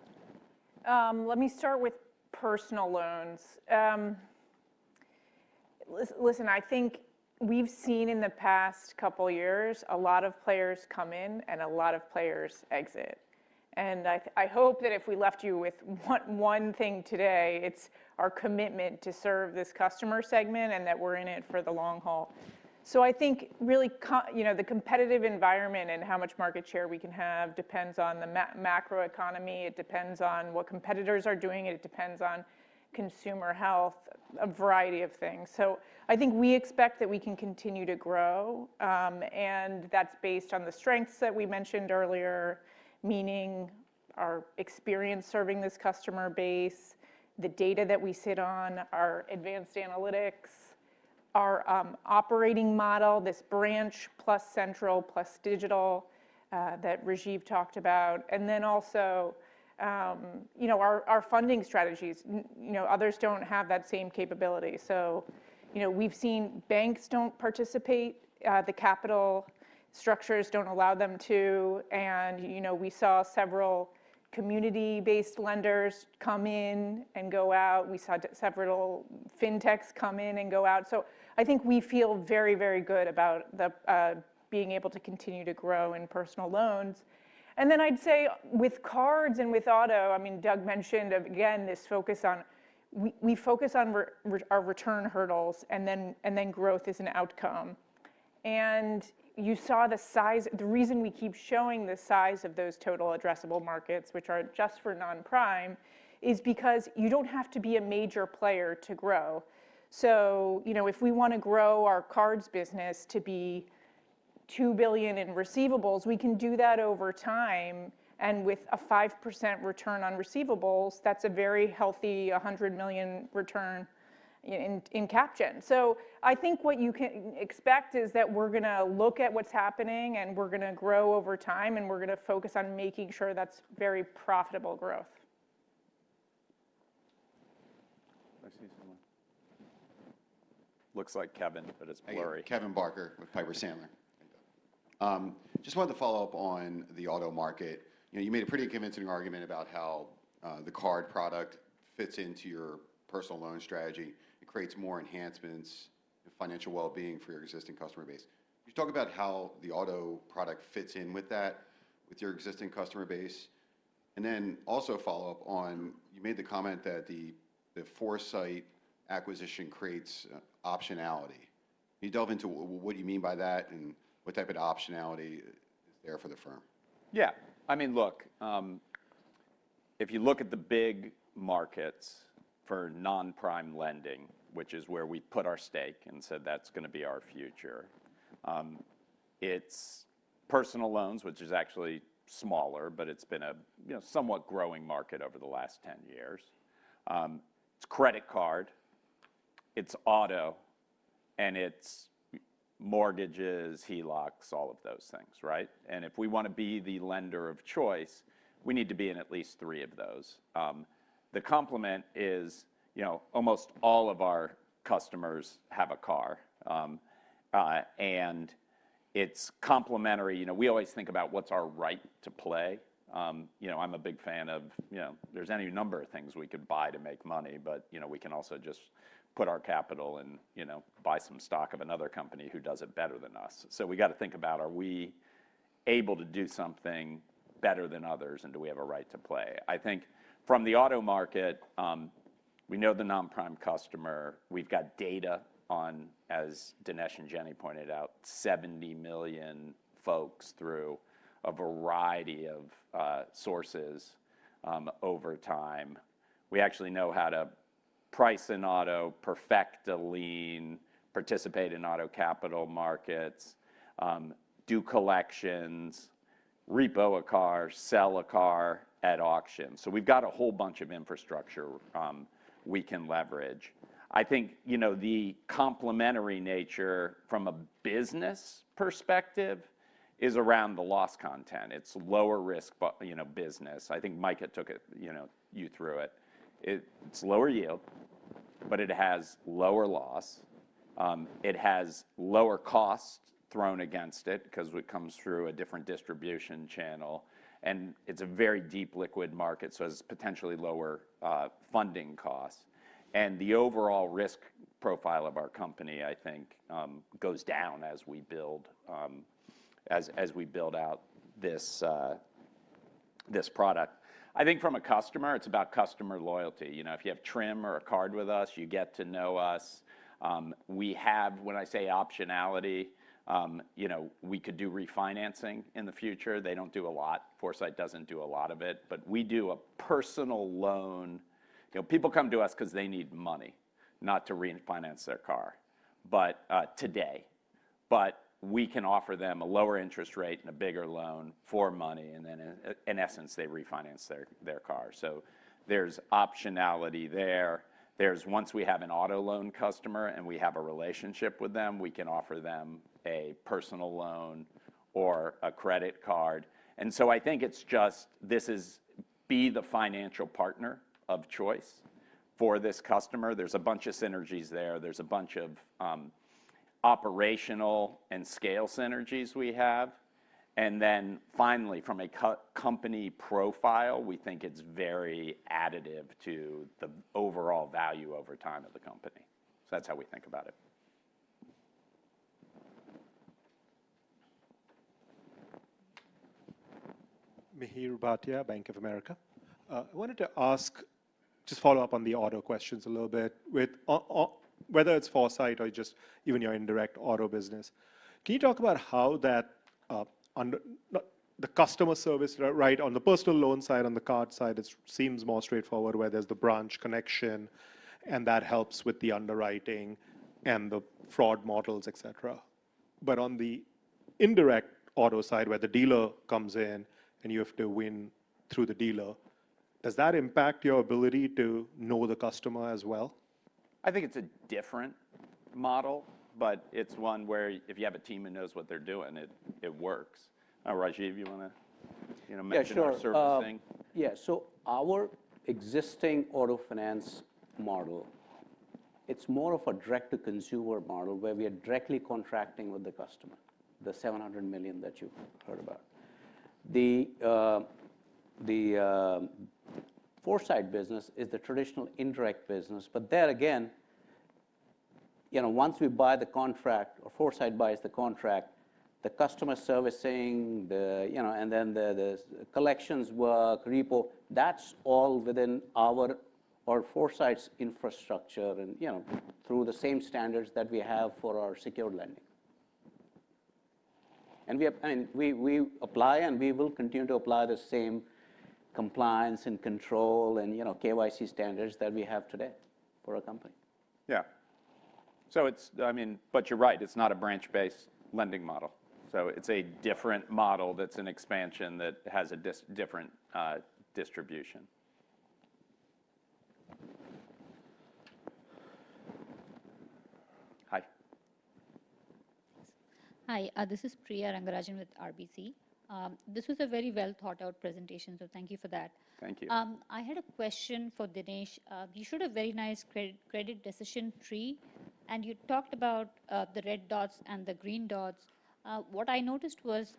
Let me start with personal loans. Listen, I think we've seen in the past couple years, a lot of players come in and a lot of players exit, and I hope that if we left you with one thing today, it's our commitment to serve this customer segment and that we're in it for the long haul. So I think really you know, the competitive environment and how much market share we can have depends on the macroeconomy, it depends on what competitors are doing, it depends on consumer health, a variety of things. So I think we expect that we can continue to grow, and that's based on the strengths that we mentioned earlier, meaning our experience serving this customer base, the data that we sit on, our advanced analytics, our operating model, this branch plus central plus digital, that Rajive talked about, and then also, you know, our funding strategies. You know, others don't have that same capability. So, you know, we've seen banks don't participate, the capital structures don't allow them to, and, you know, we saw several community-based lenders come in and go out. We saw several fintechs come in and go out. So I think we feel very, very good about being able to continue to grow in personal loans. And then I'd say with cards and with auto, I mean, Doug mentioned, again, this focus on... We focus on our return hurdles, and then growth is an outcome. You saw the size, the reason we keep showing the size of those total addressable markets, which are just for non-prime, is because you don't have to be a major player to grow. So, you know, if we wanna grow our cards business to be $2 billion in receivables, we can do that over time, and with a 5% return on receivables, that's a very healthy $100 million return in caption. So I think what you can expect is that we're gonna look at what's happening, and we're gonna grow over time, and we're gonna focus on making sure that's very profitable growth. I see someone. Looks like Kevin, but it's blurry. Hey. Kevin Barker with Piper Sandler. Hi, Doug. Just wanted to follow up on the auto market. You know, you made a pretty convincing argument about how the card product fits into your personal loan strategy. It creates more enhancements and financial well-being for your existing customer base. Can you talk about how the auto product fits in with that, with your existing customer base? And then also follow up on, you made the comment that the Foursight acquisition creates optionality. Can you delve into what do you mean by that, and what type of optionality is there for the firm? Yeah. I mean, look, if you look at the big markets for non-prime lending, which is where we put our stake and said that's gonna be our future, it's personal loans, which is actually smaller, but it's been a, you know, somewhat growing market over the last 10 years. It's credit card, it's auto, and it's mortgages, HELOCs, all of those things, right? And if we wanna be the lender of choice, we need to be in at least three of those. The complement is, you know, almost all of our customers have a car. And it's complementary. You know, we always think about what's our right to play. You know, I'm a big fan of, you know, there's any number of things we could buy to make money, but, you know, we can also just put our capital and, you know, buy some stock of another company who does it better than us. So we got to think about, are we able to do something better than others, and do we have a right to play? I think from the auto market, we know the non-prime customer. We've got data on, as Dinesh and Jenny pointed out, 70 million folks through a variety of sources, over time. We actually know how to price an auto perfectly, participate in auto capital markets, do collections, repo a car, sell a car at auction. So we've got a whole bunch of infrastructure we can leverage. I think, you know, the complementary nature from a business perspective is around the loss content. It's lower risk, but, you know, business. I think Micah took it, you know, you through it. It's lower yield, but it has lower loss. It has lower cost thrown against it 'cause it comes through a different distribution channel, and it's a very deep liquid market, so it's potentially lower funding costs. And the overall risk profile of our company, I think, goes down as we build, as we build out this product. I think from a customer, it's about customer loyalty. You know, if you have Trim or a card with us, you get to know us. We have... When I say optionality, you know, we could do refinancing in the future. They don't do a lot. Foursight doesn't do a lot of it, but we do a personal loan. You know, people come to us 'cause they need money, not to refinance their car, but today. But we can offer them a lower interest rate and a bigger loan for money, and then in essence, they refinance their car. So there's optionality there. There's once we have an auto loan customer and we have a relationship with them, we can offer them a personal loan or a credit card. And so I think it's just this is be the financial partner of choice for this customer. There's a bunch of synergies there. There's a bunch of operational and scale synergies we have. And then finally, from a company profile, we think it's very additive to the overall value over time of the company. So that's how we think about it. Mihir Bhatia, Bank of America. I wanted to ask, just follow up on the auto questions a little bit. With whether it's Foursight or just even your indirect auto business, can you talk about how that under... The customer service, right, on the personal loan side, on the card side, it seems more straightforward, where there's the branch connection, and that helps with the underwriting and the fraud models, etc. But on the indirect auto side, where the dealer comes in and you have to win through the dealer, does that impact your ability to know the customer as well? I think it's a different model, but it's one where if you have a team that knows what they're doing, it works. Rajive, you wanna, you know- Yeah, sure Mention our servicing? Yeah. So our existing auto finance model, it's more of a direct-to-consumer model where we are directly contracting with the customer, the $700 million that you've heard about. The Foursight business is the traditional indirect business, but there again, you know, once we buy the contract or Foursight buys the contract, the customer servicing, you know, and then the collections work, repo, that's all within our Foursight's infrastructure and, you know, through the same standards that we have for our secured lending. And we have and we apply, and we will continue to apply the same compliance and control and, you know, KYC standards that we have today for our company. Yeah. So it's, I mean... But you're right, it's not a branch-based lending model. So it's a different model that's an expansion that has a different distribution. Hi. Hi, this is Priya Rangarajan with RBC. This was a very well-thought-out presentation, so thank you for that. Thank you. I had a question for Dinesh. You showed a very nice credit decision tree, and you talked about the red dots and the green dots. What I noticed was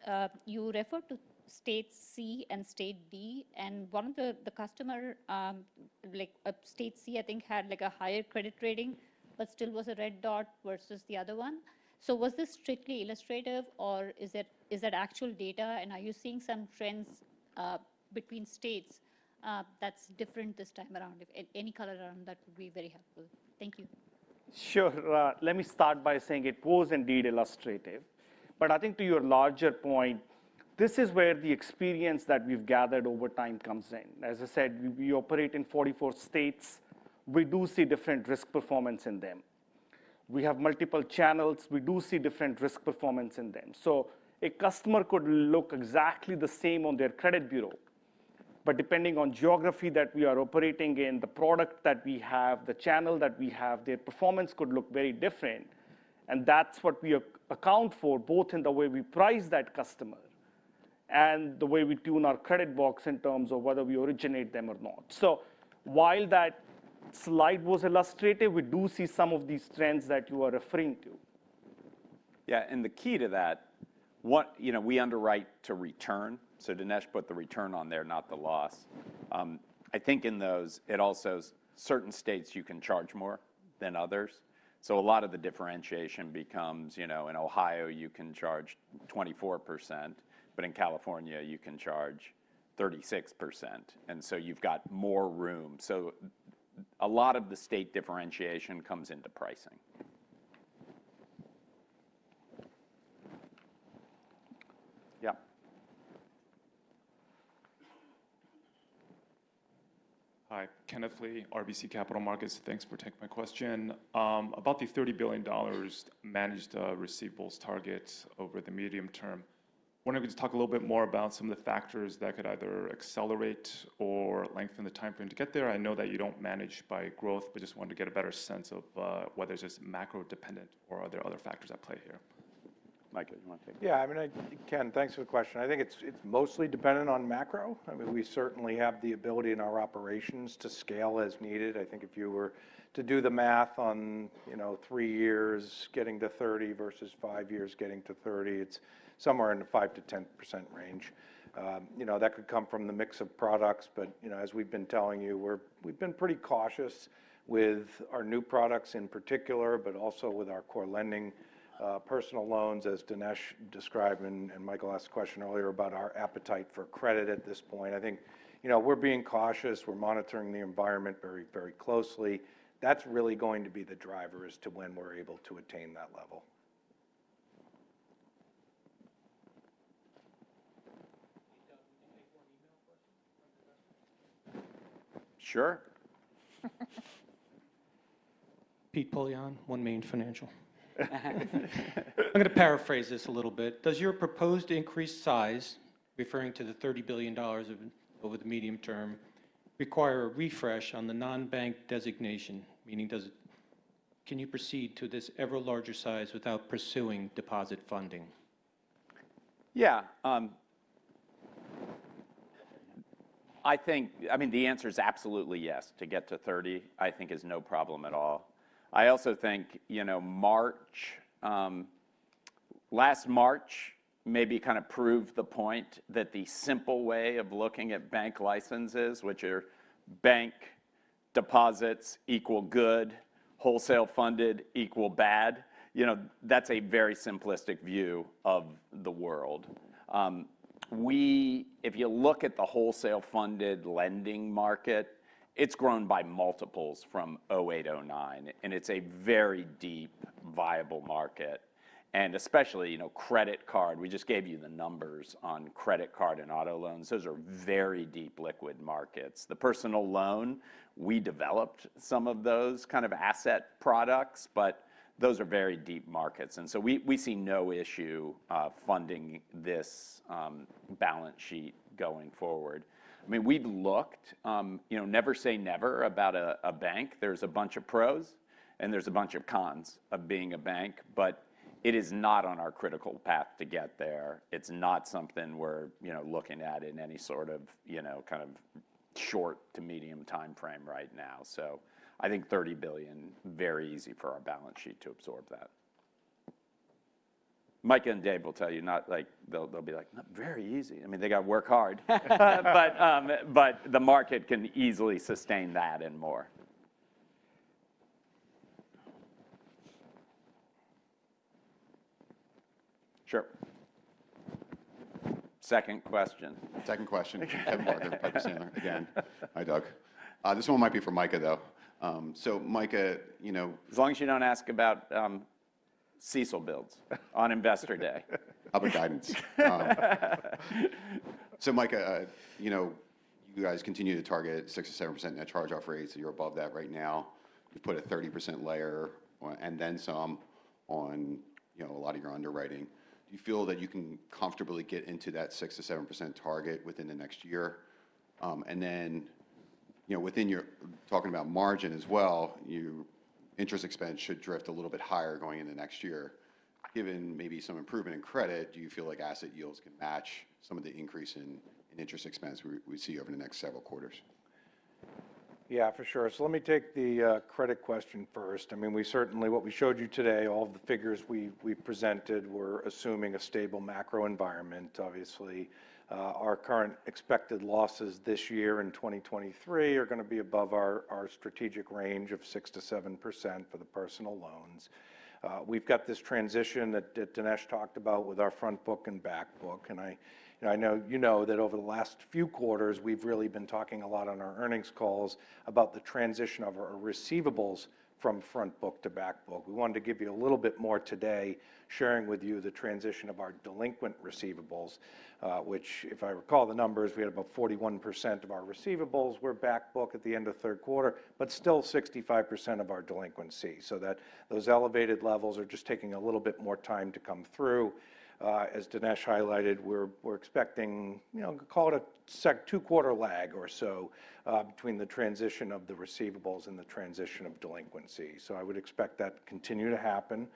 you referred to state C and state B, and one of the, the customer, like, state C, I think, had like a higher credit rating, but still was a red dot versus the other one. So was this strictly illustrative, or is it actual data, and are you seeing some trends between states that's different this time around? If any color around, that would be very helpful. Thank you.... Sure. Let me start by saying it was indeed illustrative. But I think to your larger point, this is where the experience that we've gathered over time comes in. As I said, we operate in 44 states. We do see different risk performance in them. We have multiple channels. We do see different risk performance in them. So a customer could look exactly the same on their credit bureau, but depending on geography that we are operating in, the product that we have, the channel that we have, their performance could look very different. And that's what we account for, both in the way we price that customer and the way we tune our credit box in terms of whether we originate them or not. So while that slide was illustrative, we do see some of these trends that you are referring to. Yeah, and the key to that, you know, we underwrite to return, so Dinesh put the return on there, not the loss. I think in those, it also, certain states you can charge more than others, so a lot of the differentiation becomes, you know, in Ohio, you can charge 24%, but in California, you can charge 36%, and so you've got more room. So a lot of the state differentiation comes into pricing. Yeah. Hi, Kenneth Lee, RBC Capital Markets. Thanks for taking my question. About the $30 billion managed receivables targets over the medium term, wanted to just talk a little bit more about some of the factors that could either accelerate or lengthen the timeframe to get there. I know that you don't manage by growth, but just wanted to get a better sense of, whether it's just macro-dependent or are there other factors at play here? Micah, you wanna take that? Yeah, I mean, Ken, thanks for the question. I think it's mostly dependent on macro. I mean, we certainly have the ability in our operations to scale as needed. I think if you were to do the math on, you know, three years getting to 30 versus five years getting to 30, it's somewhere in the 5%-10% range. You know, that could come from the mix of products, but, you know, as we've been telling you, we've been pretty cautious with our new products in particular, but also with our core lending, personal loans, as Dinesh described, and Michael asked a question earlier about our appetite for credit at this point. I think, you know, we're being cautious. We're monitoring the environment very, very closely. That's really going to be the driver as to when we're able to attain that level. Hey, Doug, can you take one email question from the back? Sure. Peter Poillon, OneMain Financial. I'm gonna paraphrase this a little bit. Does your proposed increased size, referring to the $30 billion over the medium term, require a refresh on the non-bank designation? Meaning, does it... Can you proceed to this ever larger size without pursuing deposit funding? Yeah. I think, I mean, the answer is absolutely yes. To get to 30, I think is no problem at all. I also think, you know, March, last March maybe kind of proved the point that the simple way of looking at bank licenses, which are bank deposits equal good, wholesale funded equal bad, you know, that's a very simplistic view of the world. We if you look at the wholesale funded lending market, it's grown by multiples from 2008, 2009, and it's a very deep, viable market. And especially, you know, credit card, we just gave you the numbers on credit card and auto loans. Those are very deep liquid markets. The personal loan, we developed some of those kind of asset products, but those are very deep markets, and so we, we see no issue, funding this balance sheet going forward. I mean, we've looked, you know, never say never about a bank. There's a bunch of pros, and there's a bunch of cons of being a bank, but it is not on our critical path to get there. It's not something we're, you know, looking at in any sort of, you know, kind of short to medium timeframe right now. So I think $30 billion, very easy for our balance sheet to absorb that. Micah and Dave will tell you, not like... They'll be like, "Not very easy." I mean, they gotta work hard. But the market can easily sustain that and more. Sure. Second question. Second question. Kevin Barker, Piper Sandler again. Hi, Doug. This one might be for Micah, though. So Micah, you know- As long as you don't ask about CECL builds on Investor Day. Other guidance. So Micah, you know, you guys continue to target 6%-7% net charge-off rates, and you're above that right now. You put a 30% layer on, and then some on, you know, a lot of your underwriting. Do you feel that you can comfortably get into that 6%-7% target within the next year? And then, you know, within your talking about margin as well, your interest expense should drift a little bit higher going into next year. Given maybe some improvement in credit, do you feel like asset yields can match some of the increase in interest expense we see over the next several quarters? Yeah, for sure. So let me take the credit question first. I mean, we certainly, what we showed you today, all the figures we presented were assuming a stable macro environment. Obviously, our current expected losses this year in 2023 are gonna be above our strategic range of 6%-7% for the personal loans.... we've got this transition that, that Dinesh talked about with our front book and back book. And I, and I know you know that over the last few quarters, we've really been talking a lot on our earnings calls about the transition of our receivables from front book to back book. We wanted to give you a little bit more today, sharing with you the transition of our delinquent receivables, which, if I recall the numbers, we had about 41% of our receivables were back book at the end of third quarter, but still 65% of our delinquency. So that those elevated levels are just taking a little bit more time to come through. As Dinesh highlighted, we're, we're expecting, you know, call it a two-quarter lag or so, between the transition of the receivables and the transition of delinquency. So I would expect that to continue to happen,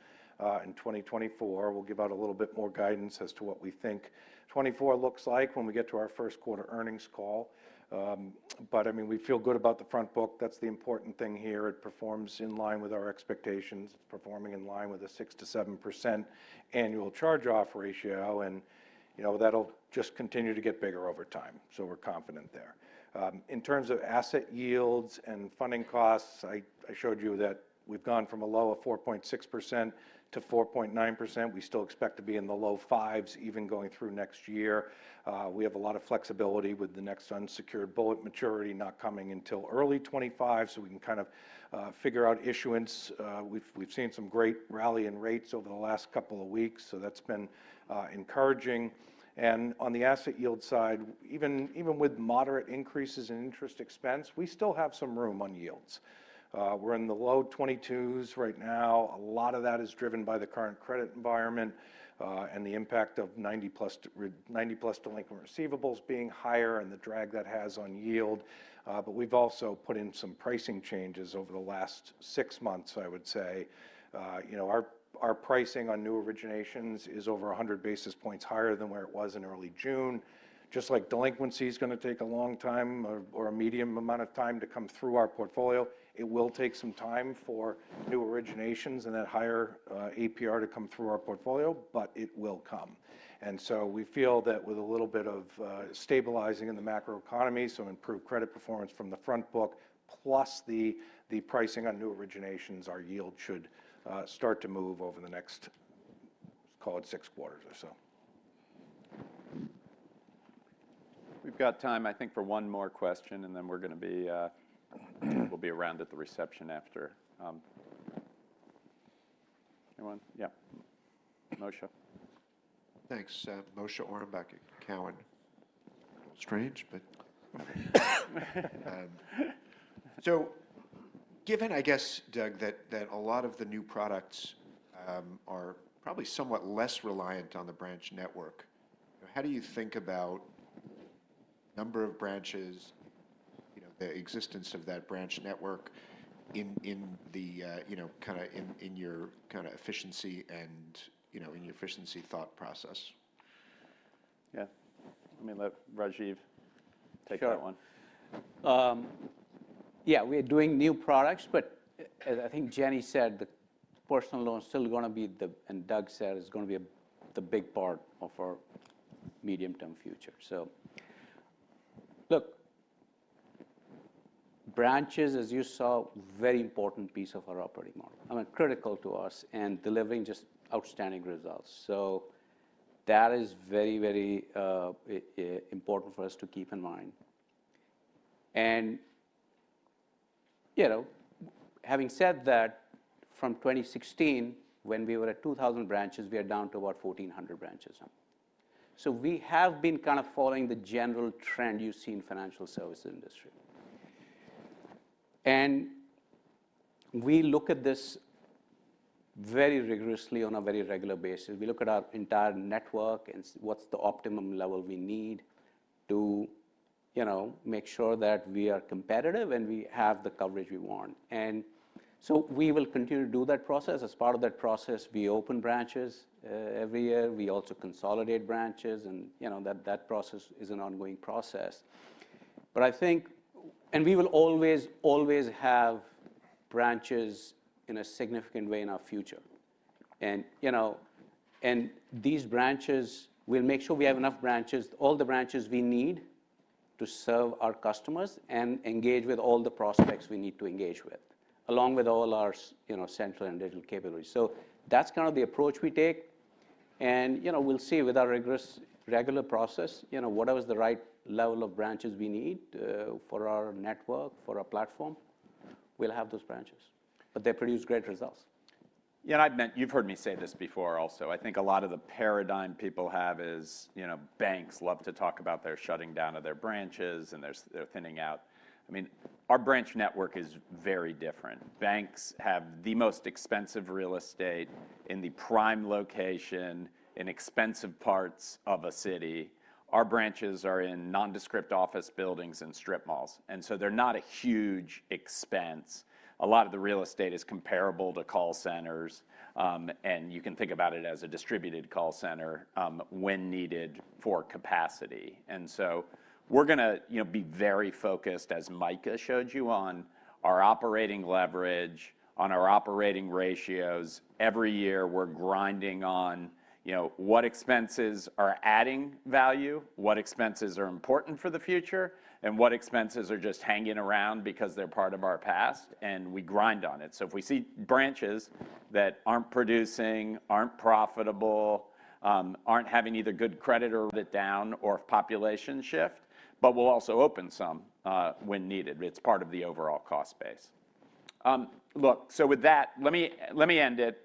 in 2024. We'll give out a little bit more guidance as to what we think 2024 looks like when we get to our first quarter earnings call. But, I mean, we feel good about the front book. That's the important thing here. It performs in line with our expectations. It's performing in line with a 6%-7% annual charge-off ratio, and, you know, that'll just continue to get bigger over time. So we're confident there. In terms of asset yields and funding costs, I, I showed you that we've gone from a low of 4.6% to 4.9%. We still expect to be in the low 5s, even going through next year. We have a lot of flexibility with the next unsecured bullet maturity not coming until early 2025, so we can kind of figure out issuance. We've seen some great rally in rates over the last couple of weeks, so that's been encouraging. And on the asset yield side, even with moderate increases in interest expense, we still have some room on yields. We're in the low 20s right now. A lot of that is driven by the current credit environment, and the impact of 90+ delinquent receivables being higher and the drag that has on yield. But we've also put in some pricing changes over the last six months, I would say. You know, our pricing on new originations is over 100 basis points higher than where it was in early June. Just like delinquency is going to take a long time or a medium amount of time to come through our portfolio, it will take some time for new originations and that higher APR to come through our portfolio, but it will come. And so we feel that with a little bit of stabilizing in the macroeconomy, some improved credit performance from the front book, plus the pricing on new originations, our yield should start to move over the next, call it six quarters or so. We've got time, I think, for one more question, and then we're going to be... We'll be around at the reception after. Anyone? Yeah. Moshe. Thanks. Moshe Orenbuch at TD Cowen. So given, I guess, Doug, that a lot of the new products are probably somewhat less reliant on the branch network, how do you think about number of branches, you know, the existence of that branch network in the, you know, kind of in your kind of efficiency and, you know, in your efficiency thought process? Yeah. Let me let Rajive take that one. Sure. Yeah, we are doing new products, but as I think Jenny said, the personal loan is still going to be the, and Doug said, is going to be the big part of our medium-term future. So look, branches, as you saw, very important piece of our operating model. I mean, critical to us and delivering just outstanding results. So that is very, very important for us to keep in mind. And, you know, having said that, from 2016, when we were at 2,000 branches, we are down to about 1,400 branches now. So we have been kind of following the general trend you see in financial services industry. And we look at this very rigorously on a very regular basis. We look at our entire network and what's the optimum level we need to, you know, make sure that we are competitive and we have the coverage we want. And so we will continue to do that process. As part of that process, we open branches every year. We also consolidate branches and, you know, that, that process is an ongoing process. But I think and we will always, always have branches in a significant way in our future. And, you know, and these branches, we'll make sure we have enough branches, all the branches we need to serve our customers and engage with all the prospects we need to engage with, along with all our, you know, central and digital capabilities. So that's kind of the approach we take, and, you know, we'll see with our rigorous, regular process, you know, whatever is the right level of branches we need, for our network, for our platform, we'll have those branches. But they produce great results. Yeah, and I've meant you've heard me say this before also. I think a lot of the paradigm people have is, you know, banks love to talk about their shutting down of their branches, and there's, they're thinning out. I mean, our branch network is very different. Banks have the most expensive real estate in the prime location, in expensive parts of a city. Our branches are in nondescript office buildings and strip malls, and so they're not a huge expense. A lot of the real estate is comparable to call centers, and you can think about it as a distributed call center, when needed for capacity. And so we're going to, you know, be very focused, as Micah showed you, on our operating leverage, on our operating ratios. Every year, we're grinding on, you know, what expenses are adding value, what expenses are important for the future, and what expenses are just hanging around because they're part of our past, and we grind on it. So if we see branches that aren't producing, aren't profitable, aren't having either good credit or bit down or population shift, but we'll also open some when needed. It's part of the overall cost base. Look, so with that, let me, let me end it.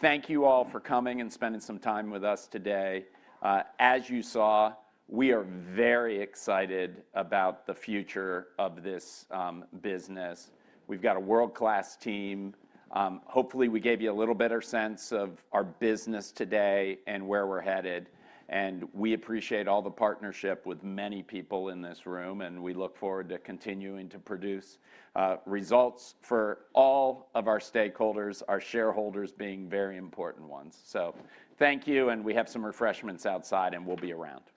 Thank you all for coming and spending some time with us today. As you saw, we are very excited about the future of this business. We've got a world-class team. Hopefully, we gave you a little better sense of our business today and where we're headed, and we appreciate all the partnership with many people in this room, and we look forward to continuing to produce results for all of our stakeholders, our shareholders being very important ones. So thank you, and we have some refreshments outside, and we'll be around.